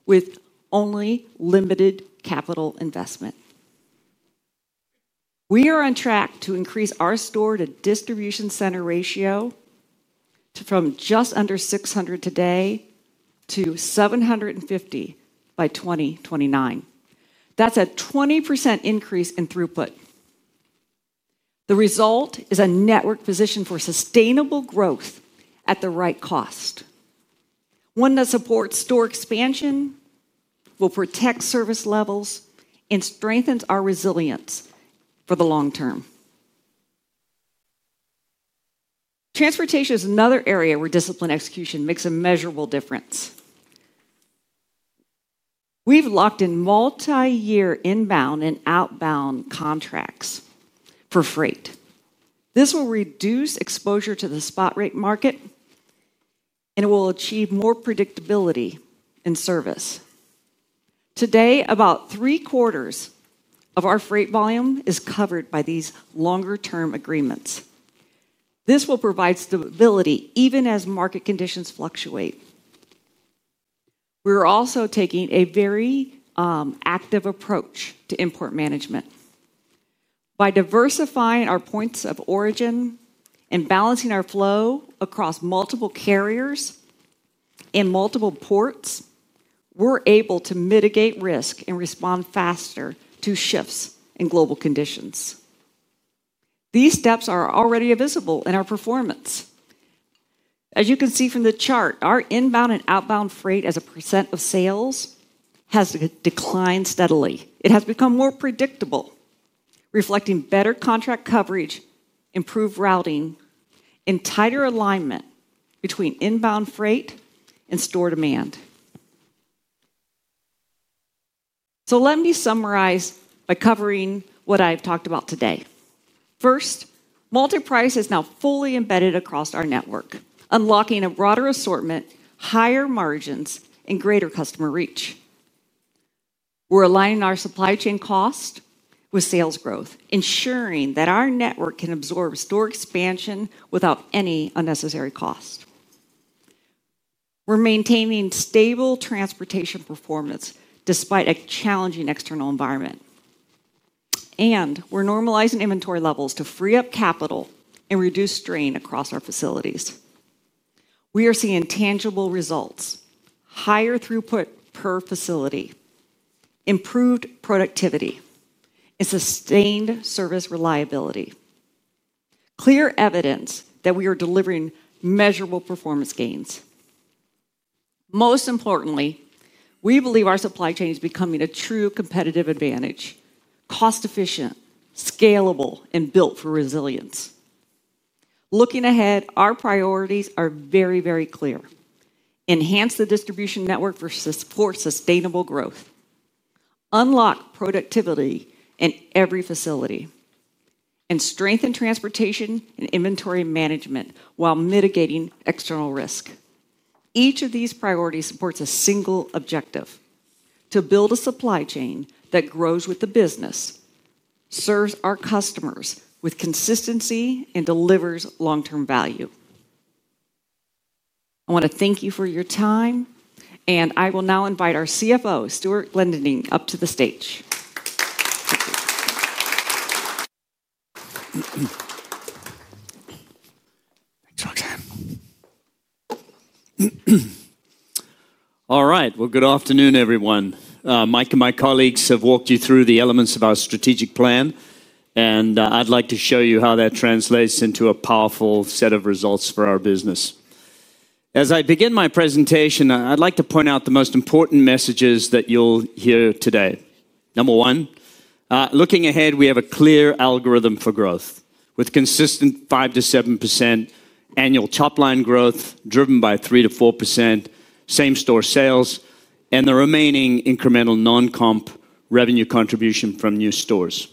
Speaker 5: with only limited capital investment. We are in track to increase our store to distribution center ratio from just under 600 today to 750 by 2029. That's a 20% increase in throughput. The result is a network positioned for sustainable growth at the right cost, one that supports store expansion, will protect service levels, and strengthens our resilience for the long term. Transportation is another area where disciplined execution makes a measurable difference. We've locked in multi-year inbound and outbound contracts for freight. This will reduce exposure to the spot rate market and it will achieve more predictability in service. Today, about three quarters of our freight volume is covered by these longer-term agreements. This will provide stability even as market conditions fluctuate. We are also taking a very active approach to import management. By diversifying our points of origin and balancing our flow across multiple carriers in multiple ports, we're able to mitigate risk and respond faster to shifts in global conditions. These steps are already visible in our performance. As you can see from the chart, our inbound and outbound freight as a percent of sales has declined steadily. It has become more predictable, reflecting better contract coverage, improved routing, and tighter alignment between inbound freight and store demand. Let me summarize by covering what I've talked about today. First, multi-price is now fully embedded across our network, unlocking a broader assortment, higher margins, and greater customer reach. We're aligning our supply chain cost with sales growth, ensuring that our network can absorb store expansion without any unnecessary cost. We're maintaining stable transportation performance despite a challenging external environment, and we're normalizing inventory levels to free up capital and reduce strain. Across our facilities, we are seeing tangible results: higher throughput per facility, improved productivity, and sustained service reliability. Clear evidence that we are delivering measurable performance gains. Most importantly, we believe our supply chain is becoming a true competitive advantage—cost efficient, scalable, and built for resilience. Looking ahead, our priorities are very, very clear: enhance the distribution network for sustainable growth, unlock productivity in every facility, and strengthen transportation and inventory management while mitigating external risk. Each of these priorities supports a single objective: to build a supply chain that grows with the business, serves our customers with consistency, and delivers long-term value. I want to thank you for your time and I will now invite our CFO, Stewart Glendinning up to the stage.
Speaker 6: Thanks, Roxanne. All right, good afternoon everyone. Mike and my colleagues have walked you through the elements of our strategic plan and I'd like to show you how that translates into a powerful set of results for our business. As I begin my presentation, I'd like to point out the most important messages that you'll hear today. Number one, looking ahead, we have a clear algorithm for growth with consistent 5%-7% annual top line growth driven by 3%-4% same-store sales and the remaining incremental non-comp revenue contribution from new stores.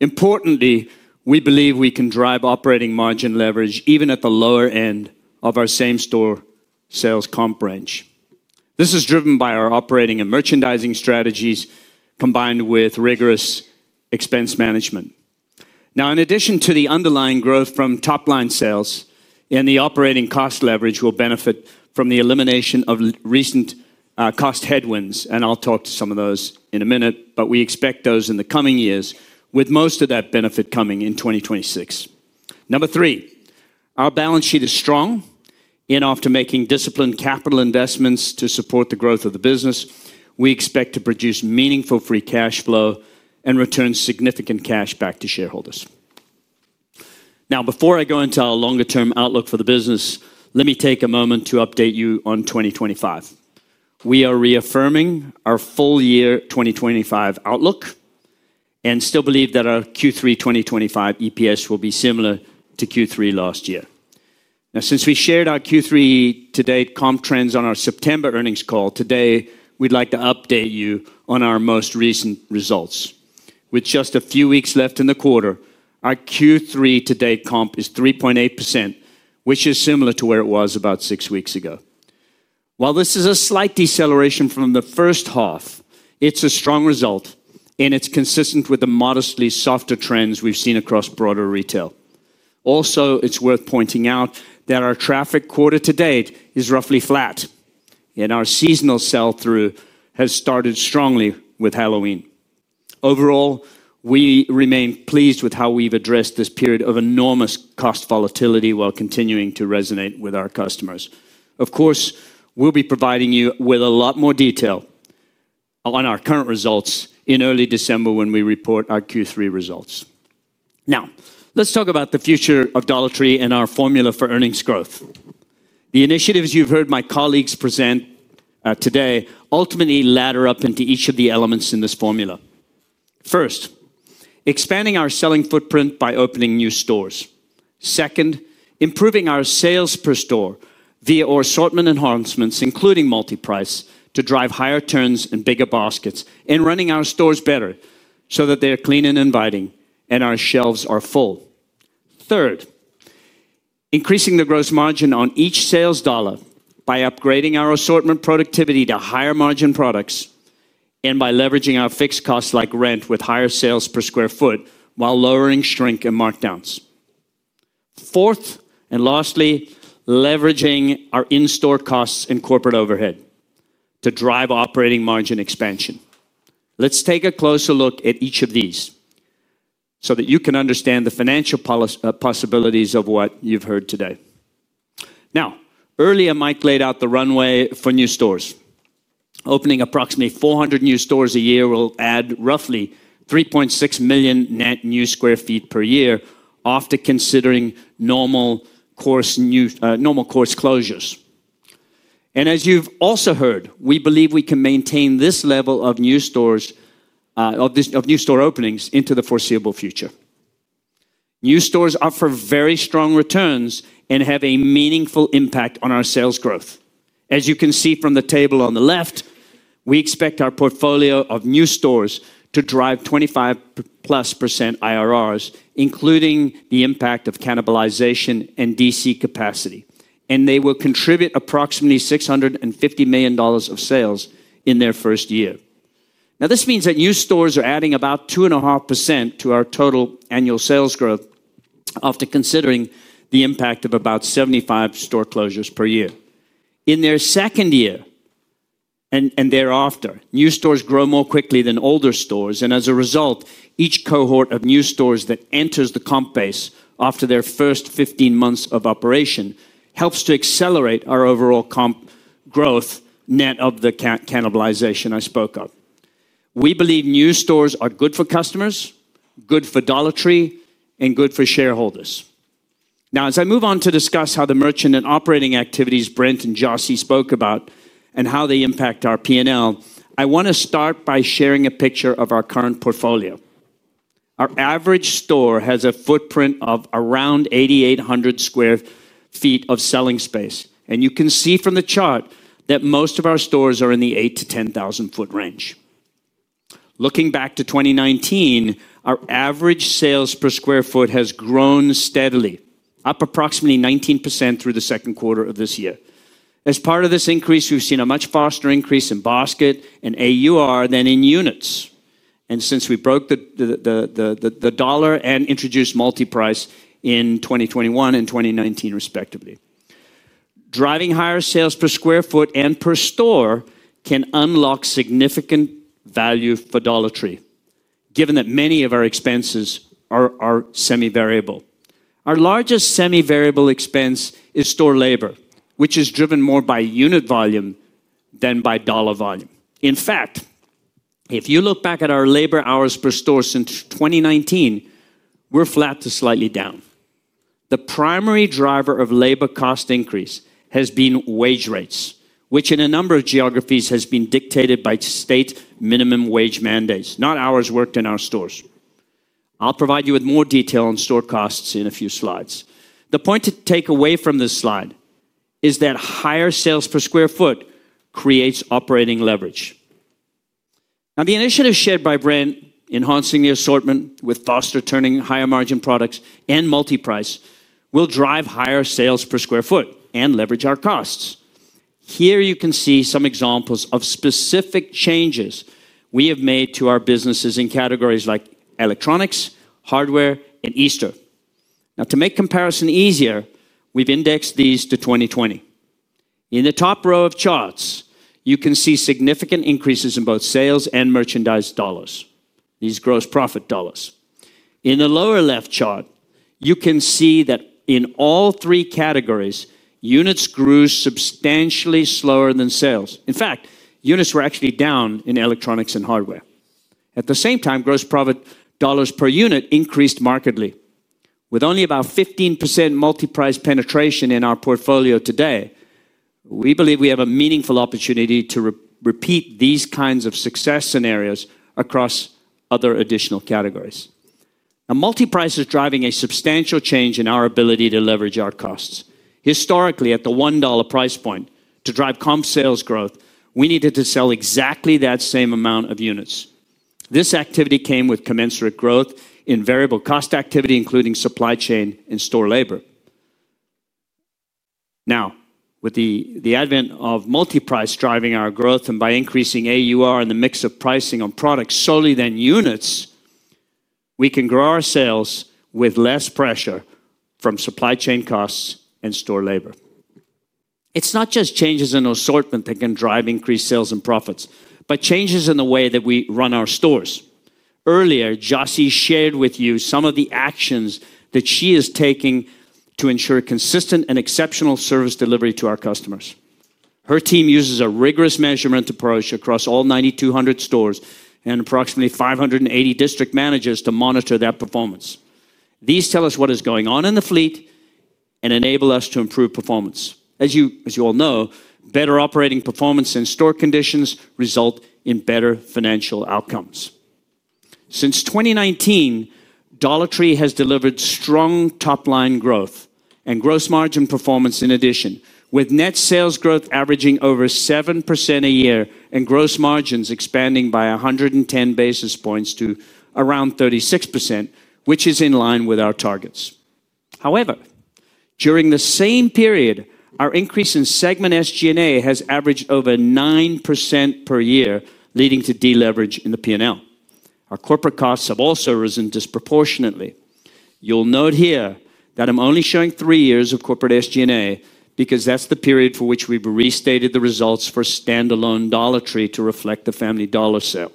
Speaker 6: Importantly, we believe we can drive operating margin leverage even at the lower end of our same-store sales comp range. This is driven by our operating and merchandising strategies combined with rigorous expense management. In addition to the underlying growth from top line sales and the operating cost, leverage will benefit from the elimination of recent cost headwinds and I'll talk to some of those in a minute, but we expect those in the coming years with most of that benefit coming in 2026. Number three, our balance sheet is strong enough to make disciplined capital investments to support the growth of the business. We expect to produce meaningful free cash flow and return significant cash back to shareholders. Before I go into our longer term outlook for the business, let me take a moment to update you on 2025. We are reaffirming our full year 2025 outlook and still believe that our Q3 2025 EPS will be similar to Q3 last year. Since we shared our Q3 to date comp trends on our September earnings call, today we'd like to update you on our most recent results. With just a few weeks left in the quarter, our Q3 to date comp is 3.8%, which is similar to where it was about six weeks ago. While this is a slight deceleration from the first half, it's a strong result and it's consistent with the modestly softer trends we've seen across broader retail. Also, it's worth pointing out that our traffic quarter to date is roughly flat and our seasonal sell-through has started strongly with Halloween. Overall, we remain pleased with how we've addressed this period of enormous cost volatility while continuing to resonate with our customers. Of course, we'll be providing you with a lot more detail on our current results in early December when we report our Q3 results. Now let's talk about the future of Dollar Tree and our formula for earnings growth. The initiatives you've heard my colleagues present today ultimately ladder up into each of the elements in this formula. First, expanding our selling footprint by opening new stores. Second, improving our sales per store via our assortment enhancements including multi-price to drive higher turns and bigger baskets, and running our stores better so that they are clean and inviting and our shelves are full. Third, increasing the gross margin on each sales dollar by upgrading our assortment productivity to higher margin products and by leveraging our fixed costs like rent with higher sales per square foot while lowering shrink and markdowns. Fourth, and lastly, leveraging our in-store costs and corporate overhead to drive operating margin expansion. Let's take a closer look at each of these so that you can understand the financial possibilities of what you've heard today. Now, earlier Mike laid out the runway for new stores. Opening approximately 400 new stores a year will add roughly 3.6 million net new square feet per year after considering normal course closures. As you've also heard, we believe we can maintain this level of new store openings into the foreseeable future. New stores offer very strong returns and have a meaningful impact on our sales growth. As you can see from the table on the left, we expect our portfolio of new stores to drive 25+% IRRs, including the impact of cannibalization and DC capacity, and they will contribute approximately $650 million of sales in their first year. This means that new stores are adding about 2.5% to our total annual sales growth after considering the impact of about 75 store closures per year in their second year and thereafter. New stores grow more quickly than older stores and as a result, each cohort of new stores that enters the comp base after their first 15 months of operation helps to accelerate our overall comp growth. Net of the cannibalization I spoke of, we believe new stores are good for customers, good for Dollar Tree, and good for shareholders. Now as I move on to discuss how the merchant and operating activities Brent and Jocy spoke about and how they impact our P&L, I want to start by sharing a picture of our current portfolio. Our average store has a footprint of around 8,800 sq ft of selling space and you can see from the chart that most of our stores are in the 8,000 ft-10,000 ft range. Looking back to 2019, our average sales per square foot has grown steadily, up approximately 19% through the second quarter of this year. As part of this increase, we've seen a much faster increase in basket and AUR than in units. Since we broke the dollar and introduced multi-price in 2021 and 2019 respectively, driving higher sales per square foot and per store can unlock significant value for Dollar Tree. Given that many of our expenses are semi-variable, our largest semi-variable expense is store labor, which is driven more by unit volume than by dollar volume. In fact, if you look back at our labor hours per store since 2019, we're flat to slightly down. The primary driver of labor cost increase has been wage rates, which in a number of geographies has been dictated by state minimum wage mandates, not hours worked in our stores. I'll provide you with more detail on store costs in a few slides. The point to take away from this slide is that higher sales per square foot creates operating leverage. The initiatives shared by Brent, enhancing the assortment with faster turning, higher margin products and multi-price, will drive higher sales per square foot and leverage our costs. Here you can see some examples of specific changes we have made to our businesses in categories like electronics, hardware, and Easter. To make comparison easier, we've indexed these to 2020. In the top row of charts, you can see significant increases in both sales and merchandise dollars. These are gross profit dollars. In the lower left chart, you can see that in all three categories, units grew substantially slower than sales. Units were actually down in electronics and hardware. At the same time, gross profit dollars per unit increased markedly. With only about 15% multi-price penetration in our portfolio today, we believe we have a meaningful opportunity to repeat these kinds of success scenarios across other additional categories. Multi-price is driving a substantial change in our ability to leverage our costs. Historically, at the $1 price point, to drive comp sales growth, we needed to sell exactly that same amount of units. This activity came with commensurate growth in variable cost activity, including supply chain and store labor. Now, with the advent of multi-price driving our growth, and by increasing AUR and the mix of pricing on products, rather than units, we can grow our sales with less pressure from supply chain costs and store labor. It's not just changes in assortment that can drive increased sales and profits, but changes in the way that we run our stores. Earlier, Jocy shared with you some of the actions that she is taking to ensure consistent and exceptional service delivery to our customers. Her team uses a rigorous measurement approach across all 9,200 stores and approximately 580 district managers to monitor their performance. These tell us what is going on in the fleet and enable us to improve performance. As you all know, better operating performance in store conditions result in better financial outcomes. Since 2019, Dollar Tree has delivered strong top line growth and gross margin performance in addition, with net sales growth averaging over 7% a year and gross margins expanding by 110 basis points to around 36%, which is in line with our targets. However, during the same period, our increase in segment SG&A has averaged over 9% per year, leading to deleverage in the P&L. Our corporate costs have also risen disproportionately. You'll note here that I'm only showing three years of corporate SG&A because that's the period for which we've restated the results for standalone Dollar Tree to reflect the Family Dollar sale.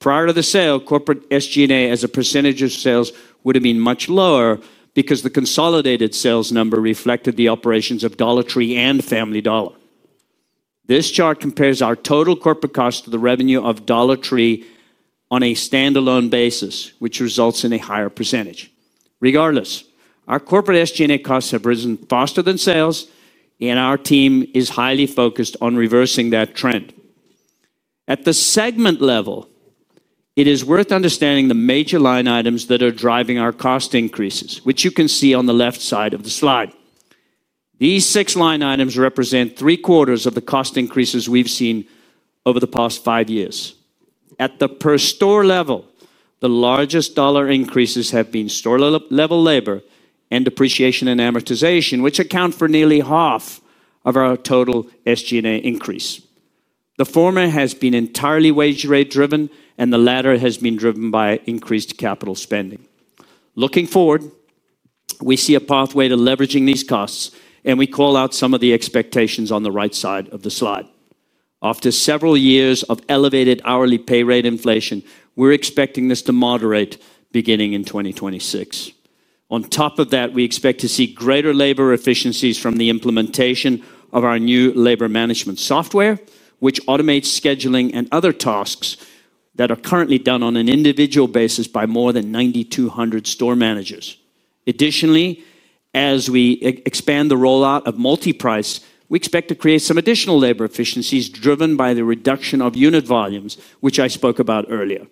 Speaker 6: Prior to the sale, corporate SG&A as a percentage of sales would have been much lower than because the consolidated sales number reflected the operations of Dollar Tree and Family Dollar. This chart compares our total corporate cost to the revenue of Dollar Tree on a standalone basis, which results in a higher percentage. Regardless, our corporate SG&A costs have risen faster than sales and our team is highly focused on reversing that trend. At the segment level, it is worth understanding the major line items that are driving our cost increases which you can see on the left side of the slide. These six line items represent three quarters of the cost increases we've seen over the past five years. At the per store level, the largest dollar increases have been store level labor and depreciation and amortization, which account for nearly half of our total SG&A increase. The former has been entirely wage rate driven and the latter has been driven by increased capital spending. Looking forward, we see a pathway to leveraging these costs and we call out some of the expectations on the right side of the slide. After several years of elevated hourly pay rate inflation, we're expecting this to moderate beginning in 2026. On top of that, we expect to see greater labor efficiencies from the implementation of our new labor management software, which automates scheduling and other tasks that are currently done on an individual basis by more than 9,200 store managers. Additionally, as we expand the rollout of multi-price, we expect to create some additional labor efficiencies driven by the reduction of unit volumes, which I spoke about earlier.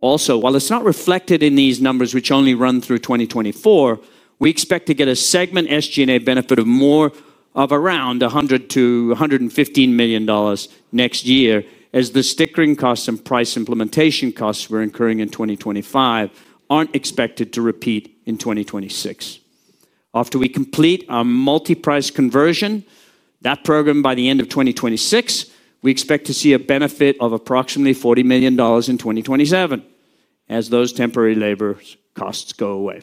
Speaker 6: Also, while it's not reflected in these numbers, which only run through 2024, we expect to get a segment SG&A benefit of around $100 million-$115 million next year as the stickering costs and price implementation costs we're incurring in 2025 aren't expected to repeat in 2026. After we complete our multi-price conversion program by the end of 2026, we expect to see a benefit of approximately $40 million in 2027 as those temporary labor costs go away.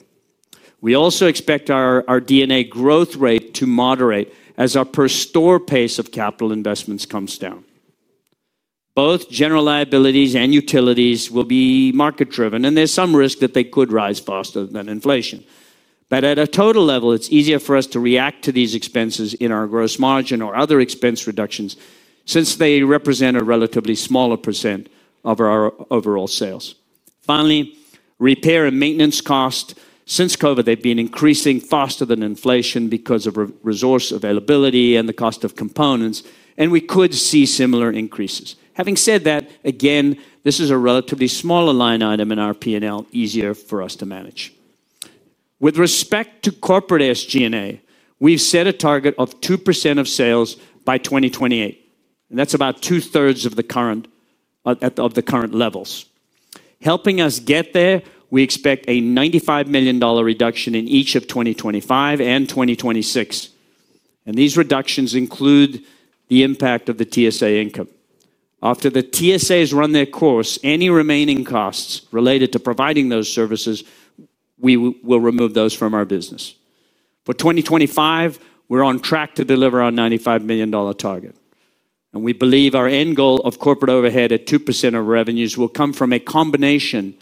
Speaker 6: We also expect our D&A growth rate to moderate as our per store pace of capital investments comes down. Both general liabilities and utilities will be market driven, and there's some risk that they could rise faster than inflation. At a total level, it's easier for us to react to these expenses in our gross margin or other expense reductions since they represent a relatively smaller percentage of our overall sales. Finally, repair and maintenance costs since COVID have been increasing faster than inflation because of resource availability and the cost of components, and we could see similar increases. Having said that, again, this is a relatively smaller line item in our P&L, easier for us to manage. With respect to corporate SG&A, we've set a target of 2% of sales by 2028, and that's about 2/3 of the current levels helping us get there. We expect a $95 million reduction in each of 2025 and 2026, and these reductions include the impact of the TSA income after the TSAs run their course. Any remaining costs related to providing those services, we will remove those from our business for 2025. We're on track to deliver our $95 million target, and we believe our end goal of corporate overhead at 2% of revenues will come from a combination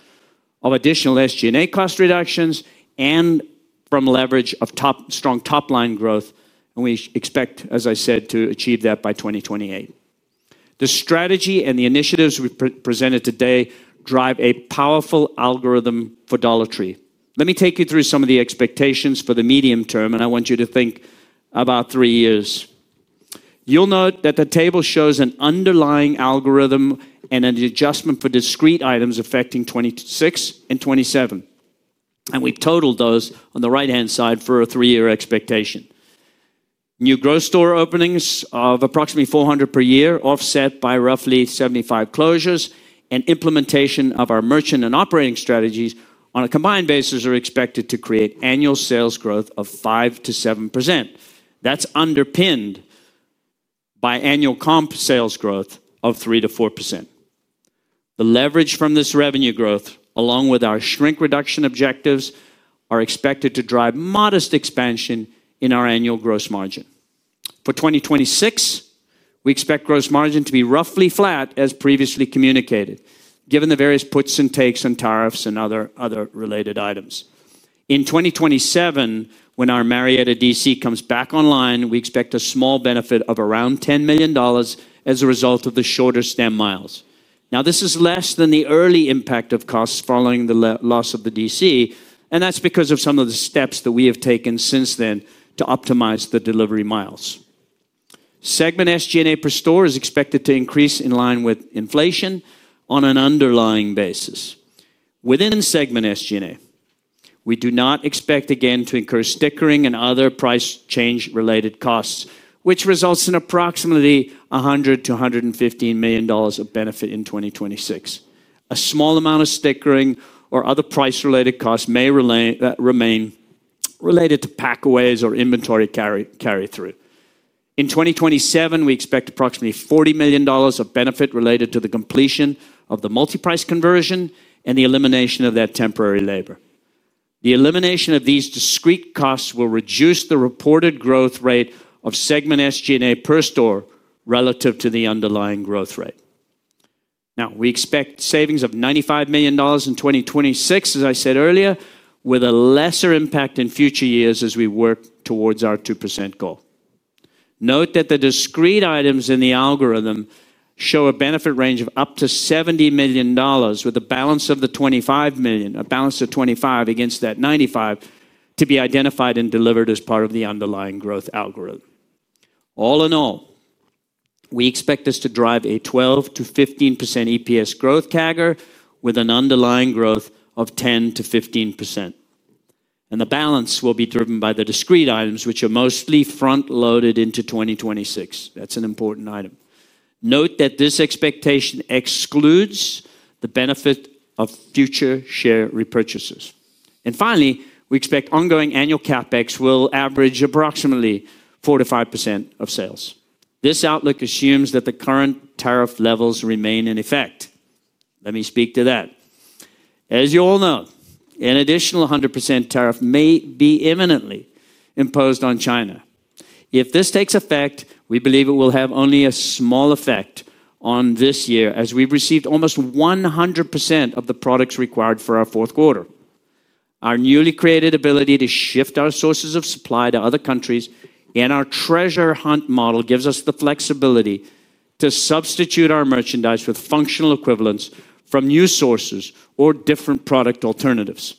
Speaker 6: of additional SG&A cost reductions and from leverage of strong top line growth. We expect, as I said, to achieve that by 2028. The strategy and the initiatives we presented today drive a powerful algorithm for Dollar Tree. Let me take you through some of the expectations for the medium term, and I want you to think about three years. You'll note that the table shows an underlying algorithm and an adjustment for discrete items affecting 2026 and 2027, and we totaled those on the right-hand side for a three-year expectation. New grocery store openings of approximately 400 per year, offset by roughly 75 closures and implementation of our merchant and operating strategies on a combined basis, are expected to create annual sales growth of 5%-7%. That's underpinned by annual comp sales growth of 3%-4%. The leverage from this revenue growth, along with our shrink reduction objectives, are expected to drive modest expansion in our annual gross margin for 2026. We expect gross margin to be roughly flat as previously communicated, given the various puts and takes on tariffs and other related items. In 2027, when our Marietta DC comes back online, we expect a small benefit of around $10 million as a result of the shorter stem miles. Now, this is less than the early impact of costs following the loss of the DC, and that's because of some of the steps that we have taken since then to optimize the delivery miles. Segment SG&A per store is expected to increase in line with inflation on an underlying basis. Within segment SG&A, we do not expect again to incur stickering and other price change related costs, which results in approximately $100 million-$115 million of benefit in 2026. A small amount of stickering or other price-related costs may remain related to packaways or inventory carry-through. In 2027, we expect approximately $40 million of benefit related to the completion of the multi-price conversion and the elimination of that temporary labor. The elimination of these discrete costs will reduce the reported growth rate of segment SG&A per store relative to the underlying growth rate. We expect savings of $95 million in 2026, as I said earlier, with a lesser impact in future years as we work towards our 2% goal. Note that the discrete items in the algorithm show a benefit range of up to $70 million, with a balance of $25 million, a balance of $25 million against that $95 million to be identified and delivered as part of the underlying growth algorithm. All in all, we expect this to drive a 12%-15% EPS growth CAGR, with an underlying growth of 10%-15%, and the balance will be driven by the discrete items, which are mostly front-loaded into 2026. That's an important item. Note that this expectation excludes the benefit of future share repurchases. Finally, we expect ongoing annual CapEx will average approximately 4%-5% of sales. This outlook assumes that the current tariff levels remain in effect. Let me speak to that. As you all know, an additional 100% tariff may be imminently imposed on China. If this takes effect, we believe it will have only a small effect on this year as we've received almost 100% of the products required for our fourth quarter. Our newly created ability to shift our sources of supply to other countries and our treasure hunt model gives us the flexibility to substitute our merchandise with functional equivalents from new sources or different product alternatives.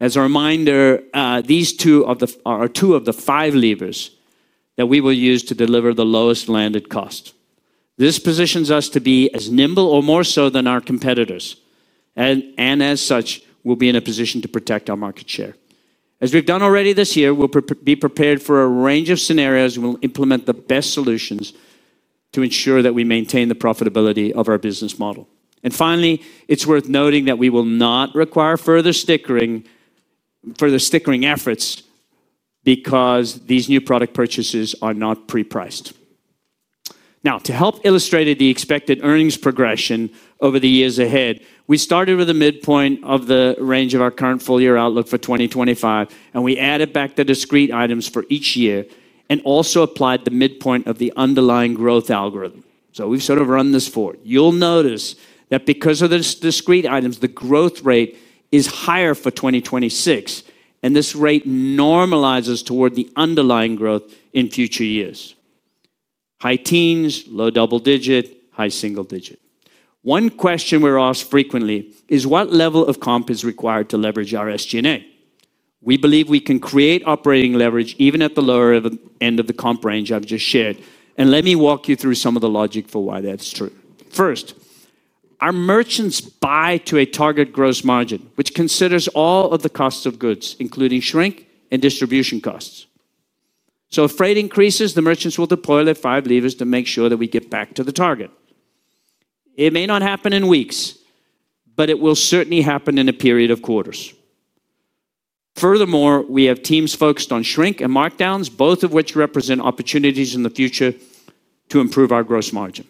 Speaker 6: As a reminder, these are two of the five levers that we will use to deliver the lowest landed cost. This positions us to be as nimble or more so than our competitors, and as such we'll be in a position to protect our market share. As we've done already this year, we'll be prepared for a range of scenarios. We'll implement the best solutions to ensure that we maintain the profitability of our business model. Finally, it's worth noting that we will not require further stickering efforts because these new product purchases are not pre-priced. Now, to help illustrate the expected earnings progression over the years ahead, we started with the midpoint of the range of our current full year outlook for 2025 and we added back the discrete items for each year. We also applied the midpoint of the underlying growth algorithm. We've sort of run this forward. You'll notice that because of the discrete items, the growth rate is higher for 2026 and this rate normalizes toward the underlying growth in future years. High teens, low double digit, high single digit. One question we're asked frequently is what level of comp is required to leverage our SG&A. We believe we can create operating leverage even at the lower end of the comp range I've just shared, and let me walk you through some of the logic for why that's true. First, our merchants buy to a target gross margin which considers all of the cost of goods, including shrink and distribution costs. If freight increases, the merchants will deploy their five levers to make sure that we get back to the target. It may not happen in weeks, but it will certainly happen in a period of quarters. Furthermore, we have teams focused on shrink and markdowns, both of which represent opportunities in the future to improve our gross margin.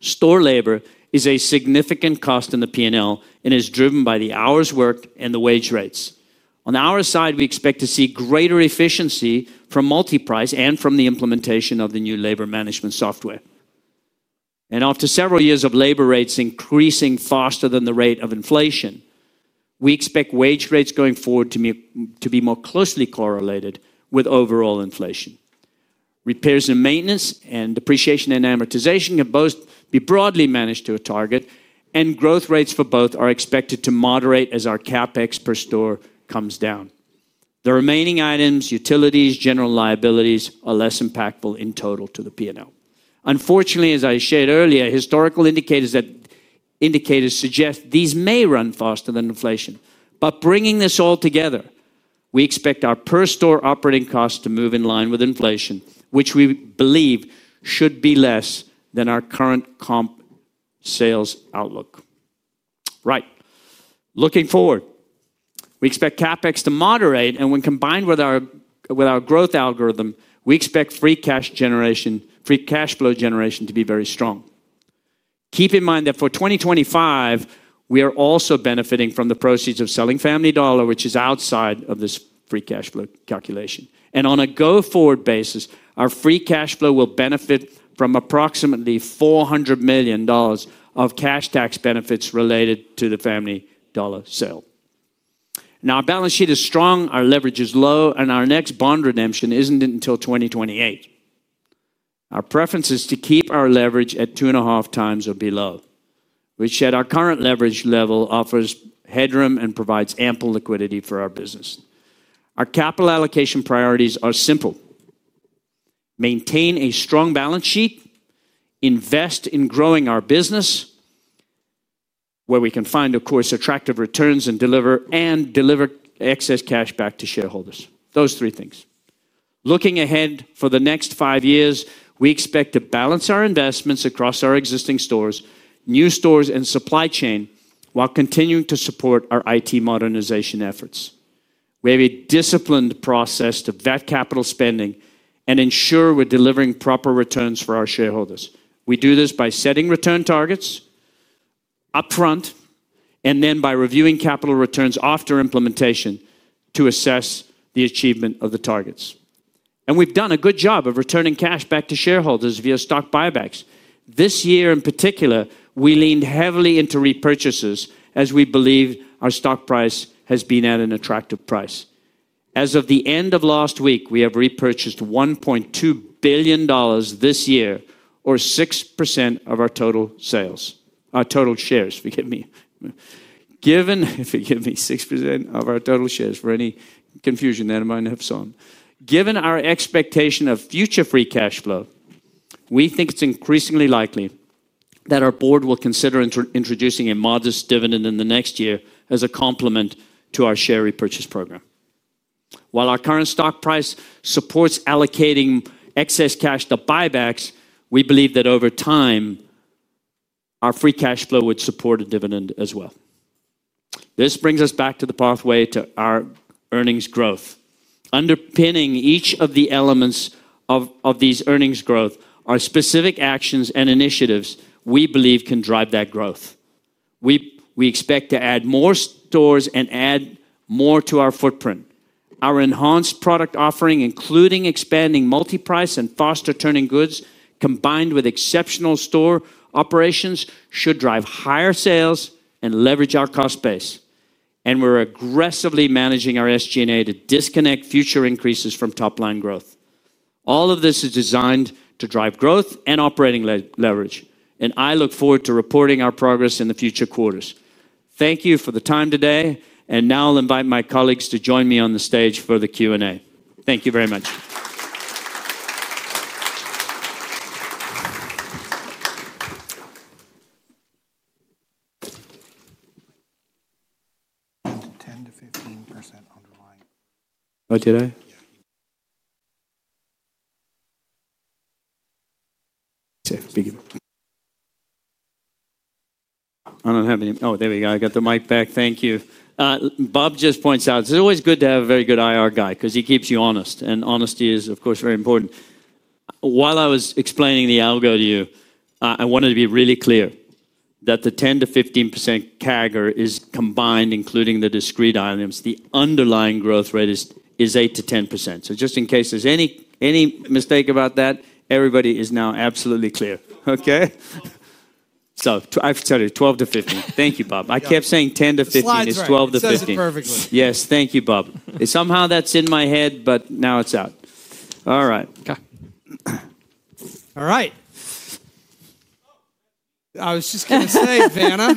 Speaker 6: Store labor is a significant cost in the P&L and is driven by the hours worked and the wage rates. On our side, we expect to see greater efficiency from multi-price and from the implementation of the new labor management software. After several years of labor rates increasing faster than the rate of inflation, we expect wage rates going forward to be more closely correlated with overall inflation. Repairs and maintenance and depreciation and amortization can both be broadly managed to a target, and growth rates for both are expected to moderate as our CapEx per store comes down. The remaining items, utilities, general liabilities, are less impactful in total to the P&L. Unfortunately, as I shared earlier, historical indicators suggest these may run faster than inflation. Bringing this all together, we expect our per store operating costs to move in line with inflation, which we believe should be less than our current comp sales outlook. Right? Looking forward, we expect CapEx to moderate, and when combined with our growth algorithm, we expect free cash generation, free cash flow generation, to be very strong. Keep in mind that for 2025 we are also benefiting from the proceeds of selling Family Dollar, which is outside of this free cash flow calculation, and on a go-forward basis, our free cash flow will benefit from approximately $400 million of cash tax benefits related to the Family Dollar sale. Now, our balance sheet is strong, our leverage is low, and our next bond redemption isn't until 2028. Our preference is to keep our leverage at 2.5x or below, which at our current leverage level offers headroom and provides ample liquidity for our business. Our capital allocation priorities are simple: maintain a strong balance sheet, invest in growing our business where we can find, of course, attractive returns, and deliver excess cash back to shareholders. Those three things. Looking ahead for the next five years, we expect to balance our investments across our existing stores, new stores, and supply chain while continuing to support our IT modernization efforts. We have a disciplined process to vet capital spending and ensure we're delivering proper returns for our shareholders. We do this by setting return targets upfront and then by reviewing capital returns after implementation to assess the achievement of the targets. We've done a good job of returning cash back to shareholders via stock buybacks. This year in particular, we leaned heavily into repurchases as we believe our stock price has been at an attractive price. As of the end of last week, we have repurchased $1.2 billion this year, or 6% of our total shares. Forgive me for any confusion that might have sown. Given our expectation of future free cash flow, we think it's increasingly likely that our board will consider introducing a modest dividend in the next year as a complement to our share repurchase program. While our current stock price supports allocating excess cash to buybacks, we believe that over time our free cash flow would support a dividend as well. This brings us back to the pathway to our earnings growth. Underpinning each of the elements of these earnings growth are specific actions and initiatives we believe can drive that growth. We expect to add more stores and add more to our footprint. Our enhanced product offering, including expanding multi-price and faster turning goods, combined with exceptional store operations, should drive higher sales and leverage our cost base. We're aggressively managing our SG&A to disconnect future increases from top line growth. All of this is designed to drive growth and operating leverage. I look forward to reporting our progress in the future quarters. Thank you for the time today. Now I'll invite my colleagues to join me on the stage for the Q&A session. Thank you very much. I don't have any. Oh, there we go. I got the mic back. Thank you, Bob just points out it's always good to have a very good IR guy because he keeps you honest and honesty is of course very important. While I was explaining the algo to you, I wanted to be really clear that the 12%-15% CAGR is combined, including the discrete items. The underlying growth rate is 8%-10%. Just in case there's any mistake about that, everybody is now absolutely clear. Okay, so I've started 12%-15%. Thank you, Bob. I kept saying 10%-15%. It's 12%-15%. Yes, thank you, Bob. Somehow that's in my head, but now it's out. All right.
Speaker 2: All right. I was just going to say Vanna.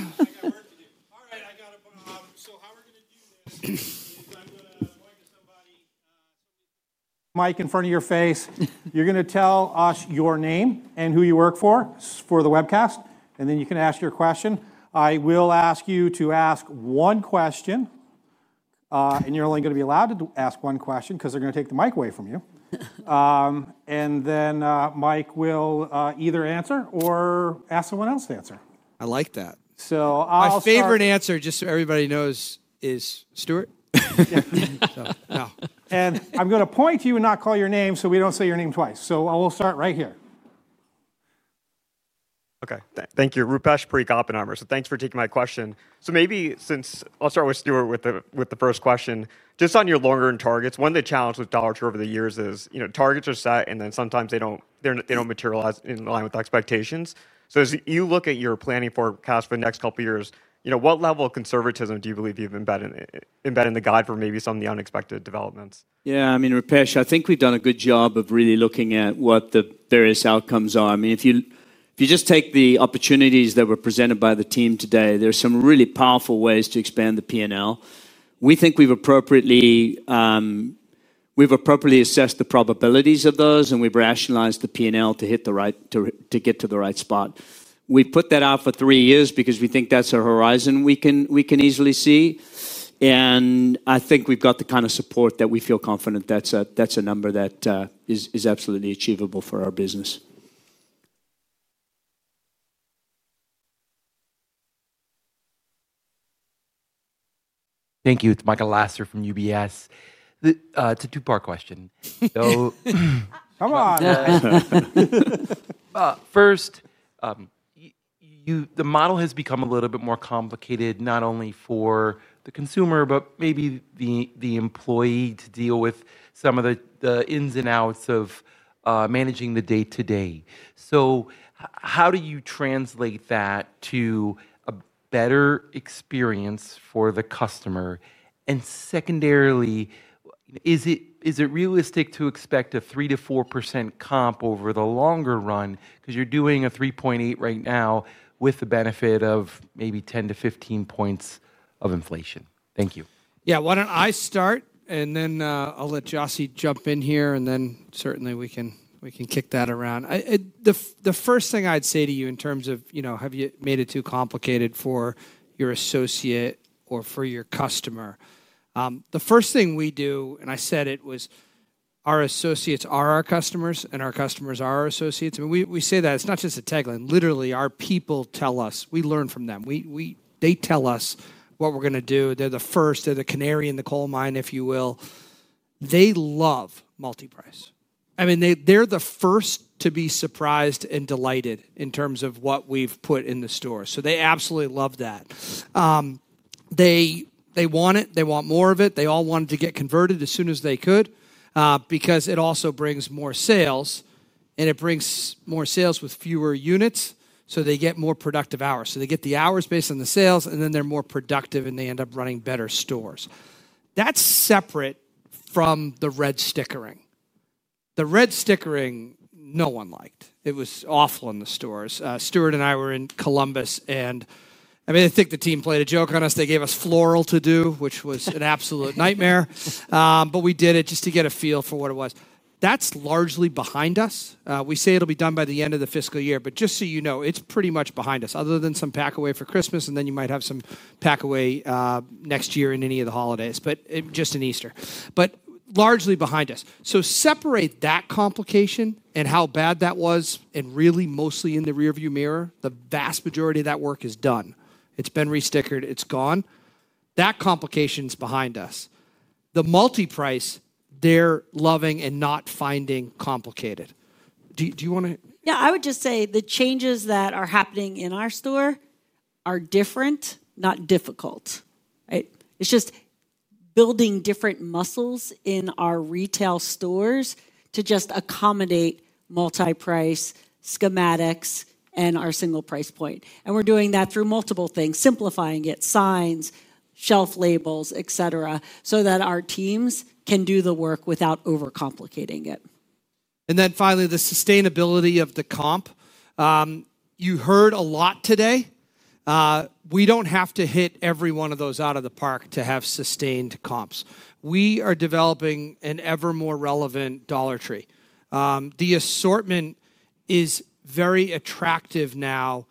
Speaker 1: Mike in front of your face. You're going to tell us your name and who you work for for the webcast, and then you can ask your question. I will ask you to ask one question, and you're only going to be allowed to ask one question because they're going to take the mic away from you, and then Mike will either answer or ask someone else to answer.
Speaker 2: I like that. My favorite answer, just so everybody knows, is Stewart.
Speaker 1: I'm going to point to you and not call your name so we don't say your name twice. I will start right here.
Speaker 7: Okay, thank you, Rupesh Parikh, Oppenheimer. Thanks for taking my question. Maybe I'll start with Stewart with the first question just on your longer targets. One of the challenge with Dollar Tree over the years is, you know, targets are set and then sometimes they don't, they don't materialize in line with expectations. As you look at your planning forecast for the next couple years, you know, what level of conservatism do you believe you've embedded in the guide for maybe some of the unexpected developments?
Speaker 6: Yeah, I mean, I think we've done a good job of really looking at what the various outcomes are. If you just take the opportunities that were presented by the team today, there are some really powerful ways to expand the P&L. We think we've appropriately assessed the probabilities of those and we've rationalized the P&L to get to the right spot. We put that out for three years because we think that's a horizon we can easily see. I think we've got the kind of support that we feel confident that's a number that is absolutely achievable for our business.
Speaker 8: Thank you. It's Michael Lasser from UBS. It's a two-part question. First, the model has become a little bit more complicated, not only for the consumer, but maybe the employee to deal with some of the ins and outs of managing the day to day. How do you translate that to a better experience for the customer? Secondarily, is it realistic to expect a 3%-4% comp over the longer run? You're doing a 3.8% right now with the benefit of maybe [10 to 15 points] of inflation. Thank you.
Speaker 2: Yeah, why don't I start and then I'll let Jocy jump in here and then certainly we can kick that around. The first thing I'd say to you in terms of, you know, have you made it too complicated for your associate or for your customer? The first thing we do, and I said it, was our associates are our customers and our customers are our associates. We say that, it's not just a tagline. Literally, our people tell us, we learn from them. They tell us what we're going to do. They're the first. They're the canary in the coal mine, if you will. They love multi-price. I mean, they're the first to be surprised and delighted in terms of what we've put in the store. They absolutely love that. They want it, they want more of it. They all wanted to get converted as soon as they could because it also brings more sales and it brings more sales with fewer units. They get more productive hours. They get the hours based on the sales and then they're more productive and they end up running better stores. That's separate from the red stickering. The red stickering, no one liked. It was awful in the stores. Stewart and I were in Columbus and I think the team played a joke on us. They gave us floral to do, which was an absolute nightmare. We did it just to get a feel for what it was. That's largely behind us. We say it'll be done by the end of the fiscal year, but just so you know, it's pretty much behind us other than some pack away for Christmas and then you might have some pack away next year in any of the holidays, just an Easter, but largely behind us. Separate that complication and how bad that was. Really, mostly in the rear view mirror. The vast majority of that work is done. It's been restickered, it's gone. That complication is behind us. The multi-price they're loving and not finding complicated. Do you want to.
Speaker 4: Yeah. I would just say the changes that are happening in our store are different, not difficult. It's just building different muscles in our retail stores to just accommodate multi-price schematics and our single price point. We're doing that through multiple things, simplifying it, signs, shelf labels, etc., so that our teams can do the work without overcomplicating it.
Speaker 2: Finally, the sustainability of the comp. You heard a lot today. We don't have to hit every one of those out of the park to have sustained comps. We are developing an ever more relevant Dollar Tree. The assortment is very attractive now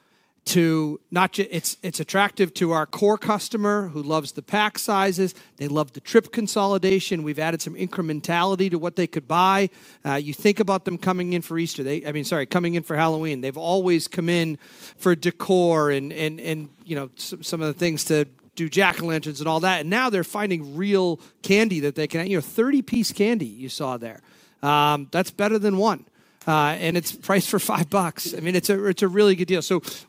Speaker 2: too. It's attractive to our core customer who loves the pack sizes, they love the trip consolidation. We've added some incrementality to what they could buy. You think about them coming in for Halloween. They've always come in for decor and some of the things to do, jack o' lanterns and all that. Now they're finding real candy that they can, you know, 30 piece candy you saw there, that's better than one and it's priced for $5. It's a really good deal.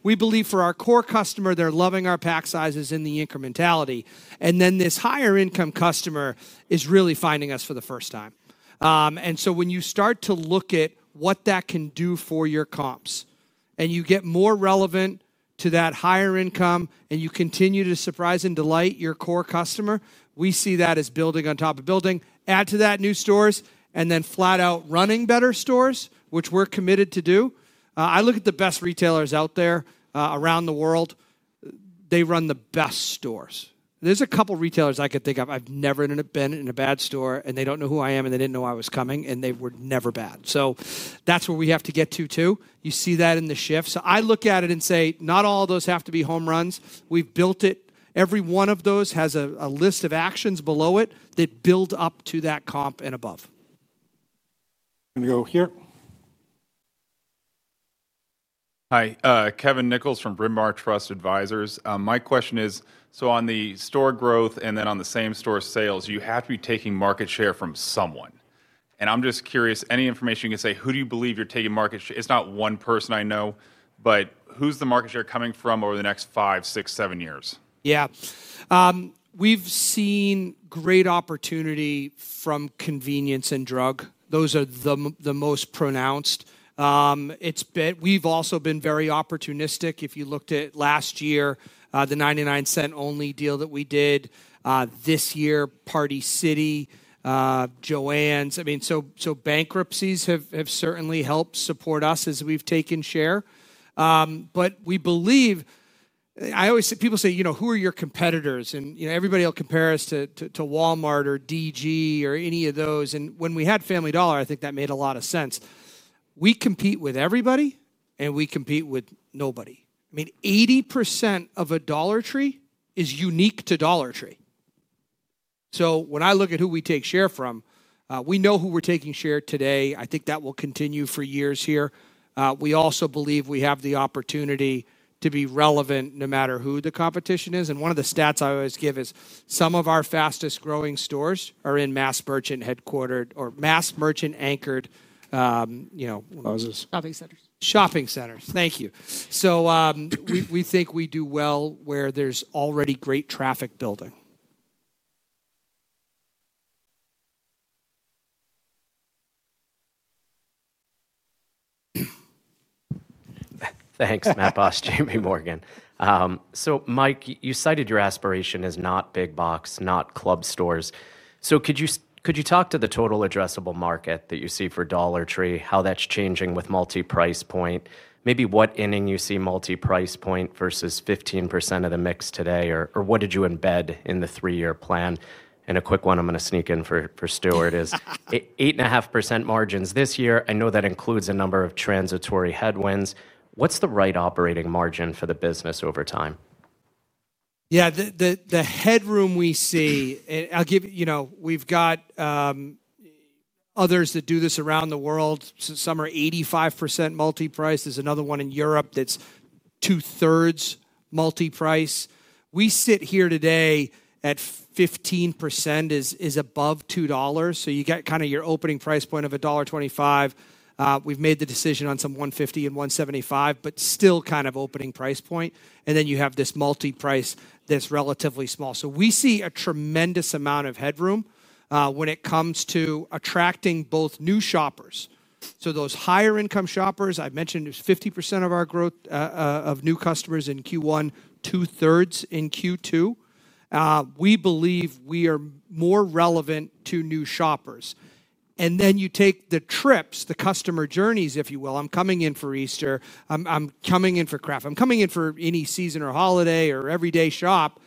Speaker 2: We believe for our core customer, they're loving our pack sizes in the incrementality and then this higher income customer is really finding us for the first time. When you start to look at what that can do for your comps and you get more relevant to that higher income and you continue to surprise and delight your core customer, we see that as building on top of building. Add to that new stores and then flat out running better stores, which we're committed to do. I look at the best retailers out there around the world, they run the best stores. There's a couple retailers I could think of. I've never been in a bad store and they don't know who I am and they didn't know I was coming and they were never bad. That's where we have to get to too. You see that in the shift. I look at it and say not all those have to be home runs. We've built it. Every one of those has a list of actions below it that build up to that comp and above.
Speaker 9: Hi, Kevin Nichols from Bryn Mawr Trust Advisors. My question is on the store growth and then on the same-store sales. You have to be taking market share from someone. I'm just curious, any information you can say, who do you believe you're taking market share from? It's not one person, I know, but who's the market share coming from over the next five, six, seven years?
Speaker 2: Yeah, we've seen great opportunity from convenience and drug. Those are the most pronounced. We've also been very opportunistic. If you looked at last year, the 99 Cents Only deal that we did, this year, Party City, Jo-Anns. I mean, bankruptcies have certainly helped support us as we've taken share. We believe, I always, people say, who are your competitors? Everybody will compare us to Walmart or DG or any of those. When we had Family Dollar, I think that made a lot of sense. We compete with everybody and we compete with nobody. I mean, 80% of a Dollar Tree is unique to Dollar Tree. When I look at who we take share from, we know who we're taking share today. I think that will continue for years here. We also believe we have the opportunity to be relevant no matter who the competition is. One of the stats I always give is some of our fastest growing stores are in mass merchant headquartered or mass merchant anchored shopping centers. Thank you. We think we do well where there's already great traffic building.
Speaker 10: Thanks, Matt Boss, JPMorgan. Mike, you cited your aspiration as not big box, not club stores. Could you talk to the total addressable market that you see for Dollar Tree, how that's changing with multi-price point, maybe what inning you see multi-price point versus 15% of the mix today, or what did you embed in the three-year plan? A quick one I'm going to sneak in for Stewart is 8.5% margins this year. I know that includes a number of transitory headwinds. What's the right operating margin for the business over time?
Speaker 2: Yeah, the headroom we see. I'll give you, you know, we've got others that do this around the world. Some are 85% multi-price. There's another one in Europe that's 2/3 multi-price. We sit here today at 15% is above $2. So you get kind of your opening price point of $1.25. We've made the decision on some $1.50 and $1.75 but still kind of opening price point, and then you have this multi-price that's relatively small. We see a tremendous amount of headroom when it comes to attracting both new shoppers. Those higher income shoppers I've mentioned, there's 50% of our growth of new customers in Q1, 2/3 in Q2. We believe we are more relevant to new shoppers. You take the trips, the customer journeys if you will. I'm coming in for Easter, I'm coming in for craft, I'm coming in for any season or holiday or everyday shop,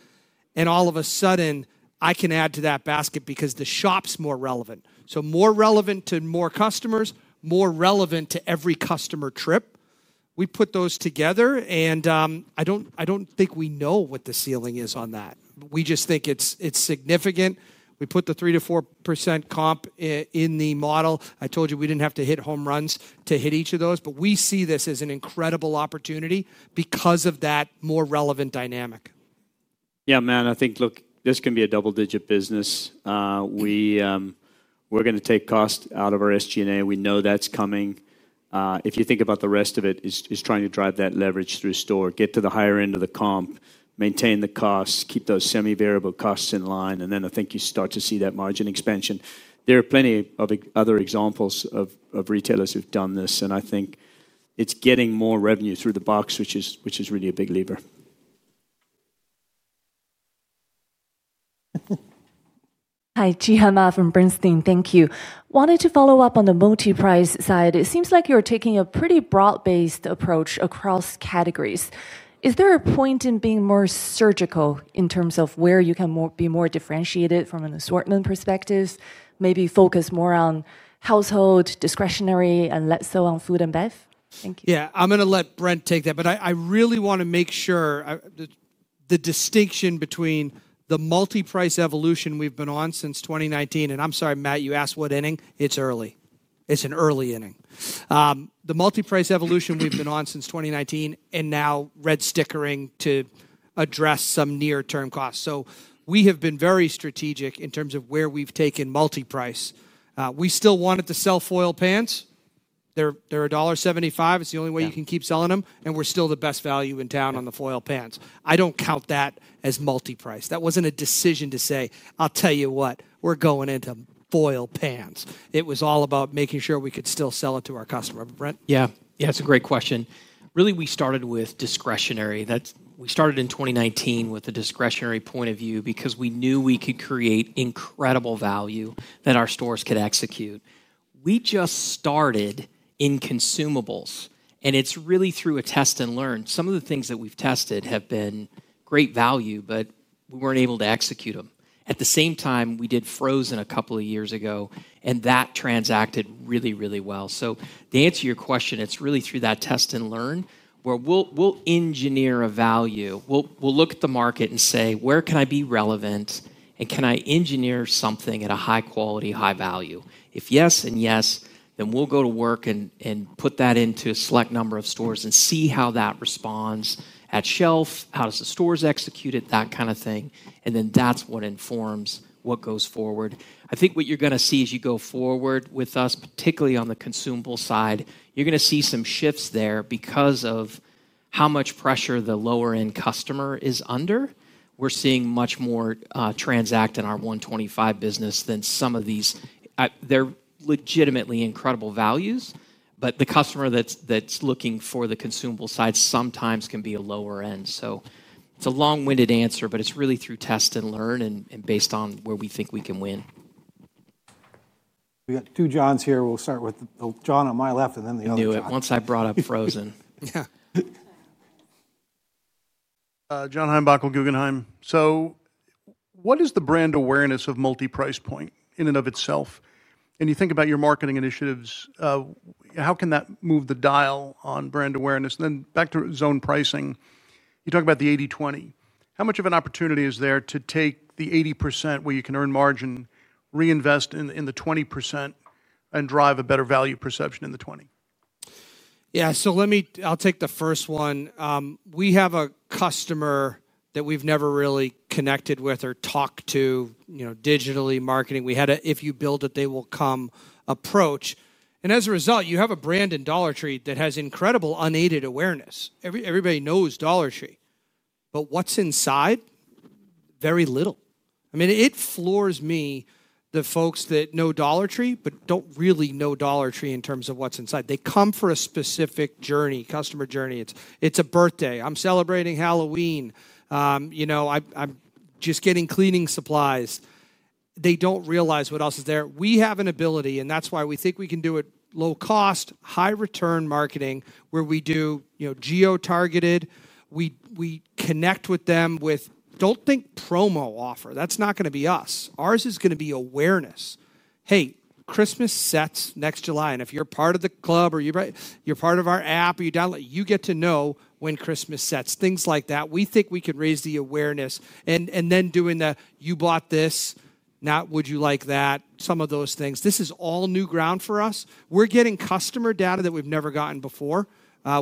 Speaker 2: and all of a sudden I can add to that basket because the shop's more relevant. More relevant to more customers, more relevant to every customer trip. We put those together, and I don't think we know what the ceiling is on that. We just think it's significant. We put the 3%-4% comp in the model. I told you we didn't have to hit home runs to hit each of those. We see this as an incredible opportunity because of that more relevant dynamic.
Speaker 6: Yeah man. I think, look, this can be a double-digit business. We're going to take cost out of our SG&A. We know that's coming. If you think about the rest of it, it is trying to drive that leverage through store, get to the higher end of the comp, maintain the costs, keep those semi-variable costs in line, and then I think you start to see that margin expansion. There are plenty of other examples of retailers who've done this, and I think it's getting more revenue through the box, which is really a big lever.
Speaker 11: Hi, Zhihan Ma from Bernstein. Thank you. Wanted to follow up on the multi-price side. It seems like you're taking a pretty broad-based approach across categories. Is there a point in being more surgical in terms of where you can be more differentiated from an assortment perspective? Maybe focus more on household discretionary and less so on food and bev. Thank you.
Speaker 2: Yeah, I'm going to let Brent take that, but I really want to make sure the distinction between the multi-price evolution we've been on since 2019. I'm sorry Ma, you asked what inning? It's early. It's an early inning. The multi-price evolution we've been on since 2019 and now red stickering to address some near-term costs. We have been very strategic in terms of where we've taken multi-price. We still wanted to sell foil pans. They're $1.75. It's the only way you can keep selling them, and we're still the best value in town on the foil pans. I don't count that as multi-price. That wasn't a decision to say I'll tell you what, we're going into foil pans. It was all about making sure we could still sell it to our customer.
Speaker 3: Yeah, yeah. It's a great question really. We started with discretionary. We started in 2019 with a discretionary point of view because we knew we could create incredible value that our stores could execute. We just started in consumables and it's really through a test and learn. Some of the things that we've tested have been great value, but we weren't able to execute them at the same time. We did frozen a couple of years ago and that transacted really, really well. The answer to your question, it's really through that test and learn where we'll engineer a value. We'll look at the market and say where can I be relevant and can I engineer something at a high quality, high value? If yes and yes, then we'll go to work and put that into a select number of stores and see how that responds at shelf, how do the stores execute it, that kind of thing. That's what informs what goes forward. I think what you're going to see as you go forward with us, particularly on the consumable side, you're going to see some shifts there because of how much pressure the lower end customer is under. We're seeing much more transact in our $1.25 business than some of these. They're legitimately incredible values. The customer that's looking for the consumable side sometimes can be a lower end. It's a long-winded answer, but it's really through test and learn and based on where we think we can win.
Speaker 1: We have two Johns here. We'll start with John on my left and then the other.
Speaker 3: I'll do it once I brought up frozen.
Speaker 12: John Heinbockel, Guggenheim. What is the brand awareness of multi price point in and of itself? You think about your marketing initiatives, how can that move the dial on band awareness? And then back to zone pricing. You talk about the 80/20. How much of an opportunity is there to take the 80% where you can earn margin, reinvest in the 20%, and drive a better value perception in the 2020s?
Speaker 2: Yeah. Let me take the first one. We have a customer that we've never really connected with or talked to digitally marketing. We had a if you build it they will come approach, and as a result, you have a brand in Dollar Tree that has incredible unaided awareness. Everybody knows Dollar Tree, but what's inside, very little. It floors me, the folks that know Dollar Tree but don't really know Dollar Tree in terms of what's inside. They come for a specific journey, customer journey. It's a birthday, I'm celebrating Halloween, you know, I'm just getting cleaning supplies. They don't realize what else is there. We have an ability, and that's why we think we can do it. Low cost, high return marketing where we do geo targeted, we connect with them with don't think promo offer. That's not going to be us. Ours is going to be awareness. Hey, Christmas sets next July, and if you're part of the club or you're part of our app or you download, you get to know when Christmas sets, things like that. We think we can raise the awareness, and then doing the you bought this, not would you like that, some of those things. This is all new ground for us. We're getting customer data that we've never gotten before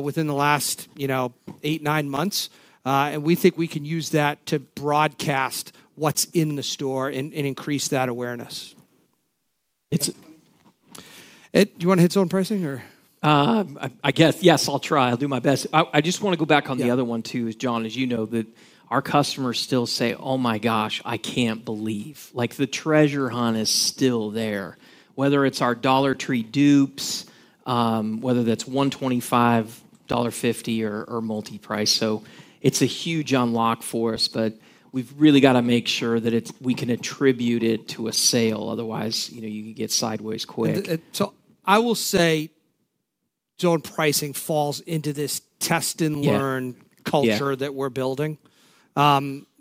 Speaker 2: within the last eight, nine months, and we think we can use that to broadcast what's in the store and increase that awareness. Brent, do you want to hit sell on pricing?
Speaker 3: I guess yes, I'll try, I'll do my best. I just want to go back on the other one too. John, as you know that our customers still say oh my gosh I can't believe like the treasure hunt is still there whether it's our Dollar Tree dupes, whether that's $1.25, $1.50, or multi price. It's a huge unlock for us, but we've really got to make sure that we can attribute it to a sale, otherwise you know you could get sideways quick.
Speaker 2: Zone pricing falls into this test and learn culture that we're building.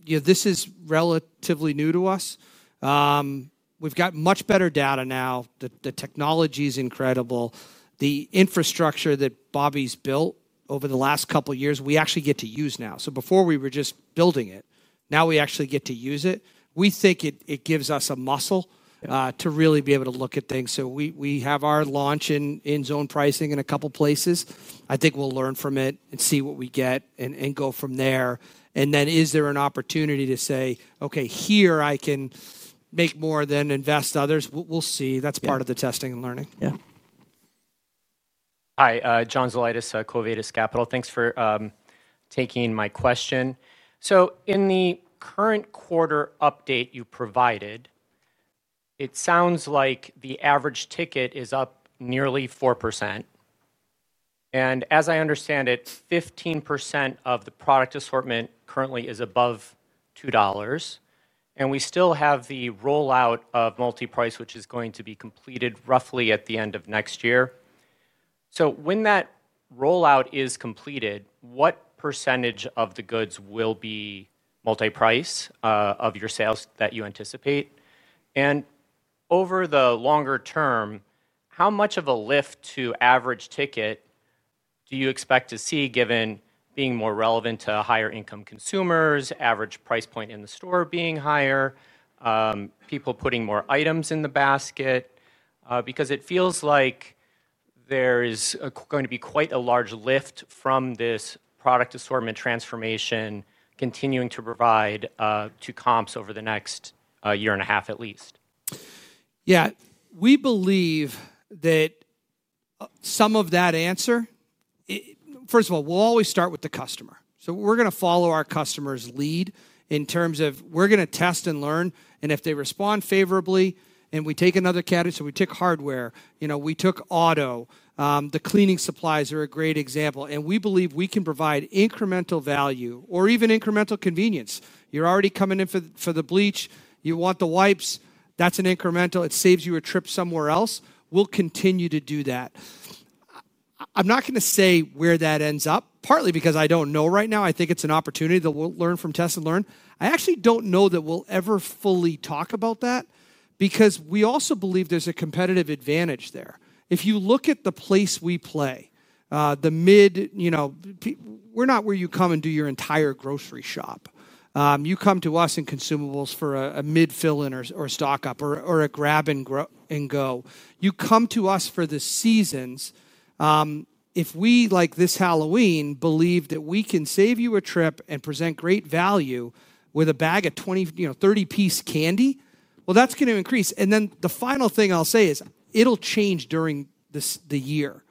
Speaker 2: This is relatively new to us. We've got much better data now. The technology is incredible. The infrastructure that Bobby's built over the last couple years we actually get to use now. Before we were just building it, now we actually get to use it. We think it gives us a muscle to really be able to look at things. We have our launch in zone pricing in a couple places. I think we'll learn from it and see what we get and go from there. Is there an opportunity to say okay here I can make more than invest others? We'll see. That's part of the testing and learning. Yeah. Hi, John [Zelaitis], Covitus Capital. Thanks for taking my question. In the current quarter update you provided, it sounds like the average ticket is up nearly 4%, and as I understand it, 15% of the product assortment currently is above $2. We still have the rollout of multi-price, which is going to be completed roughly at the end of next year. When that rollout is completed, what percentage of the goods will be multi-price of your sales that you anticipate? Over the longer term, how much of a lift to average ticket do you expect to see given being more relevant to higher income consumers, average price point in the store being higher, people putting more items in the basket? Because it feels like there is going to be quite a large lift from this product assortment transformation continuing to provide to comps over the next year and a half at least. Yeah, we believe that some of that answer. First of all, we'll always start with the customer. We're going to follow our customer's lead in terms of we're going to test and learn, and if they respond favorably and we take another category. We took hardware, you know, we took auto. The cleaning supplies are a great example. We believe we can provide incremental value or even incremental convenience. You're already coming in for the bleach, you want the wipes, that's an incremental. It saves you a trip somewhere else. We'll continue to do that. I'm not going to say where that ends up partly because I don't know right now. I think it's an opportunity that we'll learn from. Test and learn. I actually don't know that we'll ever fully talk about that because we also believe there's a competitive advantage there. If you look at the place we play, the mid, you know, we're not where you come and do your entire grocery shop. You come to us in consumables for a mid fill in or stock up or a grab and go. You come to us for the seasons. If we, like this Halloween, believe that we can save you a trip and present great value with a bag of 20, you know, 30 piece candy, that's going to increase. The final thing I'll say is it'll change during the year,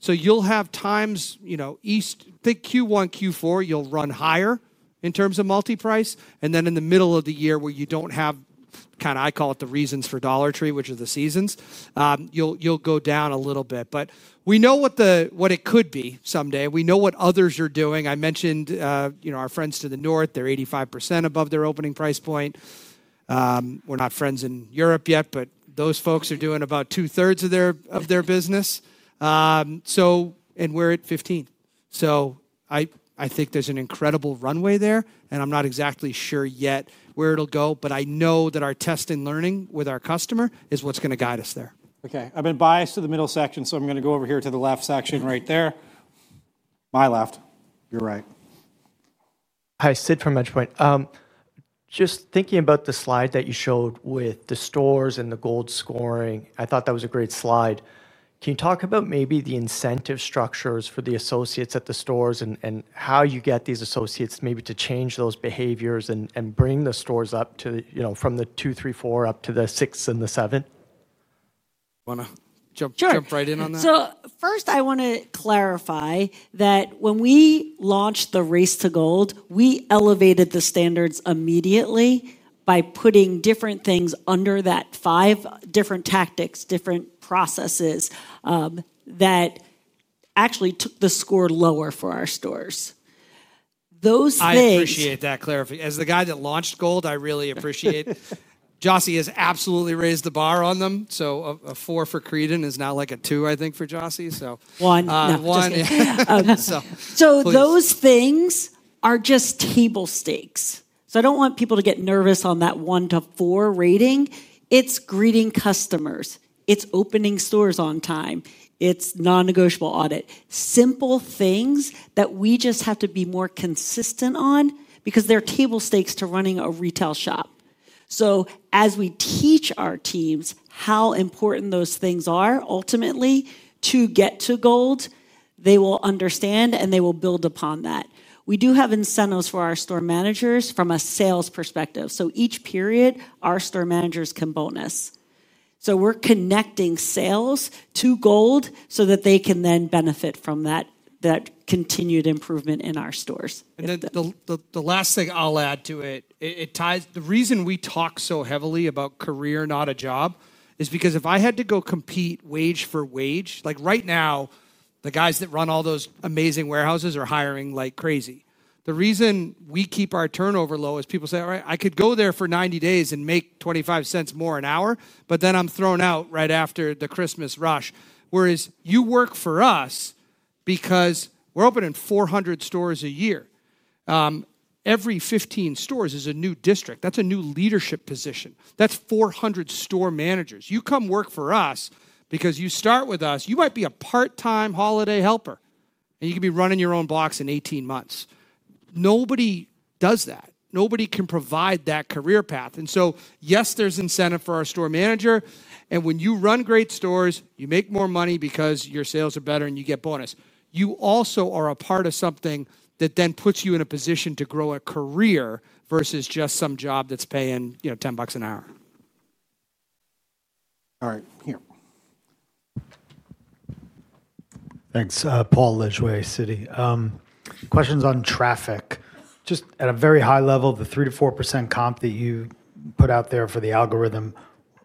Speaker 2: so you'll have times, you know, east, take Q1, Q4, you'll run higher in terms of multi-price, and then in the middle of the year where you don't have, I call it the reasons for Dollar Tree, which are the seasons, you'll go down a little bit, but we know what it could be someday. We know what others are doing. I mentioned our friends to the north. They're 85% above their opening price point. We're not friends in Europe yet, but those folks are doing about 2/3 of their business, and we're at 15%. I think there's an incredible runway there, and I'm not exactly sure yet where it'll go, but I know that our test and learning with our customer is what's going to guide us there.
Speaker 1: Okay, I've been biased to the middle section, so I'm going to go over here to the left section right there. My left, your right.
Speaker 13: Hi, Syd from EdgePoint. Just thinking about the slide that you showed with the stores and the G.O.L.D. scoring. I thought that was a great slide. Can you talk about maybe the incentive structures for the associates at the stores? How you get these associates maybe to change those behaviors and bring the stores up to from the two, three, four up to the six and the seven?
Speaker 2: Want to jump right in on that.
Speaker 4: First, I want to clarify that when we launched the Race to G.O.L.D., we elevated the standards immediately by putting different things under that five, different tactics, different processes that actually took the score lower for our stores.
Speaker 2: I appreciate that. To clarify, as the guy that launch G.O.L.D., I really appreciate Jocy has absolutely raised the bar on them. A four for Creedon is now like a two, I think, for Jocy.
Speaker 4: One. Those things are just table stakes. I don't want people to get nervous on that one to four rating. It's greeting customers, it's opening stores on time. It's non-negotiable audit. Simple things that we just have to be more consistent on because they're table stakes to running a retail shop. As we teach our teams how important those things are ultimately to get to G.O.L.D., they will understand and they will build upon that. We do have incentives for our store managers from a sales perspective. Each period our store managers can bonus. We're connecting sales to G.O.L.D. so that they can then benefit from that continued improvement in our stores.
Speaker 2: The last thing I'll add to it, it ties. The reason we talk so heavily about career, not a job, is because if I had to go compete wage for wage, like right now the guys that run all those amazing warehouses are hiring like crazy. The reason we keep our turnover low is people say, all right, I could go there for 90 days and make $0.25 more an hour, but then I'm thrown out right after the Christmas rush. Whereas you work for us because we're opening 400 stores a year. Every 15 stores is a new district. That's a new leadership position. That's 400 store managers. You come work for us because you start with us. You might be a part-time holiday helper and you can be running your own blocks in 18 months. Nobody does that. Nobody can provide that career path. Yes, there's incentive for our store manager, and when you run great stores, you make more money because your sales are better and you get bonus. You also are a part of something that then puts you in a position to grow a career versus just some job that's paying $10 an hour.
Speaker 1: All right here.
Speaker 14: Thanks. Paul Lejuez, Citi, questions on traffic just at a very high level. The 3%-4% comp that you put out there for the algorithm.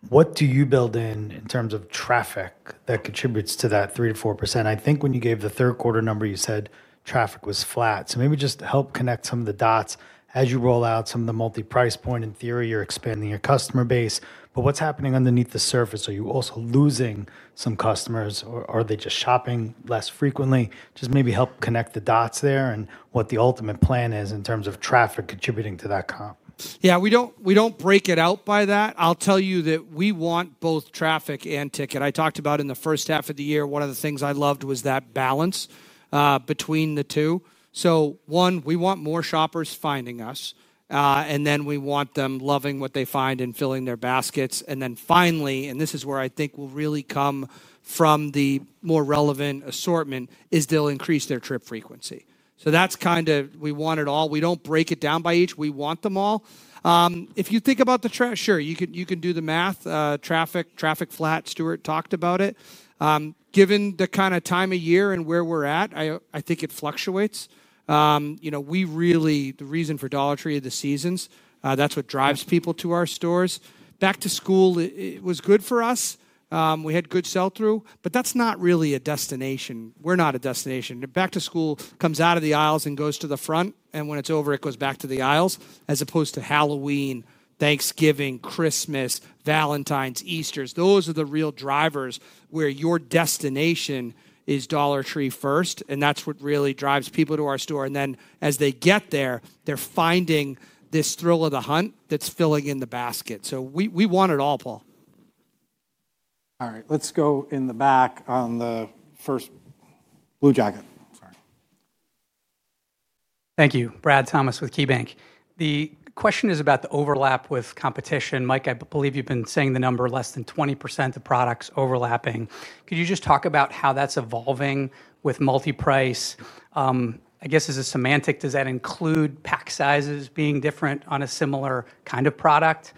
Speaker 14: What do you build in, in terms of traffic, that contributes to that 3%-4%? I think when you gave the third quarter number you said traffic was flat. Maybe just help connect some of the dots as you roll out some of the multi-price point, in theory you're expanding your customer base, but what's happening underneath the surface? Are you also losing some customers, or are they just shopping less frequently? Just maybe help connect the dots there. What the ultimate plan is in terms of traffic contributing to that comp.
Speaker 2: Yeah, we don't break it out by that. I'll tell you that we want both traffic and ticket. I talked about in the first half of the year, one of the things I loved was that balance between the two. We want more shoppers finding us and then we want them loving what they find and filling their baskets. Finally, and this is where I think it will really come from, the more relevant assortment is they'll increase their trip frequency. That's kind of it. We want it all. We don't break it down by each. We want them all. If you think about the traffic, sure, you can do the math. Traffic, traffic, flat. Stewart talked about it. Given the kind of time of year and where we're at, I think it fluctuates. The reason for Dollar Tree, the seasons, that's what drives people to our stores. Back to school was good for us. We had good sell through, but that's not really a destination. We're not a destination. Back to school comes out of the aisles and goes to the front, and when it's over, it goes back to the aisles. As opposed to Halloween, Thanksgiving, Christmas, Valentine's, Easter. Those are the real drivers where your destination is Dollar Tree first. That's what really drives people to our store. As they get there, they're finding this thrill of the hunt that's filling in the basket. We want it all, Paul.
Speaker 1: All right, let's go in the back on the first blue jacket. Sorry.
Speaker 15: Thank you. Brad Thomas with KeyBanc. The question is about the overlap with competition. Mike, I believe you've been saying the number less than 20% of products overlapping. Could you just talk about how that's evolving with multi-price, I guess as a semantic? Does that include pack sizes being different on a similar kind of product?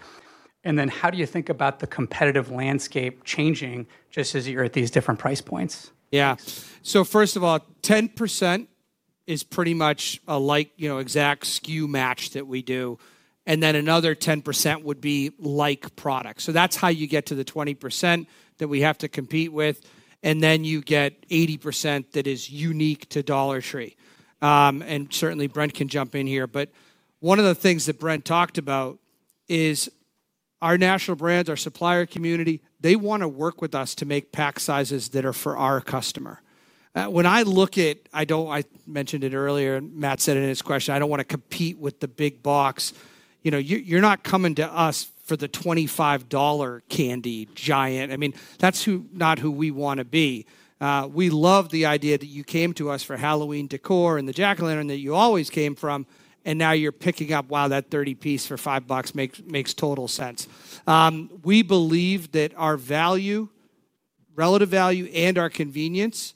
Speaker 15: How do you think about the competitive landscape changing just as you're at these different price points?
Speaker 2: Yeah. First of all, 10% is pretty much a, like, you know, exact SKU match that we do. Another 10% would be like products. That's how you get to the 20% that we have to compete with. You get 80% that is unique to Dollar Tree. Certainly Brent can jump in here. One of the things that Brent talked about is our national brands, our supplier community, they want to work with us to make pack sizes that are for our customer. I mentioned it earlier, and Matt said in his question, I don't want to compete with the big box. You're not coming to us for the $25 candy giant. That's not who we want to be. We love the idea that you came to us for Halloween decor and the jack o' lantern that you always came for, and now you're picking up, wow, that 30 piece for $5 makes total sense. We believe that our value, relative value, and our convenience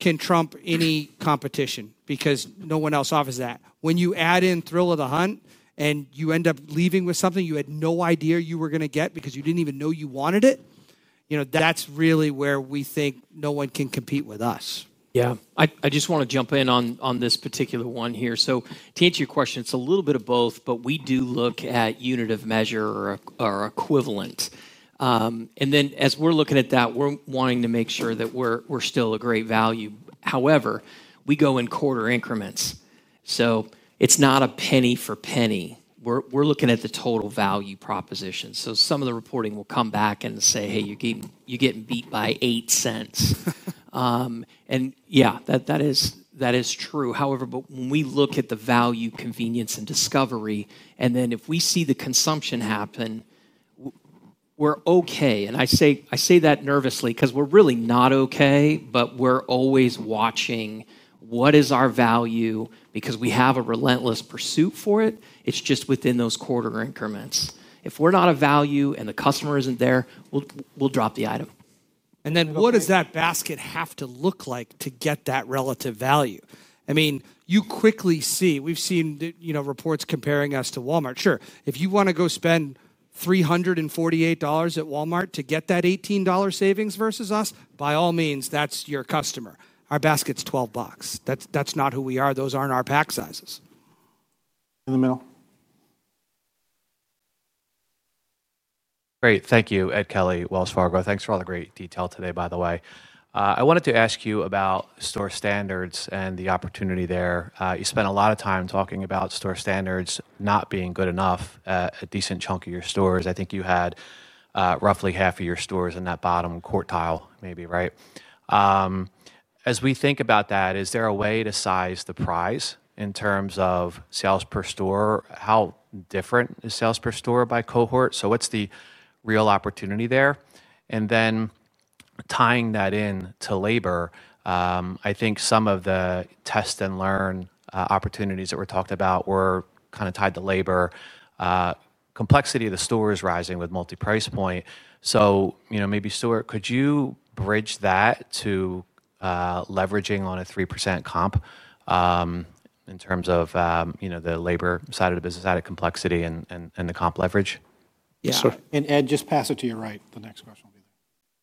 Speaker 2: can trump any competition because no one else offers that. When you add in thrill of the hunt and you end up leaving with something you had no idea you were going to get because you didn't even know you wanted it, that's really where we think no one can compete with us.
Speaker 3: I just want to jump in on this particular one here. To answer your question, it's a little bit of both. We do look at unit of measure or equivalent. As we're looking at that, we're wanting to make sure that we're still a great value. However, we go in quarter increments. It's not a penny for penny. We're looking at the total value proposition. Some of the reporting will come back and say, hey, you're getting beat by $0.08. That is true. However, when we look at the value, convenience, and discovery, and if we see the consumption happen, we're okay. I say that nervously because we're really not okay, but we're always watching what is our value because we have a relentless pursuit for it. It's just within those quarter increments. If we're not of value and the customer isn't there, we'll drop the item.
Speaker 2: What does that basket have to look like to get that relative value? You quickly see we've seen reports comparing us to Walmart. Sure, if you want to go spend $348 at Walmart to get that $18 savings versus us, by all means, that's your customer. Our basket's $12. That's not who we are. Those aren't our pack sizes.
Speaker 1: In the middle.
Speaker 16: Great. Thank you. Ed Kelly, Wells Fargo. Thanks for all the great detail today by the way, I wanted to ask you about store standards and the opportunity there. You spent a lot of time talking about store standards not being good enough at a decent chunk of your stores. I think you had roughly half of your stores in that bottom quartile, maybe, right? As we think about that, is there a way to size the prize in terms of sales per store? How different is sales per store by cohort? What's the real opportunity there and then tying that in to labor? I think some of the test and learn opportunities that were talked about were tied to labor. Complexity of the store is rising with multi-price point. Maybe Stewart, could you bridge that to leveraging on a 3% comp in terms of the labor side of the business out of complexity and the comp leverage.
Speaker 1: Yeah, Ed, just pass it to your right. The next question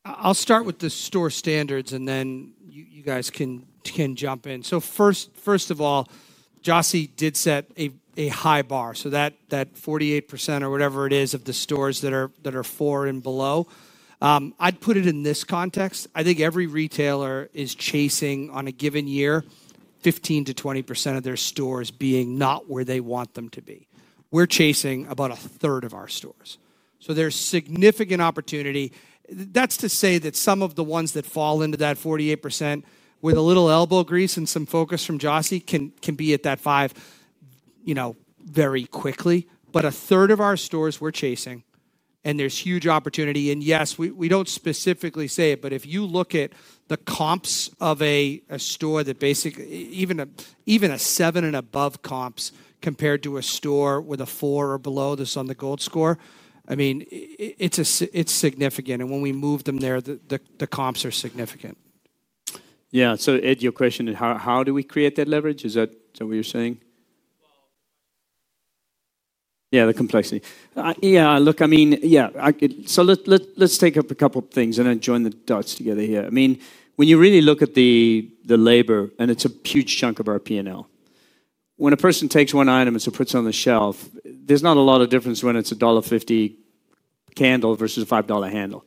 Speaker 1: will be there.
Speaker 2: I'll start with the store standards and then you guys can jump in. First of all, Jocy did set a high bar so that 48% or whatever it is of the stores that are four and below. I'd put it in this context. I think every retailer is chasing on a given year 15%-20% of their stores being not where they want them to be. We're chasing about 1/3 of our stores. There's significant opportunity. That's to say that some of the ones that fall into that 48% with a little elbow grease and some focus from Jocy can be at that five, you know, very quickly. 1/3 of our stores we're chasing and there's huge opportunity. Yes, we don't specifically say it, but if you look at the comps of a store that basically even a seven and above comps compared to a store with a four or below on the G.O.L.D. score, it's significant. When we move them there, the comps are significant.
Speaker 6: Ed, your question. How do we create that leverage? Is that what you're saying? Yeah, the complexity. Look, I mean, let's take up a couple of things and then join the dots together here. When you really look at the labor and it's a huge chunk of our P&L, when a person takes one item and puts it on the shelf, there's not a lot of difference when it's a $1.50 candle versus a $5 handle.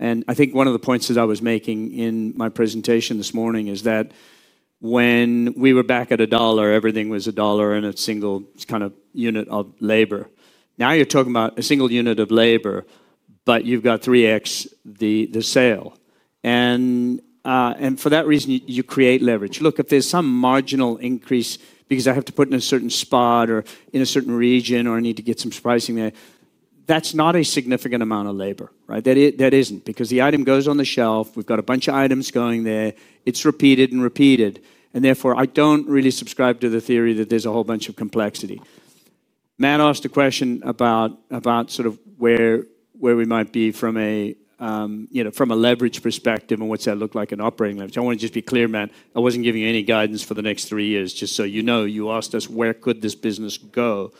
Speaker 6: I think one of the points that I was making in my presentation this morning is that when we were back at a dollar, everything was a dollar and a single kind of unit of labor. Now you're talking about a single unit of labor, but you've got 3x the sale and for that reason you create leverage. If there's some marginal increase because I have to put in a certain spot or in a certain region or I need to get some spicing, that's not a significant amount of labor. That isn't because the item goes on the shelf. We've got a bunch of items going there. It's repeated and repeated. Therefore, I don't really subscribe to the theory that there's a whole bunch of complexity. Matt asked a question about sort of where we might be from a leverage perspective and what's that look like in operating leverage. I want to just be clear, Matt. I wasn't giving you any guidance for the next three years. Just so you know. You asked us where could this business go.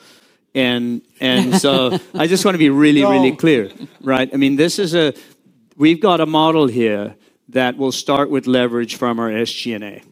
Speaker 6: I just want to be really, really clear. I mean, this is a. We've got a model here that will start with leverage from our SG&A.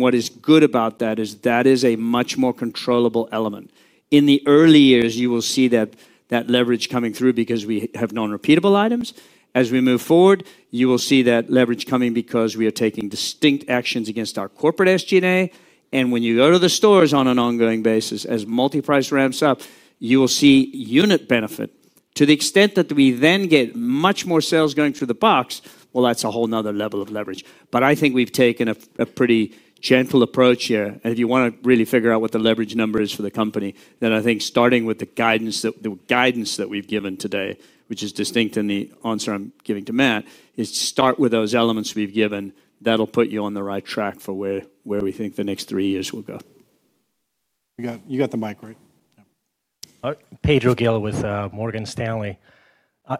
Speaker 6: What is good about that is that is a much more controllable element. In the early years, you will see that leverage coming through because we have non-repeatable items. As we move forward, you will see that leverage coming because we are taking distinct actions against our corporate SG&A. When you go to the stores on an ongoing basis as multi-price ramps up, you will see unit benefit to the extent that we then get much more sales going through the box. That's a whole other level of leverage. I think we've taken a pretty gentle approach here. If you want to really figure out what the leverage number is for the company, then I think starting with the guidance that we've given today, which is distinct in the answer I'm giving to Matt, is start with those elements we've given. That'll put you on the right track for where we think the next three years will go.
Speaker 1: You got the mic, right?
Speaker 17: Pedro Gil with Morgan Stanley.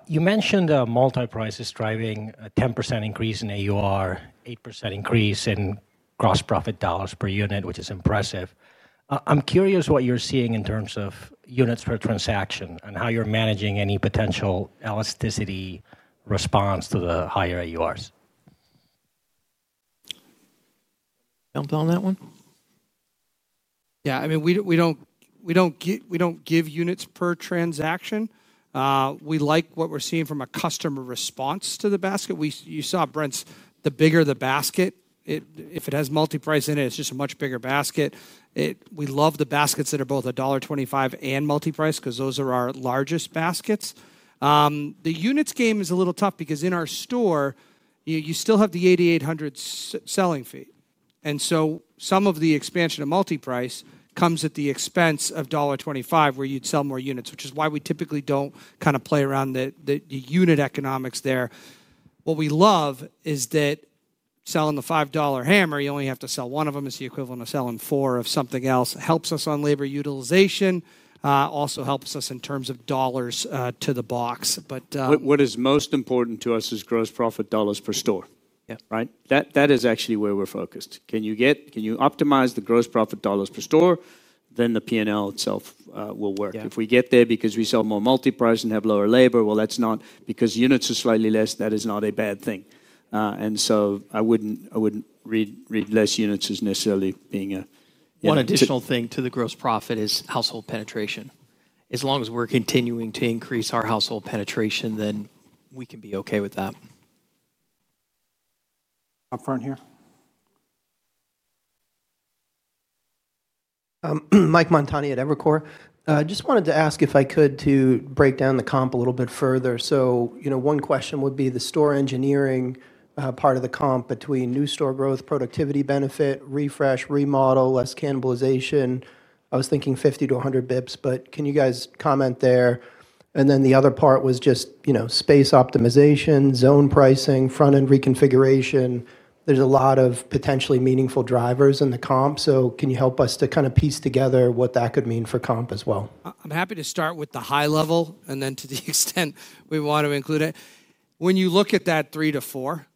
Speaker 17: You mentioned multi-price is driving a 10% increase in AUR, 8% increase in gross profit dollars per unit, which is impressive. I'm curious what you're seeing in terms of units per transaction and how you're managing any potential elasticity response to the higher AURs.
Speaker 3: On that one?
Speaker 2: Yeah, I mean, we don't give units per transaction. We like what we're seeing from a customer response to the basket. You saw Brent's. The bigger the basket, if it has multi price in it, it's just a much bigger basket. We love the baskets that are both $1.25 and multi price because those are our largest baskets. The units game is a little tough because in our store, you still have the 8,800 selling fee, and some of the expansion of multi price comes at the expense of $1.25 where you'd sell more units, which is why we typically don't kind of play around the unit economics there. What we love is that selling the $5 hammer, you only have to sell one of them, is the equivalent of selling four of something else. Helps us on labor utilization, also helps us in terms of dollars to the box.
Speaker 6: What is most important to us is gross profit dollars per store. Right? That is actually where we're focused. Can you optimize the gross profit dollars per store, then the P&L itself will work if we get there because we sell more multi price and have lower labor. That is not because units are slightly less. That is not a bad thing. I wouldn't read less units as necessarily being a.
Speaker 3: One additional thing to the gross profit is household penetration. As long as we're continuing to increase our household penetration, then we can be okay with that.
Speaker 1: Up front here.
Speaker 18: Mike Montani at Evercore, just wanted to ask if I could break down the comp a little bit further. One question would be the store engineering part of the comp between new store growth, productivity benefit, refresh, remodel, less cannibalization. I was thinking 50 to 100 bps, but can you guys comment there? The other part was just space optimization, zone pricing, front end reconfiguration. There's a lot of potentially meaningful drivers in the comp. Can you help us to kind of piece together what that could mean for comp as well?
Speaker 2: I'm happy to start with the high level and then to the extent we want to include it, when you look at that three to four,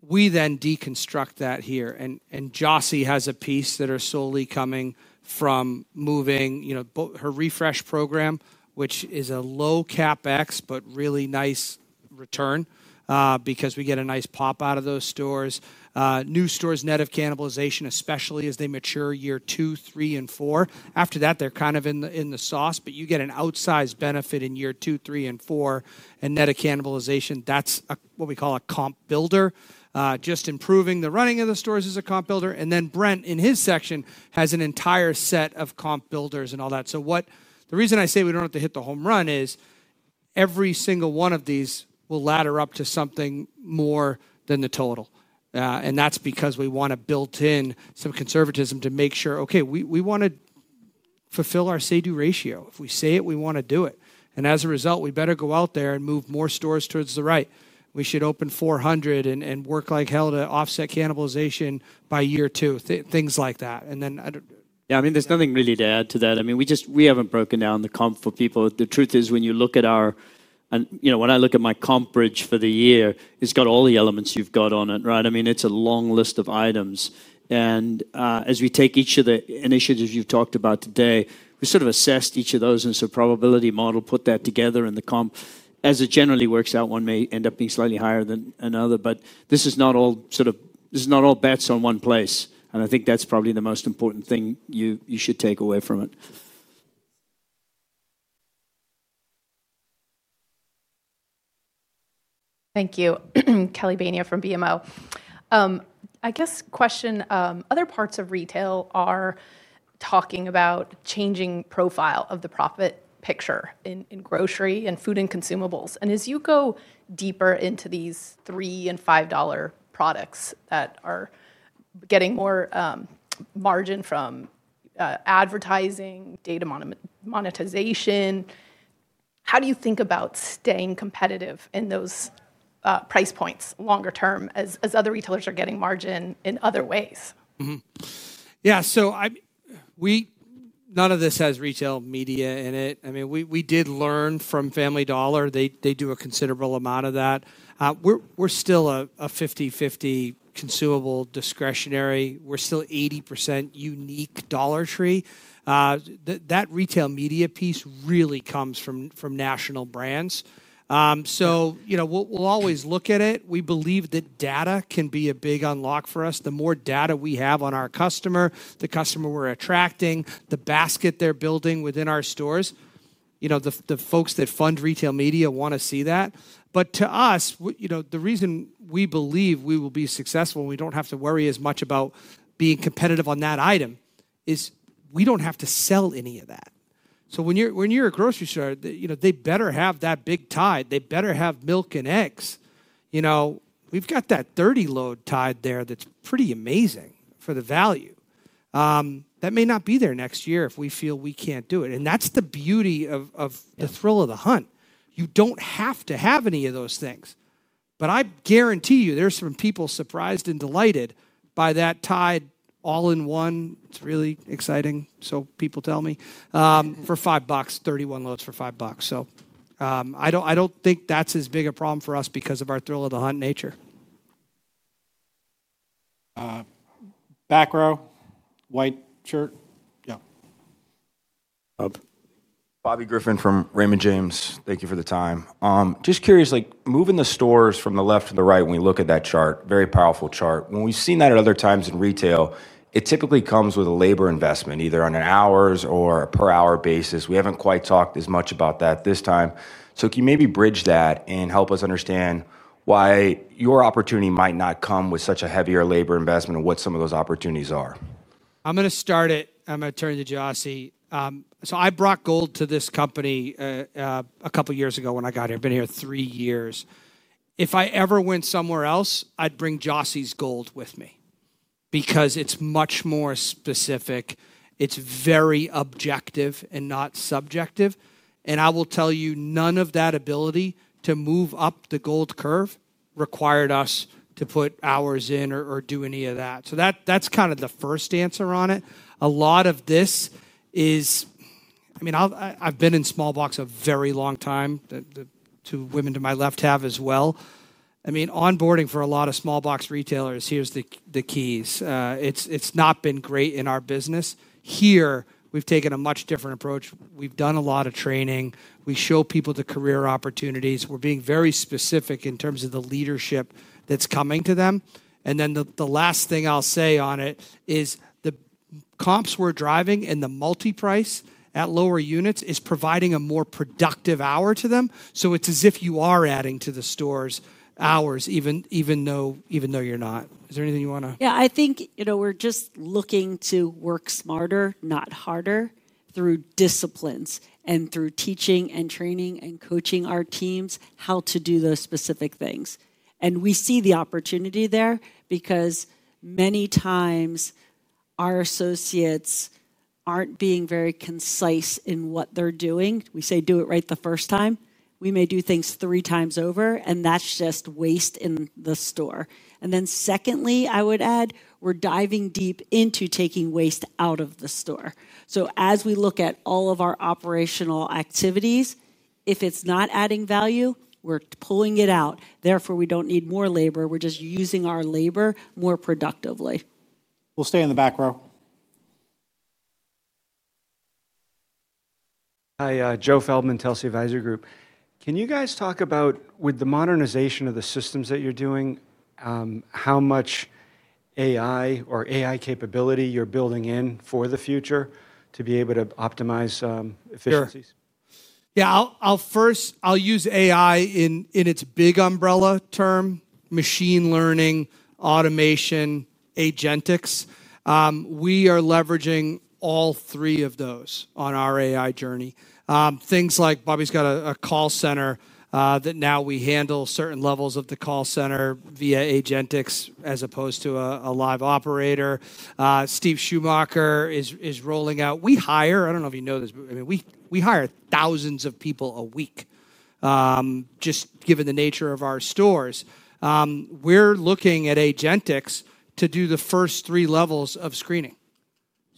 Speaker 2: we then deconstruct that here. Jocy has a piece that is solely coming from moving her store refresh program, which is a low CapEx but really nice return because we get a nice pop out of those stores. New stores, net of cannibalization, especially as they mature year two, three, and four, after that they're kind of in the sauce. You get an outsized benefit in year two, three, and four, and net of cannibalization. That's what we call a comp builder. Just improving the running of the stores is a comp builder. Brent in his section has an entire set of comp builders and all that. The reason I say we don't have to hit the home run is every single one of these will ladder up to something more than the total. That's because we want a built-in some conservatism to make sure, okay, we want to fulfill our say-do ratio. If we say it, we want to do it. As a result, we better go out there and move more stores towards the right. We should open 400 and work like hell to offset cannibalization by year two, things like that.
Speaker 6: Yeah, I mean there's nothing really to add to that. I mean we just haven't broken down the comp for people. The truth is when you look at our, when I look at my comp bridge for the year, it's got all the elements you've got on it. Right. I mean it's a long list of items. As we take each of the initiatives you've talked about today, we sort of assessed each of those and a probability model put that together and the comp as it generally works out, one may end up being slightly higher than another. This is not all bets on one place. I think that's probably the most important thing you should take away from it.
Speaker 19: Thank you. Kelly Bania from BMO. I guess question, other parts of retail are talking about changing profile of the profit picture in grocery and food and consumables. As you go deeper into these $3 and $5 products that are getting more margin from advertising data monetization. How do you think about staying competitive in those price points longer term as other retailers are getting margin in other ways?
Speaker 2: None of this has retail media in it. We did learn from Family Dollar. They do a considerable amount of that. We're still a 50/50 consumable, discretionary. We're still 80% unique Dollar Tree. That retail media piece really comes from national brands. We'll always look at it. We believe that data can be a big unlock for us. The more data we have on our customer, the customer we're attracting, the basket they're building within our stores. The folks that fund retail media want to see that. To us, the reason we believe we will be successful, we don't have to worry as much about being competitive on that item is we don't have to sell any of that. When you're a grocery store, they better have that big Tide. They better have milk and eggs. We've got that 30 load Tide there. That's pretty amazing for the value that may not be there next year if we feel we can't do it. The beauty of the thrill of the hunt is you don't have to have any of those things. I guarantee you there's some people surprised and delighted by that Tide All in One. It's really exciting. People tell me for $5, 31 loads for $5. I don't think that's as big a problem for us because of our thrill of the hunt nature.
Speaker 1: Back row, white shirt. Yes.
Speaker 20: Bobby Griffin from Raymond James. Thank you for the time. Just curious, like moving the stores from the left to the right when we look at that chart, very powerful chart. When we've seen that at other times in retail, it typically comes with a labor investment either on an hours or per hour basis. We haven't quite talked as much about that this time. Can you maybe bridge that and help us understand why your opportunity might not come with such a heavier labor investment and what some of those opportunities are?
Speaker 2: I'm going to start it. I'm going to turn to Jocy. I brought G.O.L.D. to this company a couple of years ago when I got here. Been here three years. If I ever went somewhere else, I'd bring Jocy's G.O.L.D. with me because it's much more specific, it's very objective and not subjective. I will tell you none of that ability to move up the G.O.L.D. curve required us to put hours in or do any of that. That is kind of the first answer on it. A lot of this is, I mean I've been in small-box a very long time. The two women to my left have as well. Onboarding for a lot of small-box retailers, here's the keys. It's not been great in our business here we've taken a much different approach. We've done a lot of training, we show people the career opportunities, we're being very specific in terms of the leadership that's coming to them and then the last thing I'll say on it is the comps we're driving and the multi-price at lower units is providing a more productive hour to them. It's as if you are adding to the stores' hours even though you're not. Is there anything you want to.
Speaker 4: Yeah, I think you know we're just looking to work smarter, not harder through disciplines and through teaching and training and coaching our teams how to do those specific things. We see the opportunity there because many times our associates aren't being very concise in what they're doing. We say do it right the first time, we may do things three times over and that's just waste in the store. Secondly, I would add we're diving deep into taking waste out of the store. As we look at all of our operational activities, if it's not adding value, we're pulling it out. Therefore, we don't need more labor, we're just using our labor more productively.
Speaker 1: We'll stay in the back row.
Speaker 21: Hi, Joe Feldman, Telsey Advisory Group. Can you guys talk about with the modernization of the systems that you're doing how much AI or AI capability you're building in for the future to be able to optimize efficiencies.
Speaker 2: I'll use AI in its big umbrella term, machine learning, automation, agentics. We are leveraging all three of those on our AI journey. Things like Bobby's got a call center that now we handle certain levels of the call center via agentics as opposed to a live operator. Steve Schumacher is rolling out. We hire, I don't know if you know this, but we hire thousands of people a week. Just given the nature of our stores, we're looking at agentics to do the first three levels of screening.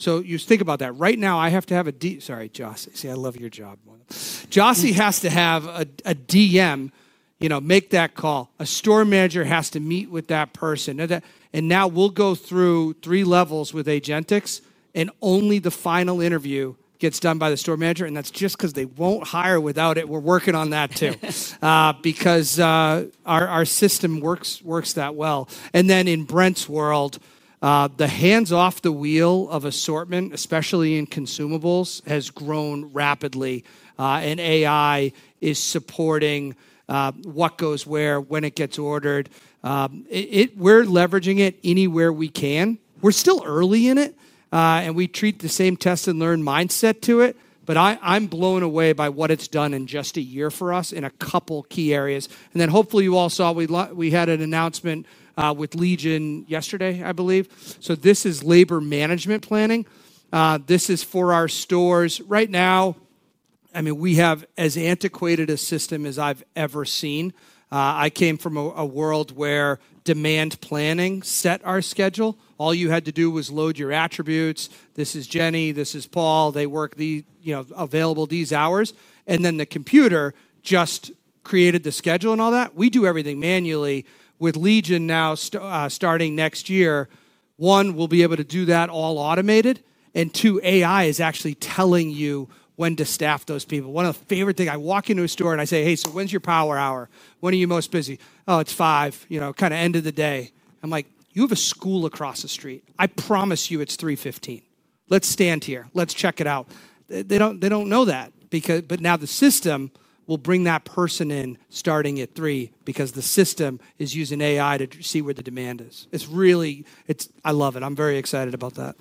Speaker 2: You think about that. Right now, I have to have a D. Sorry, Jocy. See, I love your job. Jocy has to have a DM, you know, make that call. A store manager has to meet with that person. Now we'll go through three levels with agentics, and only the final interview gets done by the store manager. That's just because they won't hire without it. We're working on that too, because our system works that well. In Brent's world, the hands off the wheel of assortment, especially in consumables, has grown rapidly, and AI is supporting what goes where when it gets ordered. We're leveraging it anywhere we can. We're still early in it, and we treat the same test and learn mindset to it. I'm blown away by what it's done in just a year for us in a couple key areas. Hopefully you all saw we had an announcement with Legion yesterday, I believe, so this is labor management planning. This is for our stores right now. We have as antiquated a system as I've ever, ever seen. I came from a world where demand planning set our schedule. All you had to do was load your attributes. This is Jenny, this is Paul. They work available these hours. The computer just created the schedule and all that. We do everything manually. With Legion now, starting next year, one, we'll be able to do that all automated. Two, AI is actually telling you when to staff those people. One of the favorite things, I walk into a store and I say, hey, so when's your power hour? When are you most busy? Oh, it's five, you know, kind of end of the day. I'm like, you have a school across the street. I promise you, it's 3:15 P.M.. Let's stand here, let's check it out. They don't know that, but now the system will bring that person in starting at 3:00 P.M., because the system is using AI to see where the demand is. It's really, it's, I love it. I'm very excited about that.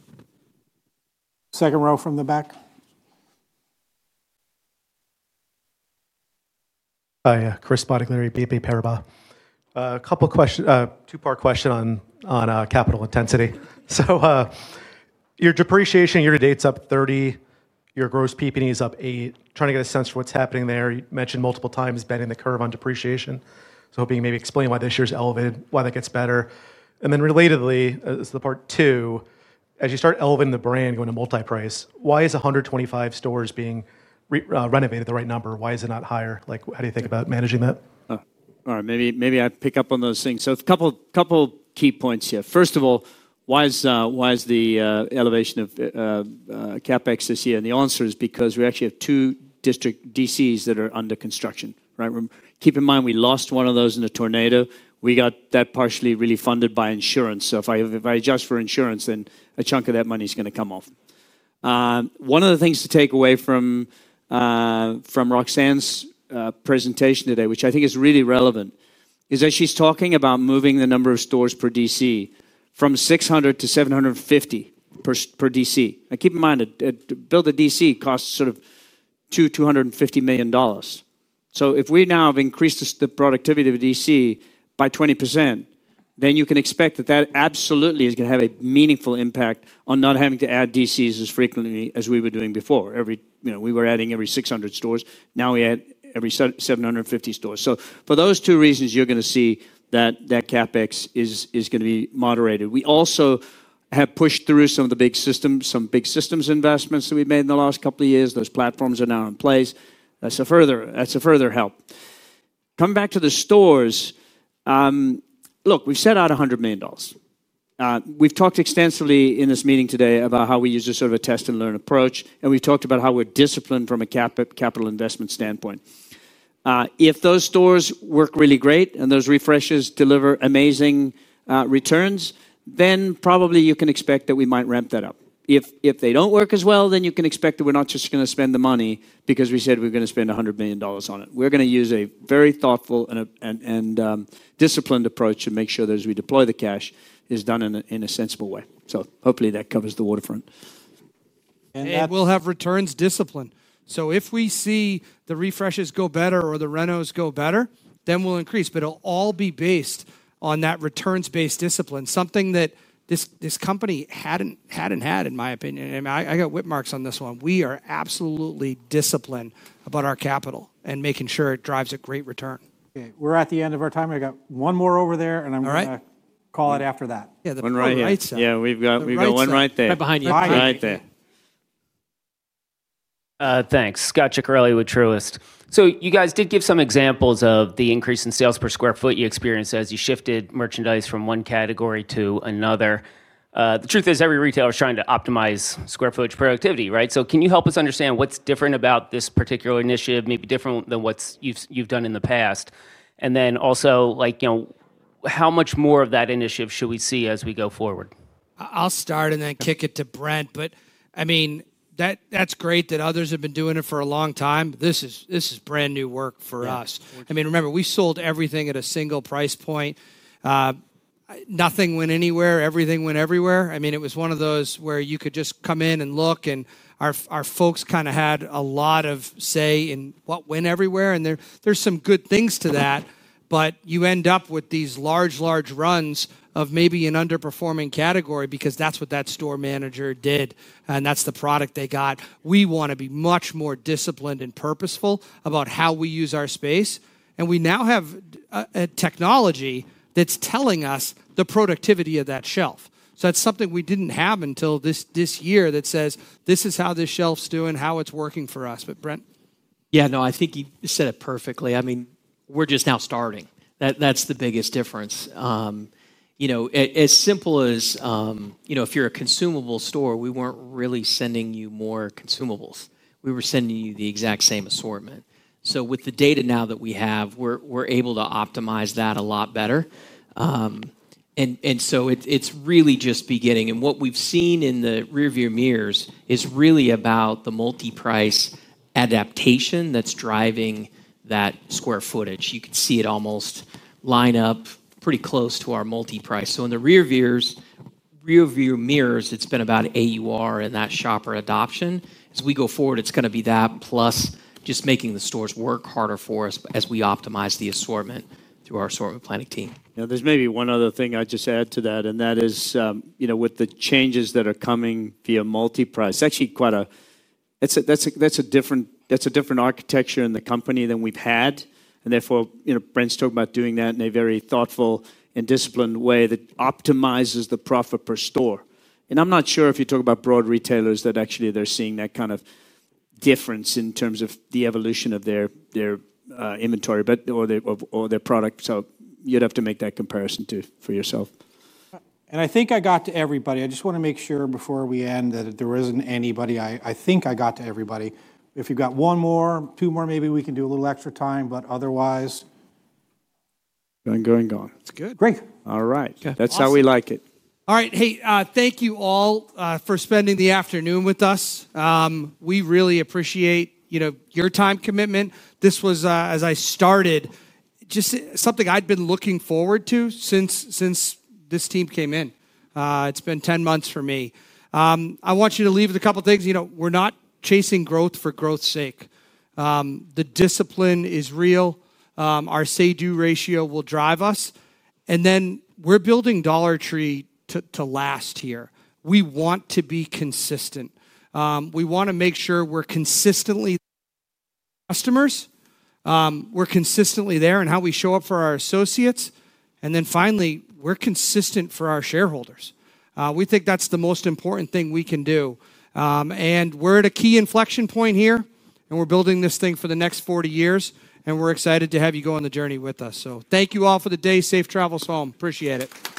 Speaker 1: Second row from the back.
Speaker 22: Chris Bottiglieri, BNP Paribas. Couple questions, two part question on capital intensity. Your depreciation year to date's up 30%. Your gross PPD is up 8%.Trying to get a sense for what's happening there. You mentioned multiple times bending the curve on depreciation, hoping maybe explain why this year's elevated, why that gets better. Relatedly, this is the part two, as you start elevating the brand going to multi-price, why is $1.25 stores.eing renovated the right number? Why is it not higher? How do you think about managing that?
Speaker 6: All right, maybe I pick up on those things. A couple key points here. First of all, why is the elevation of CapEx this year? The answer is because we actually have two district DCs that are under construction. Keep in mind, we lost one of those in a tornado. We got that partially, really funded by insurance. If I adjust for insurance, then a chunk of that money is going to come off. One of the things to take away from Roxanne's presentation today, which I think is really relevant, is that she's talking about moving the number of stores per DC from 600 to 750 per DC. Keep in mind, to build a DC costs sort of $250 million. If we now have increased the productivity of a DC by 20%, then you can expect that that absolutely is going to have a meaningful impact on not having to add DCs as frequently as we were doing before. We were adding every 600 stores. Now we add every 750 stores. For those two reasons, you're going to see that that CapEx is going to be moderated. We also have pushed through some of the big systems, some big systems investments that we've made in the last couple of years. Those platforms are now in place. That's a further help coming back to the stores. Look, we've set out $100 million. We've talked extensively in this meeting today about how we use this sort of a test and learn approach. We've talked about how we're disciplined from a capital investment standpoint. If those stores work really great and those refreshes deliver amazing returns, then probably you can expect that we might ramp that up. If they don't work as well, then you can expect that we're not just going to spend the money because we said we're going to spend $100 million on it. We're going to use a very thoughtful and disciplined approach to make sure that as we deploy, the cash is done in a sensible way. Hopefully that covers the waterfront.
Speaker 2: We'll have returns discipline. If we see the refreshes go better or the renos go better, then we'll increase. It'll all be based on that returns-based discipline, something that this company hadn't had, in my opinion. I got whip marks on this one. We are absolutely disciplined about our capital and making sure it drives a great return.
Speaker 1: We're at the end of our time. I got one more over there, and I'm going to call it after that.
Speaker 6: Yeah, we've got one right there
Speaker 3: Behind you.
Speaker 6: Right there.
Speaker 23: Thanks. Scott Ciccarelli with Truist. You guys did give some examples of the increase in sales per square foot you experienced as you shifted merchandise from one category to another, the truth is every retailer is trying to optimize square footage productivity, right? Can you help us understand what's different about this particular initiative? Maybe different than what you've done in the past, and then also, how much more of that initiative?hould we see as we go forward?
Speaker 2: I'll start and then kick it to Brent. That's great that others have been doing it for a long time. This is brand new work for us. Remember we sold everything at a single price point. Nothing went anywhere, everything went everywhere. It was one of those where you could just come in and look, and our folks kind of had a lot of say in what went everywhere. There's some good things to that, but you end up with these large, large runs of maybe an underperforming category because that's what that store manager did and that's the product they got. We want to be much more disciplined and purposeful about how we use our space. We now have a technology that's telling us the productivity of that shelf. That's something we didn't have until this year that says this is how this shelf's doing, how it's working for us.
Speaker 3: Yeah, no, I think you said it perfectly. I mean, we're just now starting. That's the biggest difference. As simple as, if you're a consumable store, we weren't really sending you more consumable, we were sending you the exact same assortment. With the data now that we have, we're able to optimize that a lot better. It's really just beginning. What we've seen in the rear view mirrors is really about the multi-price adaptation that's driving that square footage. You can see it almost line up pretty close to our multi-price. In the rear view mirrors, it's been about AUR and that shopper adoption. As we go forward, it's going to be that plus just making the stores work harder for us as we optimize the assortment through our assortment planning team.
Speaker 6: Now there's maybe one other thing I'd just add to that, and that is, you know, with the changes that are coming via multi-price, actually quite a. That's a different architecture in the company than we've had, and therefore, you know, Brent's talking about doing that in a very thoughtful and disciplined way that optimizes the profit per store. I'm not sure if you talk about broad retailers that actually they're seeing that kind of difference in terms of the evolution of their inventory or their product. You'd have to make that comparison for yourself.
Speaker 1: I think I got to everybody. I just want to make sure before we end that there isn't anybody. I think I got to everybody. If you've got one more, two more, maybe we can do a little extra time. Otherwise, going, going, going.
Speaker 2: It's good.
Speaker 1: Great.
Speaker 6: All right. That's how we like it.
Speaker 2: All right. Hey, thank you all for spending the afternoon with us. We really appreciate your time commitment. This was, as I started, just something I'd been looking forward to since this team came in. It's been 10 months for me. I want you to leave with a couple things. We're not chasing growth for growth's sake. The discipline is real. Our say-do ratio will drive us. We're building Dollar Tree to last here. We want to be consistent. We want to make sure we're consistently customers, we're consistently there in how we show up for our associates, and finally, we're consistent for our shareholders. We think that's the most important thing we can do. We're at a key inflection point here, and we're building this thing for the next 40 years. We're excited to have you go on the journey with us. Thank you all for the day. Safe travels home. Appreciate it.